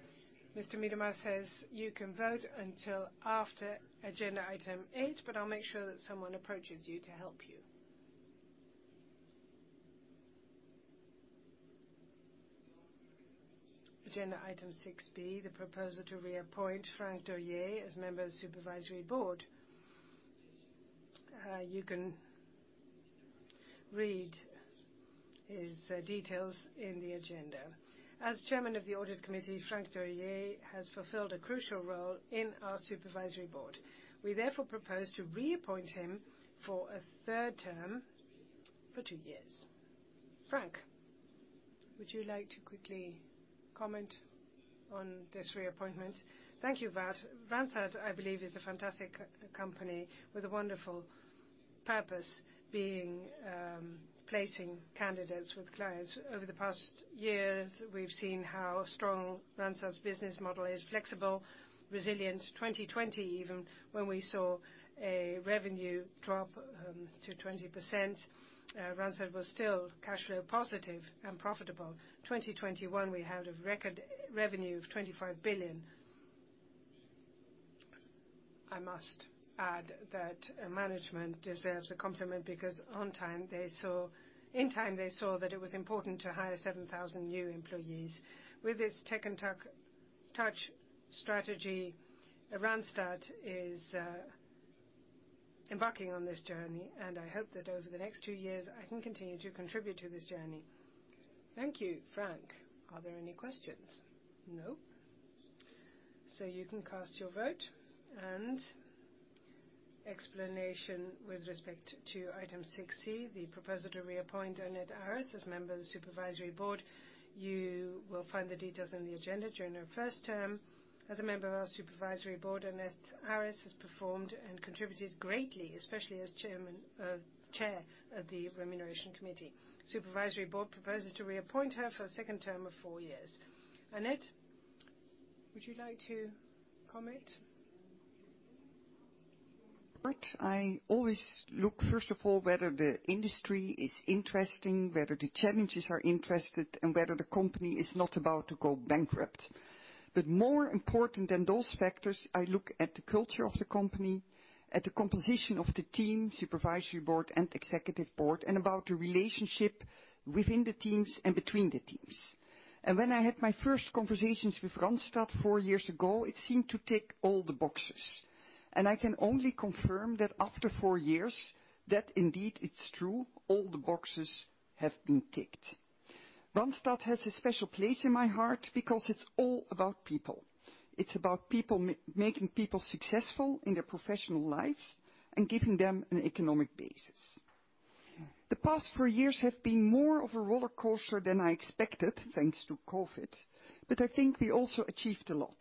Mr. Miedema says you can vote until after agenda item 8, but I'll make sure that someone approaches you to help you. Agenda item 6b, the proposal to reappoint Frank Dorjee as member of the Supervisory Board. You can read his details in the agenda. As chairman of the Audit Committee, Frank Dorjee has fulfilled a crucial role in our Supervisory Board. We therefore propose to reappoint him for a third term for two years. Frank, would you like to quickly comment on this reappointment. Thank you, Wout. Randstad, I believe, is a fantastic company with a wonderful purpose, being placing candidates with clients. Over the past years, we've seen how strong Randstad's business model is: flexible, resilient. 2020, even when we saw a revenue drop to 20%, Randstad was still cash flow positive and profitable. 2021 we had a record revenue of 25 billion. I must add that management deserves a compliment because in time they saw that it was important to hire 7,000 new employees. With this Tech and Touch strategy, Randstad is embarking on this journey, and I hope that over the next two years I can continue to contribute to this journey. Thank you. Frank, are there any questions? No. You can cast your vote and explanation with respect to item 6c, the proposal to reappoint Annet Aris as member of the Supervisory Board. You will find the details in the agenda. During her first term as a member of our Supervisory Board, Annet Aris has performed and contributed greatly, especially as Chair of the Remuneration Committee. Supervisory Board proposes to reappoint her for a second term of four years. Annet, would you like to comment? I always look, first of all, whether the industry is interesting, whether the challenges are interesting, and whether the company is not about to go bankrupt. More important than those factors, I look at the culture of the company, at the composition of the team, Supervisory Board and Executive Board, and about the relationship within the teams and between the teams. When I had my first conversations with Randstad four years ago, it seemed to tick all the boxes. I can only confirm that after four years that indeed it's true, all the boxes have been ticked. Randstad has a special place in my heart because it's all about people. It's about people, making people successful in their professional lives and giving them an economic basis. The past four years have been more of a roller coaster than I expected, thanks to COVID, but I think we also achieved a lot.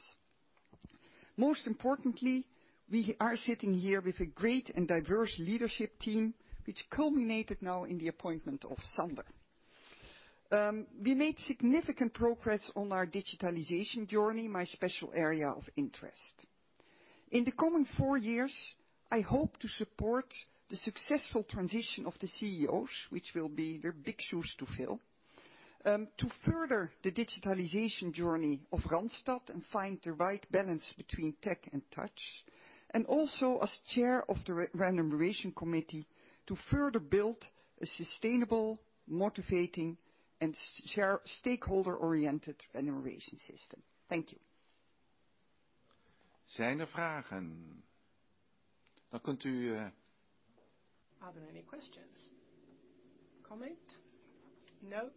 Most importantly, we are sitting here with a great and diverse leadership team, which culminated now in the appointment of Sander. We made significant progress on our digitalization journey, my special area of interest. In the coming four years, I hope to support the successful transition of the CEOs, which will be their big shoes to fill, to further the digitalization journey of Randstad and find the right balance between tech and touch, and also as chair of the Remuneration Committee, to further build a sustainable, motivating and stakeholder-oriented remuneration system. Thank you. Are there any questions? Comment? No.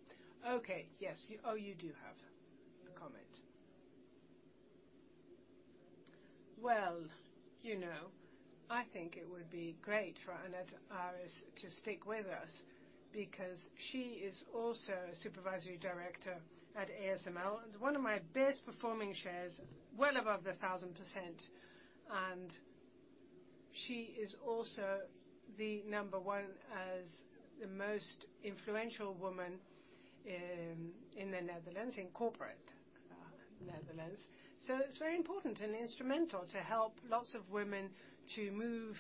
Okay. Yes. Oh, you do have a comment. Well, you know, I think it would be great for Annet Aris to stick with us because she is also a supervisory director at ASML. It's one of my best-performing shares, well above 1,000%. She is also the number one as the most influential woman in the Netherlands, in corporate Netherlands. It's very important and instrumental to help lots of women to move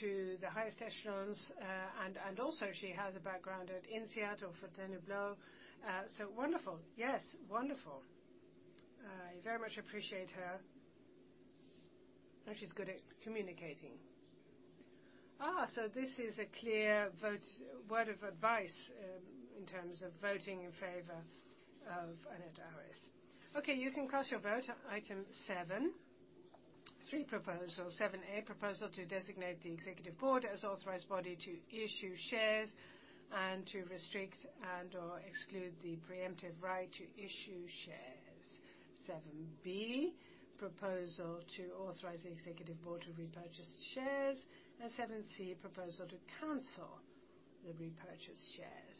to the highest echelons. And also she has a background at INSEAD or Fontainebleau. So wonderful. Yes. Wonderful. I very much appreciate her, and she's good at communicating. So this is a clear vote word of advice in terms of voting in favor of Annet Aris. Okay, you can cast your vote. Item seven, three proposals. 7a, proposal to designate the Executive Board as authorized body to issue shares and to restrict and/or exclude the preemptive right to issue shares. 7b, proposal to authorize the Executive Board to repurchase shares. 7c, proposal to cancel the repurchased shares.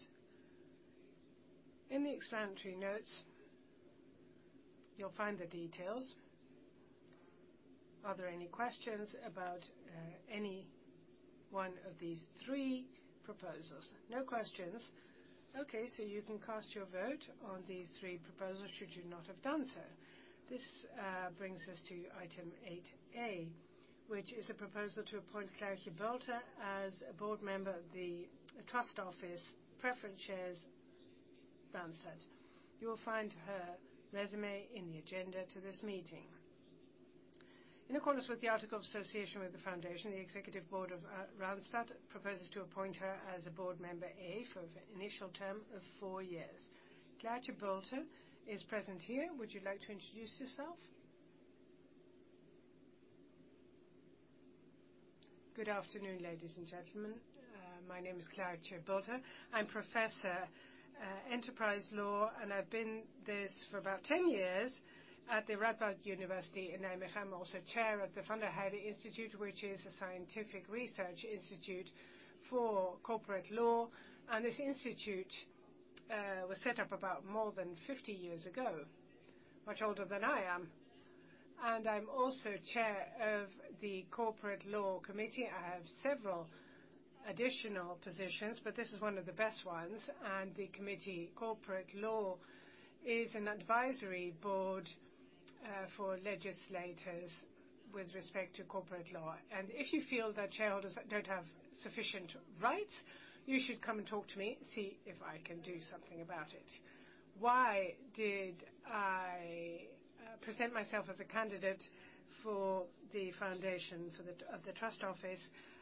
In the explanatory notes, you'll find the details. Are there any questions about any one of these three proposals? No questions. Okay, so you can cast your vote on these three proposals, should you not have done so. This brings us to item 8a, which is a proposal to appoint Claartje Bulten as a board member of the Stichting Administratiekantoor Preferente Aandelen Randstad. You will find her resume in the agenda to this meeting. In accordance with the Articles of Association with the foundation, the executive board of Randstad proposes to appoint her as a board member A for initial term of four years. Claartje Bulten is present here. Would you like to introduce yourself? Good afternoon, ladies and gentlemen. My name is Claartje Bulten. I'm Professor, Enterprise Law, and I've been this for about 10 years at the Radboud University in Nijmegen. I'm also chair of the Van der Heijden Institute, which is a scientific research institute for corporate law. This institute was set up more than 50 years ago, much older than I am. I'm also chair of the Company Law Committee. I have several additional positions, but this is one of the best ones. The Company Law Committee is an advisory board for legislators with respect to corporate law. If you feel that shareholders don't have sufficient rights, you should come and talk to me, see if I can do something about it. Why did I present myself as a candidate for the trust office?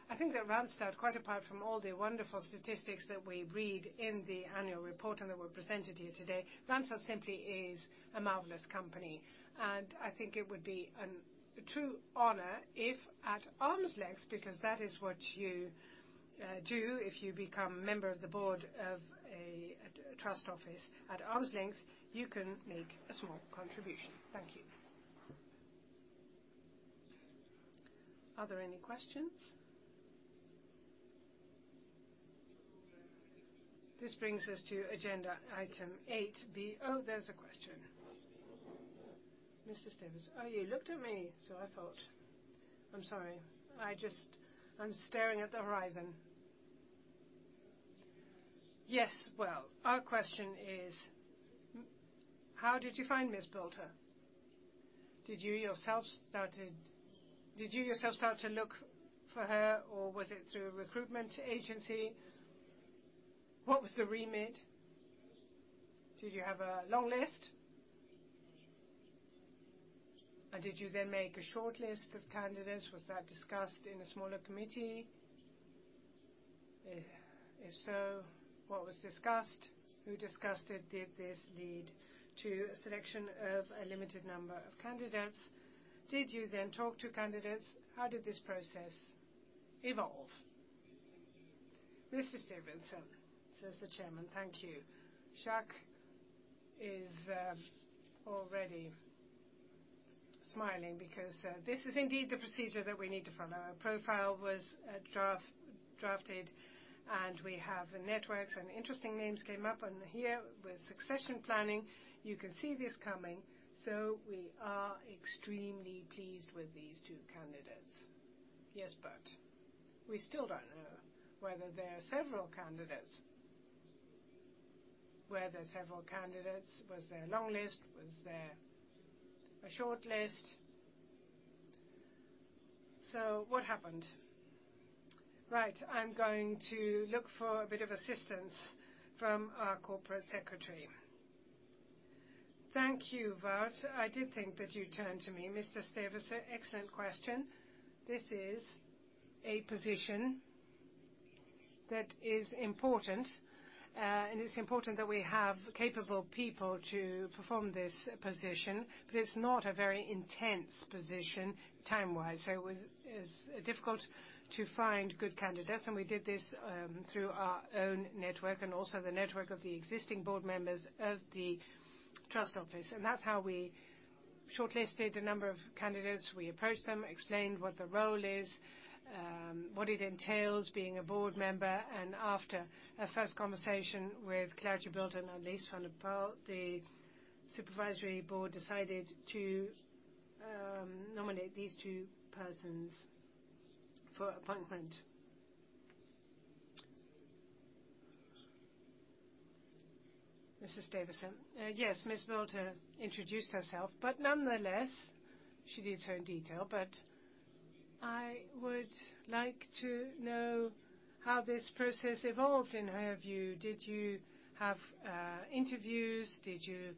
I think that Randstad, quite apart from all the wonderful statistics that we read in the annual report and that were presented here today, Randstad simply is a marvelous company. I think it would be a true honor if at arm's length, because that is what you do if you become member of the board of a trust office. At arm's length, you can make a small contribution. Thank you. Are there any questions? This brings us to agenda item 8b. Oh, there's a question. Mr. Stevens. Oh, you looked at me, so I thought. I'm sorry. I'm just staring at the horizon. Yes. Well, our question is, how did you find Ms. Bulten? Did you yourself start to look for her, or was it through a recruitment agency? What was the remit? Did you have a long list? Did you then make a short list of candidates? Was that discussed in a smaller committee? If so, what was discussed? Who discussed it? Did this lead to a selection of a limited number of candidates? Did you then talk to candidates? How did this process evolve? Mr. Stevensen, says the chairman. Thank you. Jacques is already smiling because this is indeed the procedure that we need to follow. A profile was drafted, and we have the networks, and interesting names came up. Here with succession planning, you can see this coming. We are extremely pleased with these two candidates. Yes, we still don't know whether there are several candidates. Were there several candidates? Was there a long list? Was there a short list? What happened? Right. I'm going to look for a bit of assistance from our corporate secretary. Thank you, Wout. I did think that you turned to me. Mr. Stevensen, excellent question. This is a position that is important, and it's important that we have capable people to perform this position. It's not a very intense position time-wise. It is difficult to find good candidates, and we did this through our own network and also the network of the existing board members of the trust office. That's how we shortlisted a number of candidates. We approached them, explained what the role is, what it entails being a board member. After a first conversation with Claartje Bulten and Annelies van der Pauw, the supervisory board decided to nominate these two persons for appointment. Mr. Stevense. Yes, Ms. Bulten introduced herself, but nonetheless, she did so in detail. I would like to know how this process evolved in her view. Did you have interviews? Did you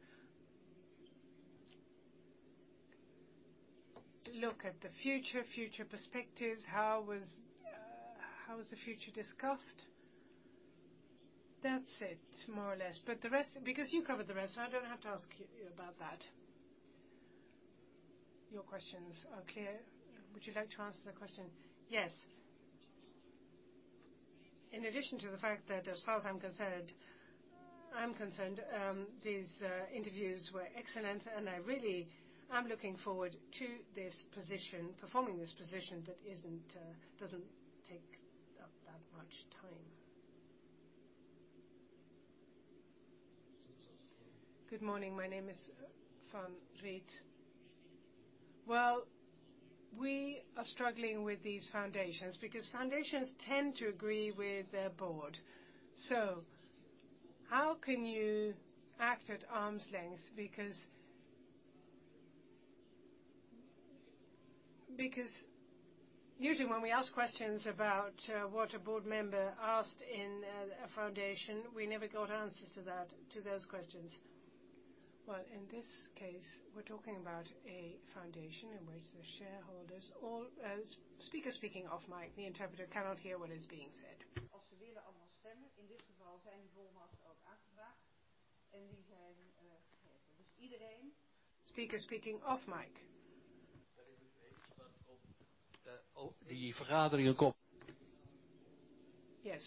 look at the future perspectives? How was the future discussed? That's it, more or less. The rest, because you covered the rest, I don't have to ask you about that. Your questions are clear. Would you like to answer the question? Yes. In addition to the fact that as far as I'm concerned, I'm concerned, these interviews were excellent, and I really I'm looking forward to this position, performing this position that doesn't take up that much time. Good morning. My name is Van Riet. Well, we are struggling with these foundations because foundations tend to agree with their board. So how can you act at arm's length? Because usually when we ask questions about what a board member asked in a foundation, we never got answers to those questions. Well, in this case, we're talking about a foundation in which the shareholders all- Yes.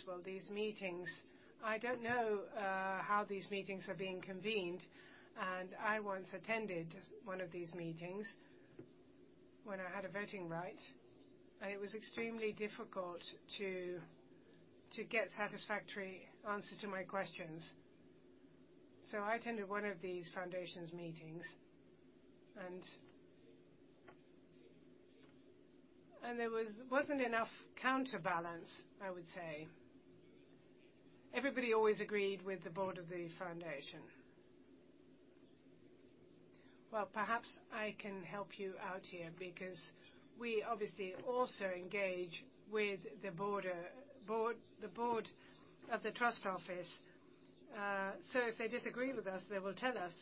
Well, these meetings, I don't know how these meetings are being convened. I once attended one of these meetings when I had a voting right, and it was extremely difficult to get satisfactory answers to my questions. I attended one of these foundations meetings, and there wasn't enough counterbalance, I would say. Everybody always agreed with the board of the foundation. Well, perhaps I can help you out here because we obviously also engage with the board, the board of the trust office. If they disagree with us, they will tell us.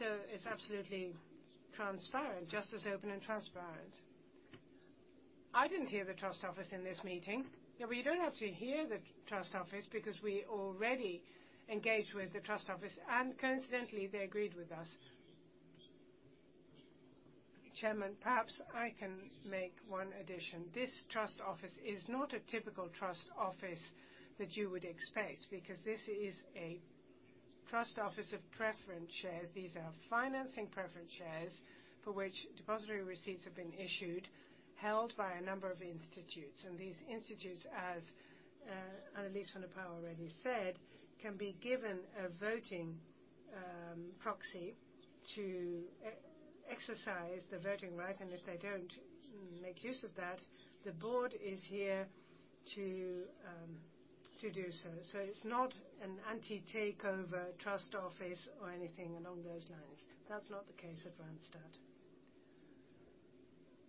It's absolutely transparent, just as open and transparent. I didn't hear the trust office in this meeting. Yeah, we don't have to hear the trust office because we already engaged with the trust office, and coincidentally, they agreed with us. Chairman, perhaps I can make one addition. This trust office is not a typical trust office that you would expect because this is a trust office of preference shares. These are financing preference shares for which depository receipts have been issued, held by a number of institutes. These institutes, as Annelies van der Pauw already said, can be given a voting proxy to exercise the voting right. If they don't make use of that, the board is here to do so. It's not an anti-takeover trust office or anything along those lines. That's not the case with Randstad.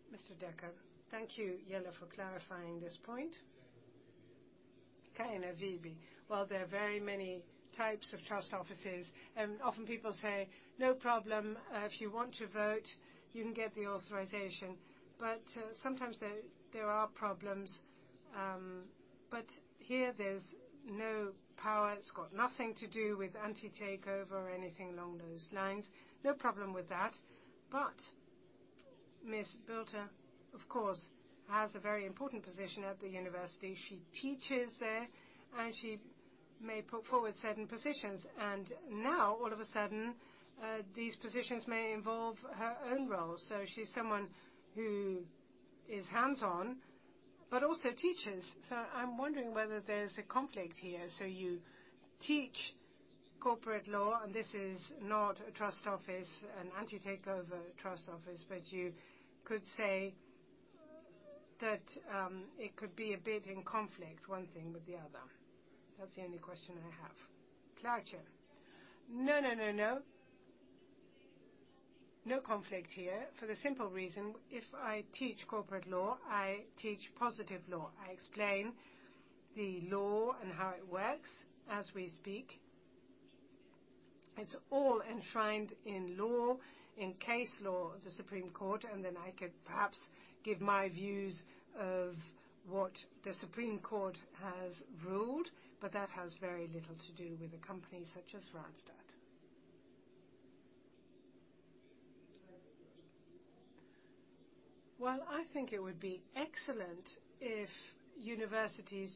Mr. Dekker. Thank you, Jelle, for clarifying this point. While there are very many types of trust offices, and often people say, "No problem. If you want to vote, you can get the authorization." Sometimes there are problems. Here there's no power. It's got nothing to do with anti-takeover or anything along those lines. No problem with that. Ms. Bulten, of course, has a very important position at the university. She teaches there, and she may put forward certain positions. Now, all of a sudden, these positions may involve her own role. She's someone who is hands-on but also teaches. I'm wondering whether there's a conflict here. You teach corporate law, and this is not a trust office, an anti-takeover trust office, but you could say that, it could be a bit in conflict, one thing with the other. That's the only question I have. No. No conflict here. For the simple reason, if I teach corporate law, I teach positive law. I explain the law and how it works as we speak. It's all enshrined in law, in case law of the Supreme Court, and then I could perhaps give my views of what the Supreme Court has ruled, but that has very little to do with a company such as Randstad. Well, I think it would be excellent if universities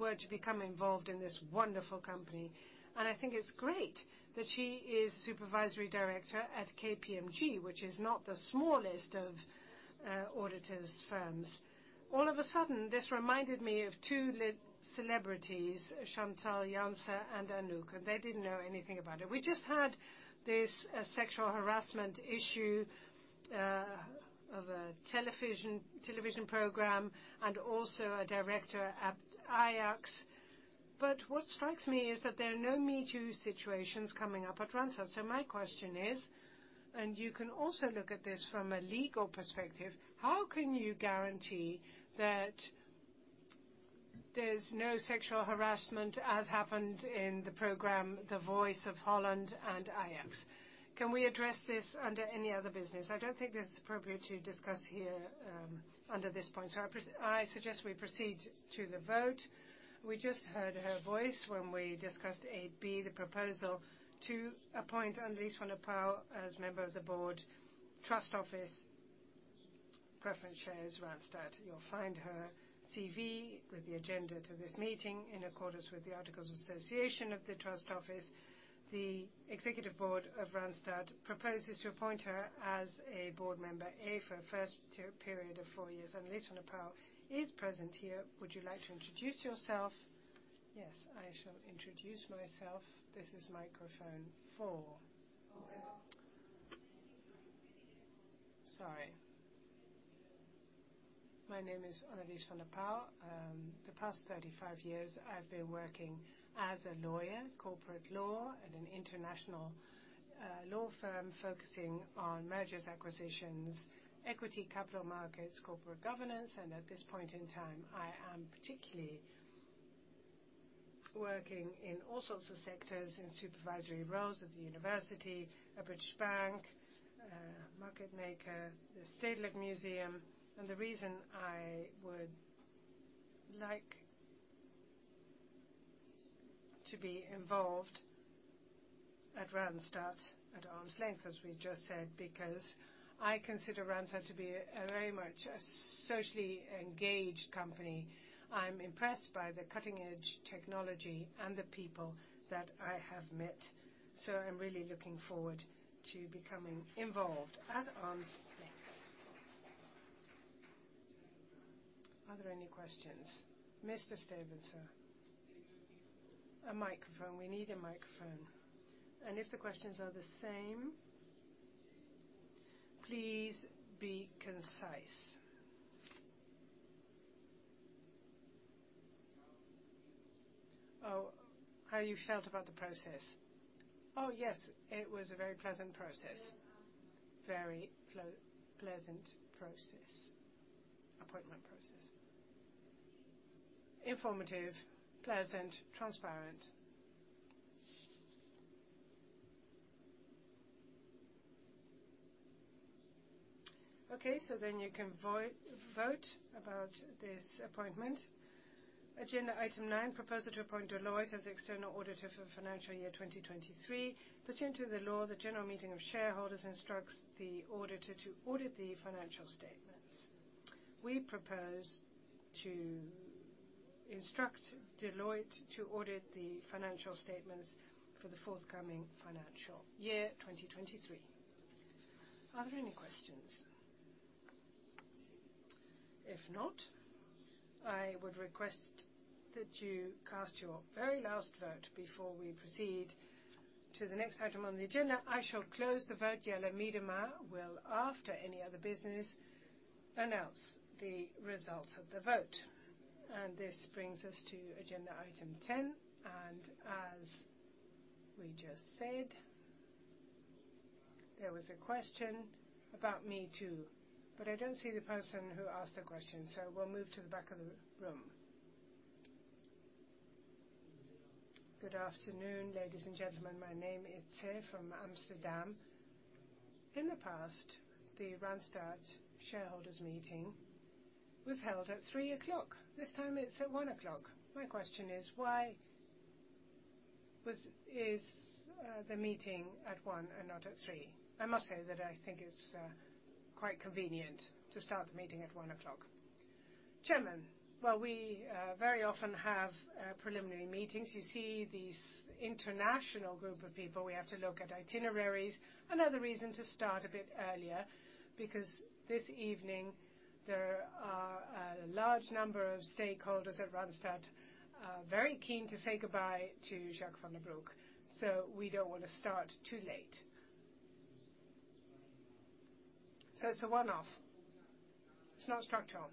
were to become involved in this wonderful company. I think it's great that she is supervisory director at KPMG, which is not the smallest of auditors firms. All of a sudden, this reminded me of two big celebrities, Chantal Janzen and Anouk, and they didn't know anything about it. We just had this sexual harassment issue of a television program and also a director at Ajax. But what strikes me is that there are no MeToo situations coming up at Randstad. My question is, and you can also look at this from a legal perspective, how can you guarantee that there's no sexual harassment as happened in the program, The Voice of Holland and Ajax? Can we address this under any other business? I don't think this is appropriate to discuss here under this point. I suggest we proceed to the vote. We just heard her voice when we discussed 8b, the proposal to appoint Annelies van der Pauw as member of the board trust office preference shares Randstad. You'll find her CV with the agenda to this meeting in accordance with the Articles of Association of the Trust Office. The executive board of Randstad proposes to appoint her as a board member, A, for a first period of four years. Annelies van der Pauw is present here. Would you like to introduce yourself? Yes, I shall introduce myself. This is microphone four. Sorry. My name is Annelies van der Pauw. The past 35 years, I've been working as a lawyer, corporate law at an international law firm focusing on mergers, acquisitions, equity, capital markets, corporate governance. At this point in time, I am particularly working in all sorts of sectors in supervisory roles at the university, a British bank, a market maker, the Stedelijk Museum. The reason I would like to be involved at Randstad at arm's length, as we just said, because I consider Randstad to be a very socially engaged company. I'm impressed by the cutting edge technology and the people that I have met. I'm really looking forward to becoming involved at arm's length. Are there any questions? Mr. Stevensen. A microphone. We need a microphone. If the questions are the same, please be concise. Oh, how you felt about the process? Oh, yes, it was a very pleasant process. Appointment process. Informative, pleasant, transparent. Okay, then you can vote about this appointment. Agenda item nine, proposal to appoint Deloitte as external auditor for financial year 2023. Pursuant to the law, the general meeting of shareholders instructs the auditor to audit the financial statements. We propose to instruct Deloitte to audit the financial statements for the forthcoming financial year 2023. Are there any questions? If not, I would request that you cast your very last vote before we proceed to the next item on the agenda. I shall close the vote. Jelle Miedema will, after any other business, announce the results of the vote. This brings us to agenda item 10. As we just said, there was a question about MeToo, but I don't see the person who asked the question, so we'll move to the back of the room. Good afternoon, ladies and gentlemen. My name is Tse from Amsterdam. In the past, the Randstad shareholders meeting was held at 3:00 P.M. This time it's at 1:00 P.M. My question is, why the meeting at 1:00 P.M. and not at 3:00 P.M.? I must say that I think it's quite convenient to start the meeting at 1:00 P.M. Chairman. Well, we very often have preliminary meetings. You see these international group of people, we have to look at itineraries. Another reason to start a bit earlier, because this evening there are a large number of stakeholders at Randstad, very keen to say goodbye to Jacques van den Broek, so we don't want to start too late. It's a one-off. It's not structural.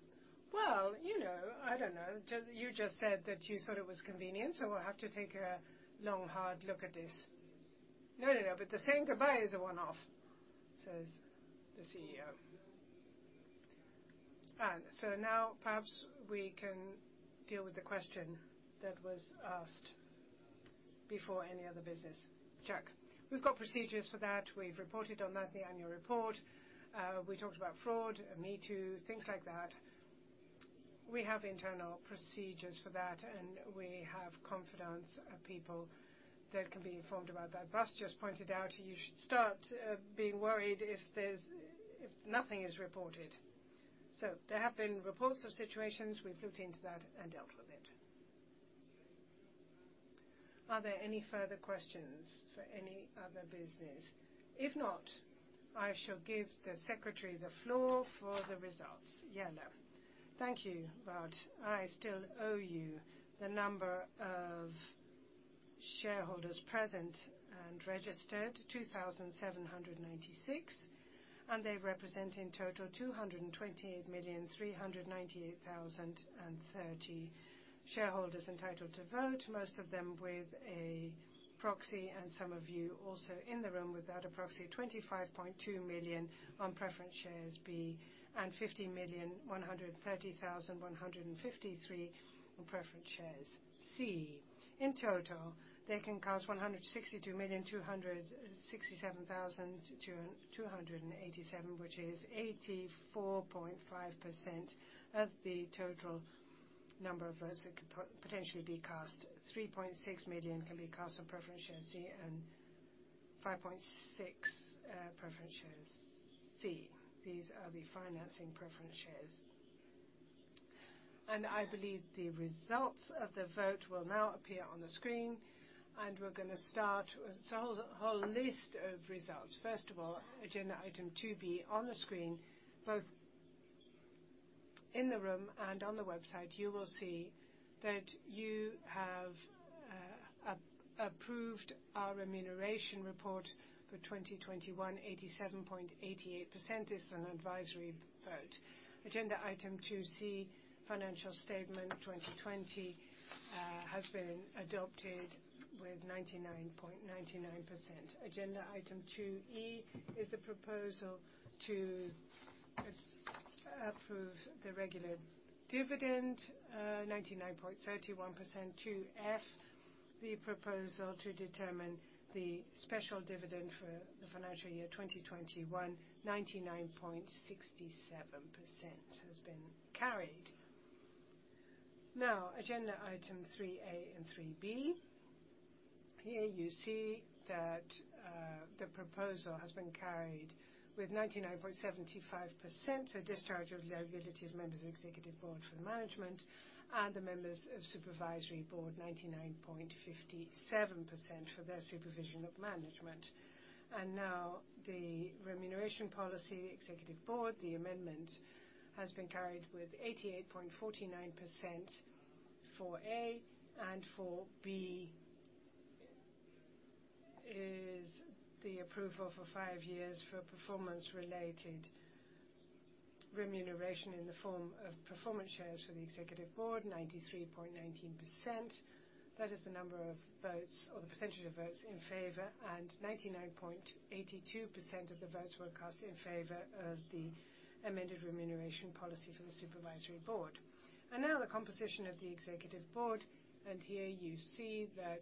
Well, you know, I don't know. You just said that you thought it was convenient, so we'll have to take a long, hard look at this. No, no, the saying goodbye is a one-off, says the CEO. All right, now perhaps we can deal with the question that was asked before any other business. Jacques. We've got procedures for that. We've reported on that in the annual report. We talked about fraud, MeToo, things like that. We have internal procedures for that, and we have confidence of people that can be informed about that. Bas just pointed out, you should start being worried if nothing is reported. There have been reports of situations. We've looked into that and dealt with it. Are there any further questions for any other business? If not, I shall give the secretary the floor for the results. Jelle. Thank you. I still owe you the number of shareholders present and registered, 2,796, and they represent in total 228,398,030 shareholders entitled to vote, most of them with a proxy, and some of you also in the room without a proxy. 25.2 million on preference shares B, and 50,130,153 on preference shares C. In total, they can cast 162,267,287, which is 84.5% of the total number of votes that could potentially be cast. 3.6 million can be cast on preference share C, and 5.6 preference shares C. These are the financing preference shares. I believe the results of the vote will now appear on the screen, and we're gonna start with a whole list of results. First of all, agenda item 2b on the screen, both in the room and on the website, you will see that you have approved our remuneration report for 2021, 87.88% is an advisory vote. Agenda item 2c, financial statements 2020 has been adopted with 99.99%. Agenda item 2e is a proposal to approve the regular dividend, 99.31%. 2f, the proposal to determine the special dividend for the financial year 2021, 99.67% has been carried. Now, agenda item 3a and 3b. Here you see that the proposal has been carried with 99.75%, a discharge of liabilities, members of Executive Board for the management and the members of Supervisory Board, 99.57% for their supervision of management. Now the remuneration policy Executive Board, the amendment has been carried with 88.49% 4a, and 4b, is the approval for five years for performance related remuneration in the form of performance shares for the Executive Board, 93.19%. That is the number of votes or the percentage of votes in favor, and 99.82% of the votes were cast in favor of the amended remuneration policy for the Supervisory Board. Now the composition of the Executive Board. Here you see that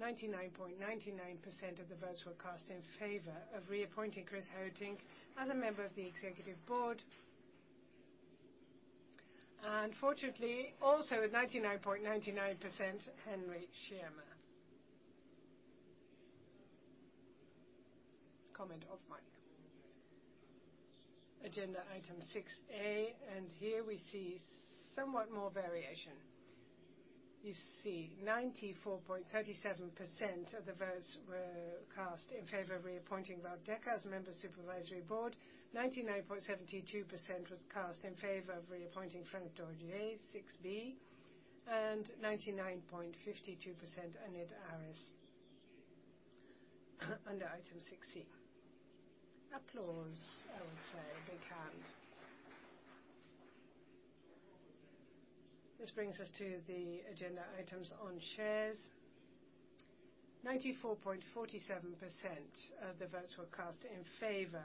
99.99% of the votes were cast in favor of reappointing Chris Heutink as a member of the Executive Board. Fortunately, also at 99.99%, Henry Schirmer. Agenda item 6a. Here we see somewhat more variation. You see 94.37% of the votes were cast in favor of reappointing Wout Dekker as a member of the Supervisory Board. 99.72% was cast in favor of reappointing Frank Dorjee, 6b, and 99.52% Annet Aris under item 6c. Applause. I would say big hands. This brings us to the agenda items on shares. 94.47% of the votes were cast in favor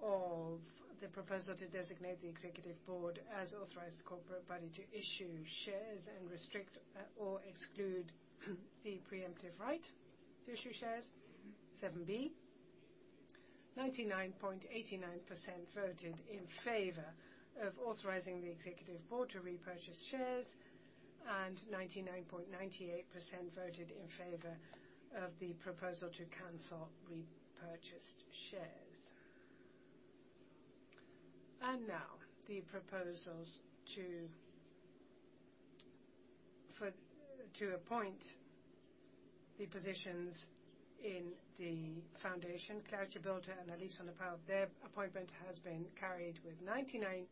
of the proposal to designate the executive board as authorized corporate party to issue shares and restrict or exclude the preemptive right to issue shares, 7b. 99.89% voted in favor of authorizing the executive board to repurchase shares, and 99.98% voted in favor of the proposal to cancel repurchased shares. Now the proposals to appoint the positions in the foundation, aClaartje Bulten and Annelies van der Pauw. Their appointment has been carried with 99.98%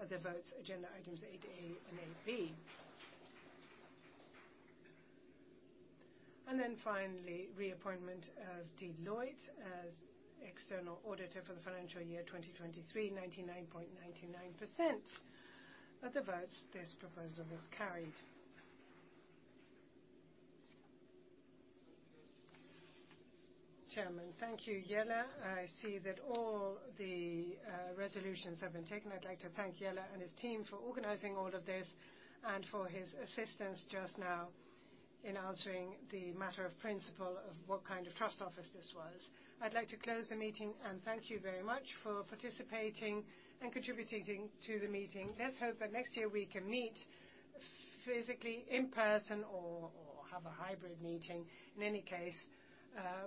of the votes, agenda items 8a and 8b. Then finally, reappointment of Deloitte as external auditor for the financial year 2023, 99.99% of the votes. This proposal is carried. Chairman. Thank you, Jelle. I see that all the resolutions have been taken. I'd like to thank Jelle and his team for organizing all of this and for his assistance just now in answering the matter of principle of what kind of trust office this was. I'd like to close the meeting and thank you very much for participating and contributing to the meeting. Let's hope that next year we can meet physically, in person, or have a hybrid meeting. In any case,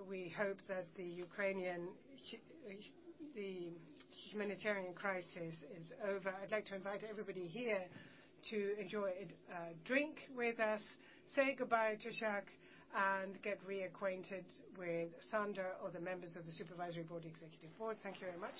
we hope that the Ukrainian humanitarian crisis is over. I'd like to invite everybody here to enjoy a drink with us, say goodbye to Jacques, and get reacquainted with Sander or the members of the Supervisory Board, Executive Board. Thank you very much.